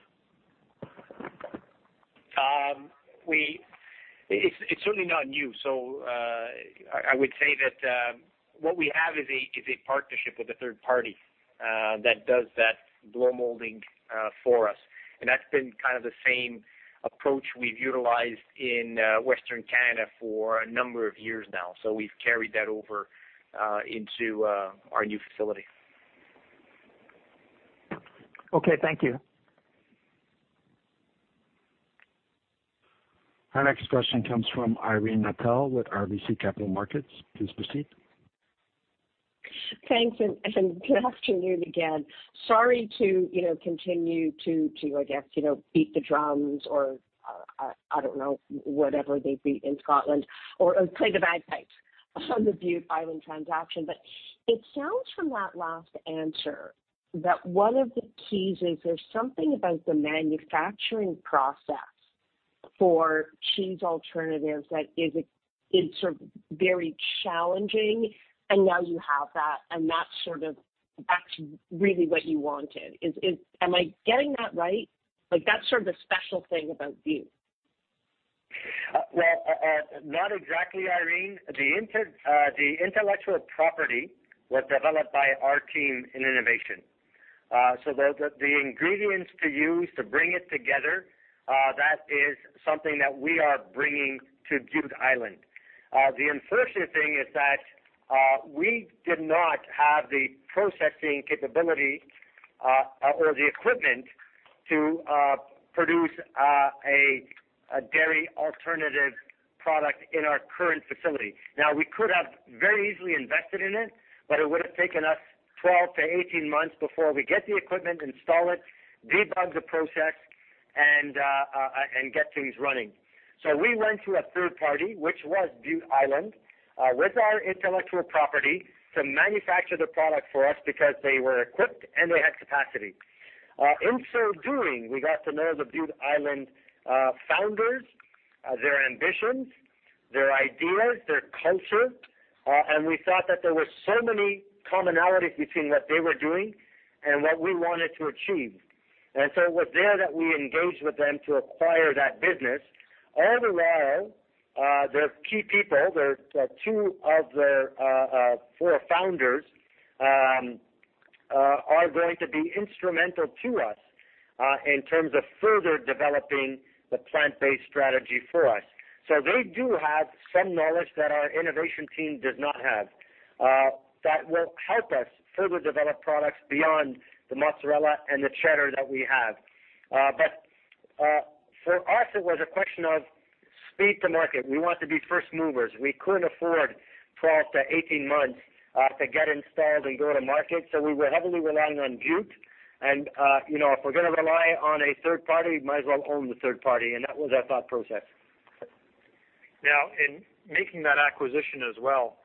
It's certainly not new. I would say that what we have is a partnership with a third party that does that blow molding for us, and that's been kind of the same approach we've utilized in Western Canada for a number of years now. We've carried that over into our new facility. Okay, thank you. Our next question comes from Irene Nattel with RBC Capital Markets. Please proceed. Thank you. Good afternoon again. Sorry to continue to, I guess, beat the drums or I don't know, whatever they beat in Scotland or create a bagpipe on the Bute Island transaction. It sounds from that last answer that one of the keys is there's something about the manufacturing process for cheese alternatives that is very challenging, and now you have that, and that's sort of really what you wanted. Am I getting that right? Like that's sort of the special thing about Bute? Well, not exactly, Irene. The intellectual property was developed by our team in innovation. The ingredients to use to bring it together, that is something that we are bringing to Bute Island. The unfortunate thing is that we did not have the processing capability or the equipment to produce a dairy alternative product in our current facility. Now, we could have very easily invested in it, but it would've taken us 12-18 months before we get the equipment, install it, debug the process, and get things running. We went to a third party, which was Bute Island, with our intellectual property to manufacture the product for us because they were equipped and they had capacity. In so doing, we got to know the Bute Island founders, their ambitions, their ideas, their culture, and we thought that there were so many commonalities between what they were doing and what we wanted to achieve. It was there that we engaged with them to acquire that business. Overall, the key people, two of their four founders Are going to be instrumental to us in terms of further developing the plant-based strategy for us. They do have some knowledge that our innovation team does not have that will help us further develop products beyond the mozzarella and the Cheddar that we have. For us, it was a question of speed to market. We want to be first movers. We couldn't afford for us the 18 months to get installed and go to market, we were heavily relying on Bute. If we're going to rely on a third party, we might as well own the third party, and that was our thought process. In making that acquisition as well,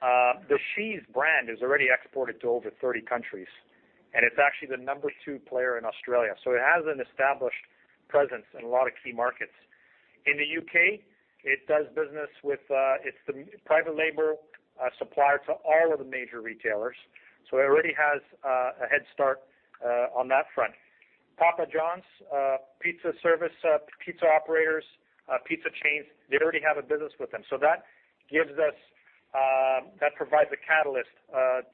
the Sheese brand is already exported to over 30 countries, and it's actually the number two player in Australia. It has an established presence in a lot of key markets. In the U.K., it's the private label supplier to all of the major retailers, so it already has a head start on that front. Papa John's pizza service, pizza operators, pizza chains, they already have a business with them. That provides a catalyst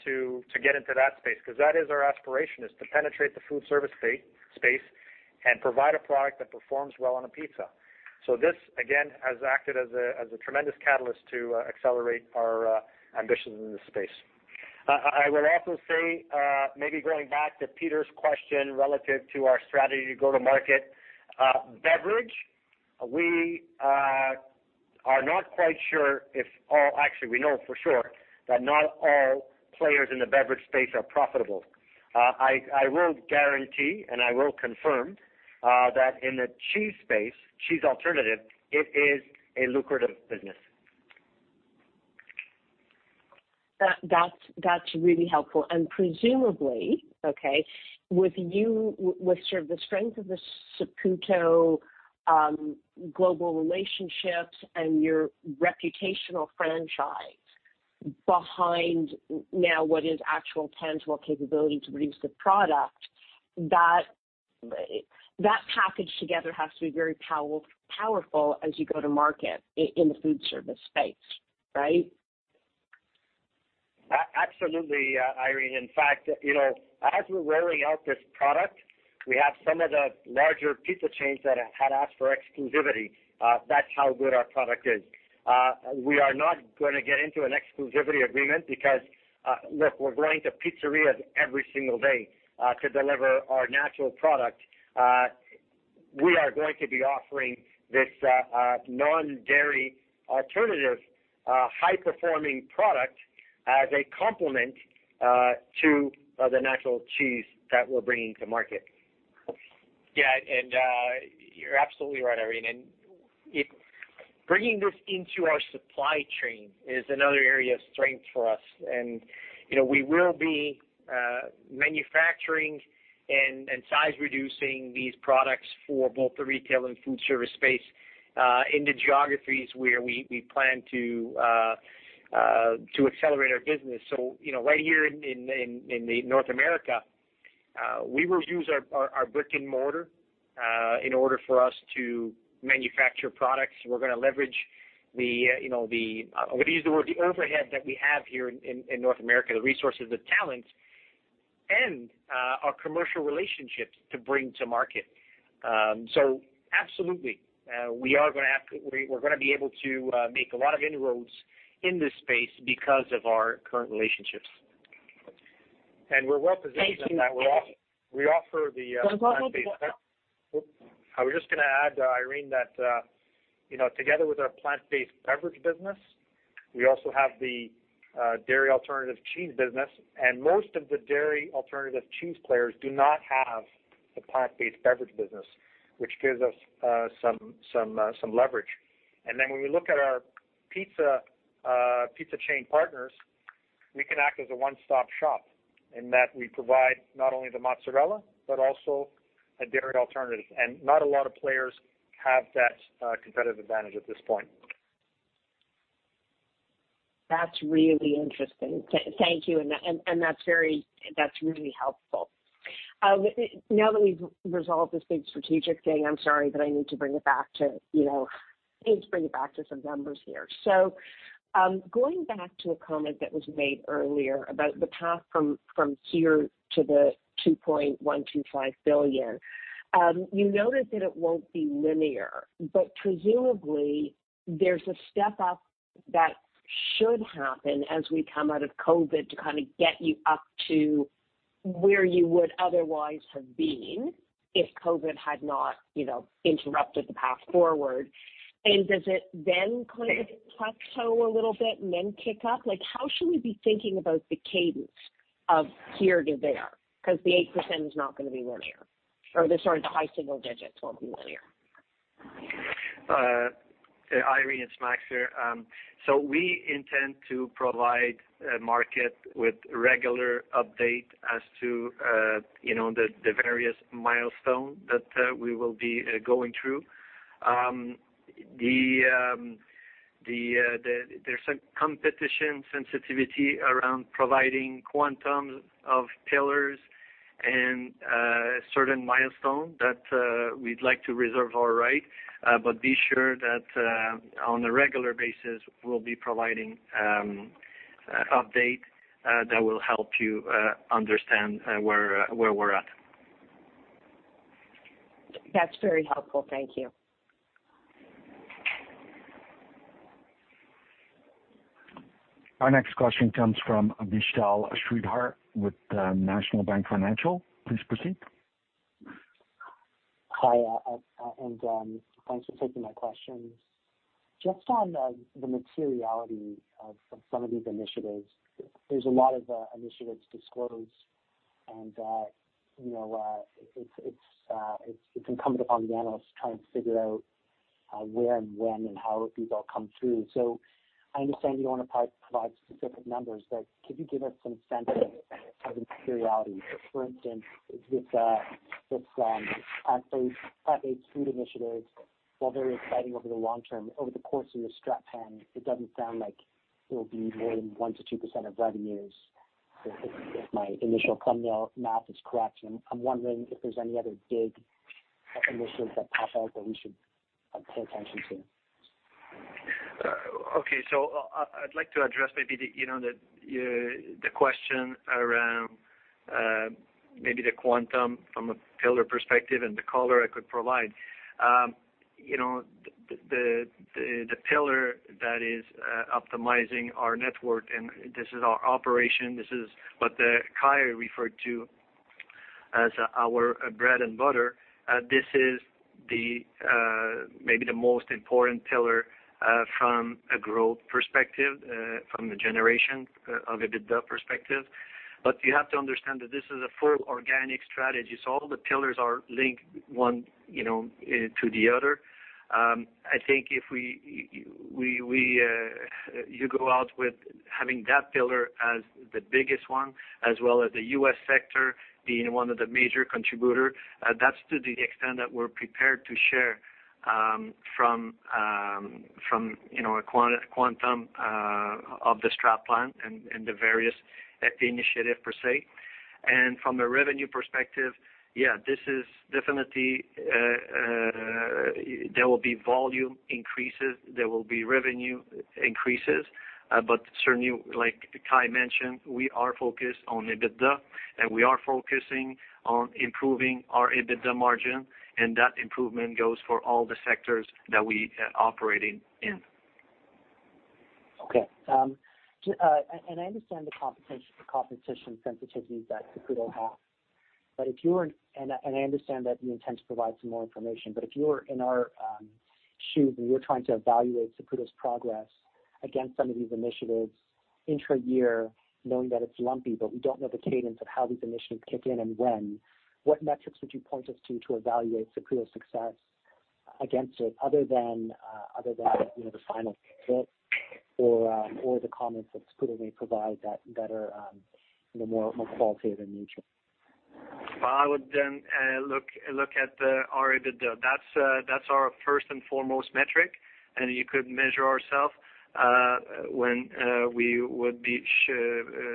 to get into that space, because that is our aspiration, is to penetrate the food service space and provide a product that performs well on a pizza. This, again, has acted as a tremendous catalyst to accelerate our ambitions in this space. I would also say, maybe going back to Peter's question relative to our strategy to go to market, beverage. Actually, we know for sure that not all players in the beverage space are profitable. I will guarantee, and I will confirm that in the cheese space, cheese alternative, it is a lucrative business. That's really helpful. Presumably, okay, with the strength of the Saputo global relationships and your reputational franchise behind now what is actual tangible capability to produce the product, that package together has to be very powerful as you go to market in the food service space, right? Absolutely, Irene. In fact, as we're rolling out this product, we have some of the larger pizza chains that have asked for exclusivity. That's how good our product is. We are not going to get into an exclusivity agreement because, look, we're going to pizzerias every single day to deliver our natural product. We are going to be offering this non-dairy alternative, high-performing product as a complement to the natural cheese that we're bringing to market. You're absolutely right, Irene. Bringing this into our supply chain is another area of strength for us. We will be manufacturing and size reducing these products for both the retail and food service space in the geographies where we plan to accelerate our business. Right here in North America, we will use our brick and mortar in order for us to manufacture products. We're going to leverage the overhead that we have here in North America, the resources, the talent, and our commercial relationships to bring to market. Absolutely. We're going to be able to make a lot of inroads in this space because of our current relationships. We're well-positioned in that way. I was just going to add, Irene, that together with our plant-based beverage business, we also have the dairy alternative cheese business. Most of the dairy alternative cheese players do not have the plant-based beverage business, which gives us some leverage. When we look at our pizza chain partners, we can act as a one-stop shop in that we provide not only the mozzarella, but also a dairy alternative. Not a lot of players have that competitive advantage at this point. That's really interesting. Thank you, and that's really helpful. Now that we've resolved this big strategic thing, I'm sorry, but I need to bring it back to some numbers here. Going back to a comment that was made earlier about the path from here to the 2.125 billion, you noted that it won't be linear. Presumably, there's a step-up that should happen as we come out of COVID to kind of get you up to where you would otherwise have been if COVID had not interrupted the path forward. Does it then kind of plateau a little bit and then kick up? How should we be thinking about the cadence of here to there? Because the 8% is not going to be linear. The high single digits won't be linear. Irene, it's Max here. We intend to provide a market with regular updates as to the various milestones that we will be going through. There's a competition sensitivity around providing quantums of pillars and a certain milestone that we'd like to reserve our right. Be sure that on a regular basis, we'll be providing updates that will help you understand where we're at. That's very helpful. Thank you. Our next question comes from Vishal Shreedhar with National Bank Financial. Please proceed. Hi, and thanks for taking my questions. On the materiality of some of these initiatives. There's a lot of initiatives disclosed and it's incumbent on the analysts trying to figure out where and when and how these all come through. I understand you don't want to provide specific numbers, but could you give us some sense of the materiality? For instance, with some alt-food initiatives, while very exciting over the long term, over the course of your Global Strategic Plan, it doesn't sound like it'll be more than 1%-2% of revenues. If my initial thumbnail math is correct. I'm wondering if there's any other big initiatives at Saputo that we should pay attention to. Okay. I'd like to address maybe the question around maybe the quantum from a pillar perspective and the color I could provide. The pillar that is optimizing our network, and this is our operation, this is what Kai referred to as our bread and butter. This is maybe the most important pillar, from a growth perspective, from a generation of EBITDA perspective. You have to understand that this is a full organic strategy, so all the pillars are linked one to the other. I think if you go out with having that pillar as the biggest one, as well as the U.S. sector being one of the major contributors, that's to the extent that we're prepared to share from a quantum of the STRAT Plan and the various FP initiative per se. From a revenue perspective, there will be volume increases, there will be revenue increases. Certainly, like Kai mentioned, we are focused on EBITDA and we are focusing on improving our EBITDA margin. That improvement goes for all the sectors that we are operating in. Okay. I understand the competition sensitivities that Saputo has, and I understand that you intend to provide some more information, but if you were in our shoes and we are trying to evaluate Saputo's progress against some of these initiatives intra-year, knowing that it is lumpy, but we do not know the cadence of how these initiatives kick in and when? What metrics would you point us to evaluate Saputo's success against it, other than the final results or the comments that Saputo may provide that are more qualitative in nature? I would then look at our EBITDA. That's our first and foremost metric, and you could measure ourselves when we would be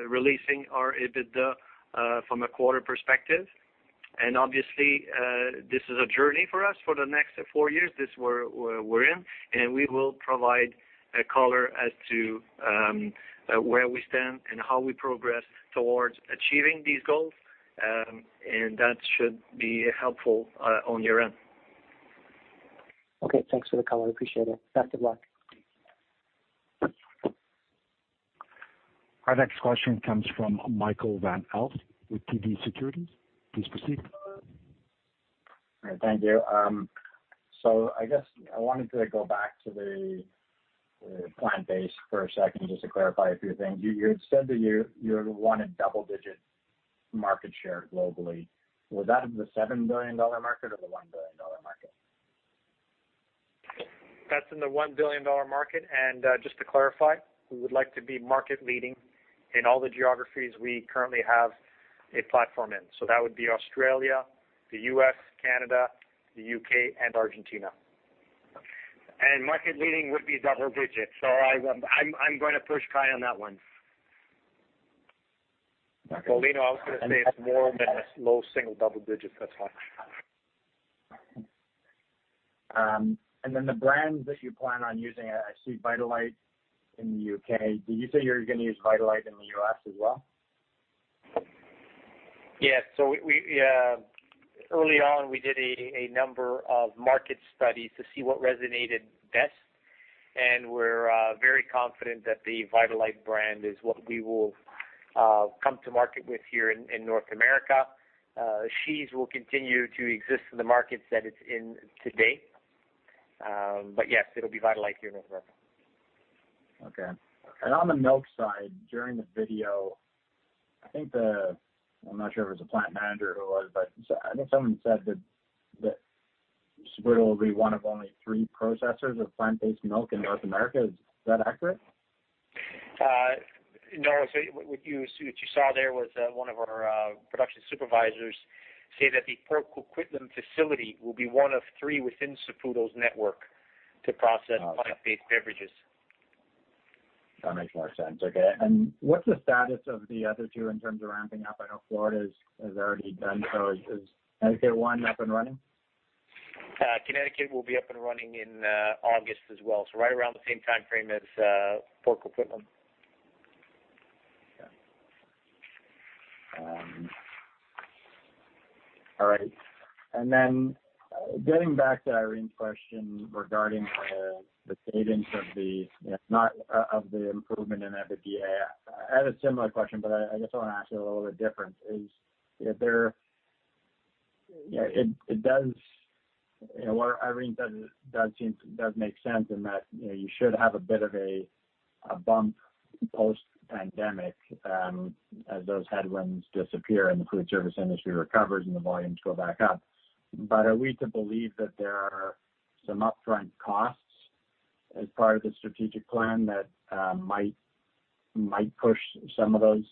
releasing our EBITDA from a quarter perspective. Obviously, this is a journey for us for the next four years, this we're in, and we will provide color as to where we stand and how we progress towards achieving these goals. That should be helpful on your end. Okay. Thanks for the color. I appreciate it. Back to black. Our next question comes from Michael van Aelst with TD Securities. Please proceed. Thank you. I guess I wanted to go back to the plant-based for a second just to clarify a few things. You said that you wanted double-digit market share globally. Was that in the CAD 7 billion market or the CAD 1 billion market? That's in the CAD 1 billion market. Just to clarify, we would like to be market leading in all the geographies we currently have a platform in. That would be Australia, the U.S., Canada, the U.K., and Argentina. Market leading would be double digits. I'm going to push Kai on that one. Okay. We know I was going to say it's more than low single double digits. That's all. The brands that you plan on using, I see Vitalite in the U.K. Do you think you're going to use Vitalite in the U.S. as well? Yeah. Early on, we did a number of market studies to see what resonated best, and we're very confident that the Vitalite brand is what we will come to market with here in North America. Sheese will continue to exist in the markets that it's in today. Yes, it'll be Vitalite here in North America. Okay. On the milk side, during the video, I'm not sure if it was a plant manager or what, but I think someone said that Saputo will be one of only three processors of plant-based milk in North America. Is that accurate? No. What you saw there was one of our production supervisors say that the Port Coquitlam facility will be one of three within Saputo's network to process plant-based beverages. That makes more sense. Okay, what's the status of the other two in terms of ramping up? I know Florida has already done so. Is NK1 up and running? Connecticut will be up and running in August as well, so right around the same time frame as Port Coquitlam. Okay. All right. Getting back to Irene's question regarding the statements of the improvement in EBITDA. I had a similar question. I just want to ask you a little bit different. What Irene said does make sense in that you should have a bit of a bump post-pandemic as those headwinds disappear and the food service industry recovers and the volumes go back up. Are we to believe that there are some upfront costs as part of the Global Strategic Plan that might push some of those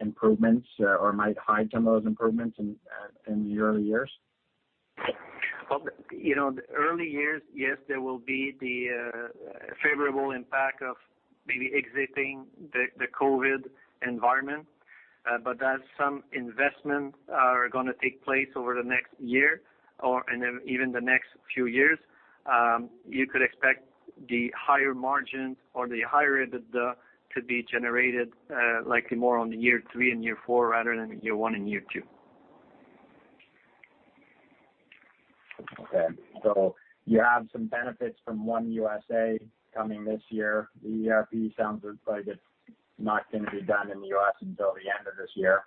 improvements or might hide some of those improvements in the early years? The early years, yes, there will be the favorable impact of the exiting the COVID environment. As some investments are going to take place over the next year or even the next few years, you could expect the higher margins or the higher EBITDA to be generated likely more on the year three and year four rather than year one and year two. Okay. You have some benefits from One USA coming this year. The ERP sounds as though it's not going to be done in the U.S. until the end of this year.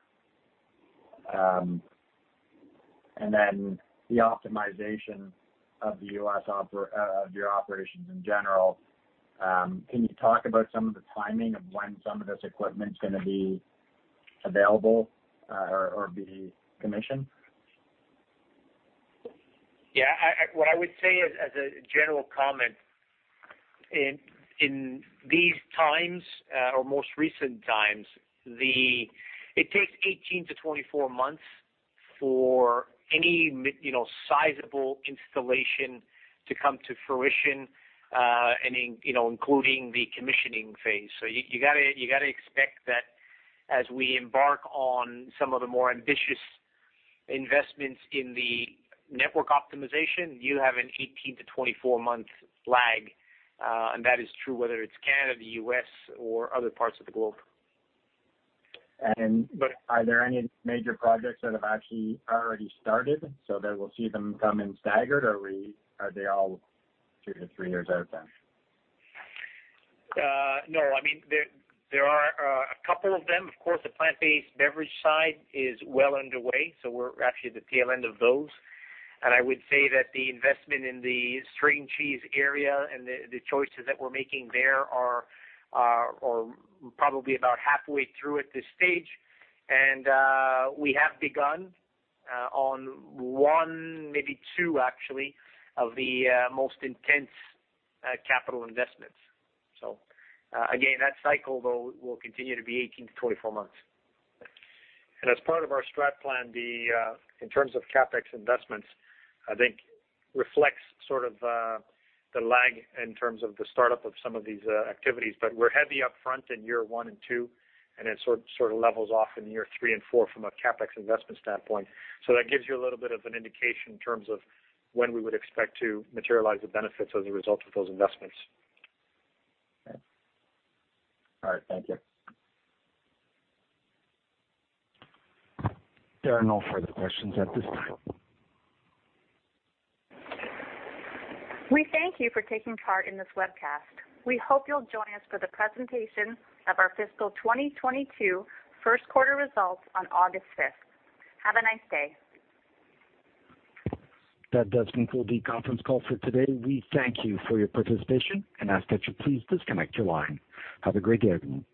The optimization of your operations in general, can you talk about some of the timing of when some of this equipment is going to be available or be commissioned? What I would say as a general comment, in these times or most recent times, it takes 18-24 months for any sizable installation to come to fruition, including the commissioning phase. You got to expect that as we embark on some of the more ambitious investments in the network optimization, you have an 18-24 month lag. That is true whether it's Canada, U.S., or other parts of the globe. Are there any major projects that have actually already started so that we'll see them come in staggered, or are they all two to three years out of time? There are a couple of them. Of course, the plant-based beverage side is well underway. We're actually at the tail end of those. I would say that the investment in the string cheese area and the choices that we're making there are probably about halfway through at this stage. We have begun on one, maybe two actually, of the most intense capital investments. Again, that cycle though will continue to be 18-24 months. As part of our STRAT Plan, in terms of CapEx investments, I think reflects sort of the lag in terms of the startup of some of these activities. We're heavy upfront in year one and two, and it sort of levels off in year three and four from a CapEx investment standpoint. That gives you a little bit of an indication in terms of when we would expect to materialize the benefits as a result of those investments. Okay. All right. Thank you. There are no further questions at this time. We thank you for taking part in this webcast. We hope you'll join us for the presentation of our fiscal 2022 first quarter results on August 5th, 2021. Have a nice day. That does conclude the conference call for today. We thank you for your participation and ask that you please disconnect your line. Have a great day everyone.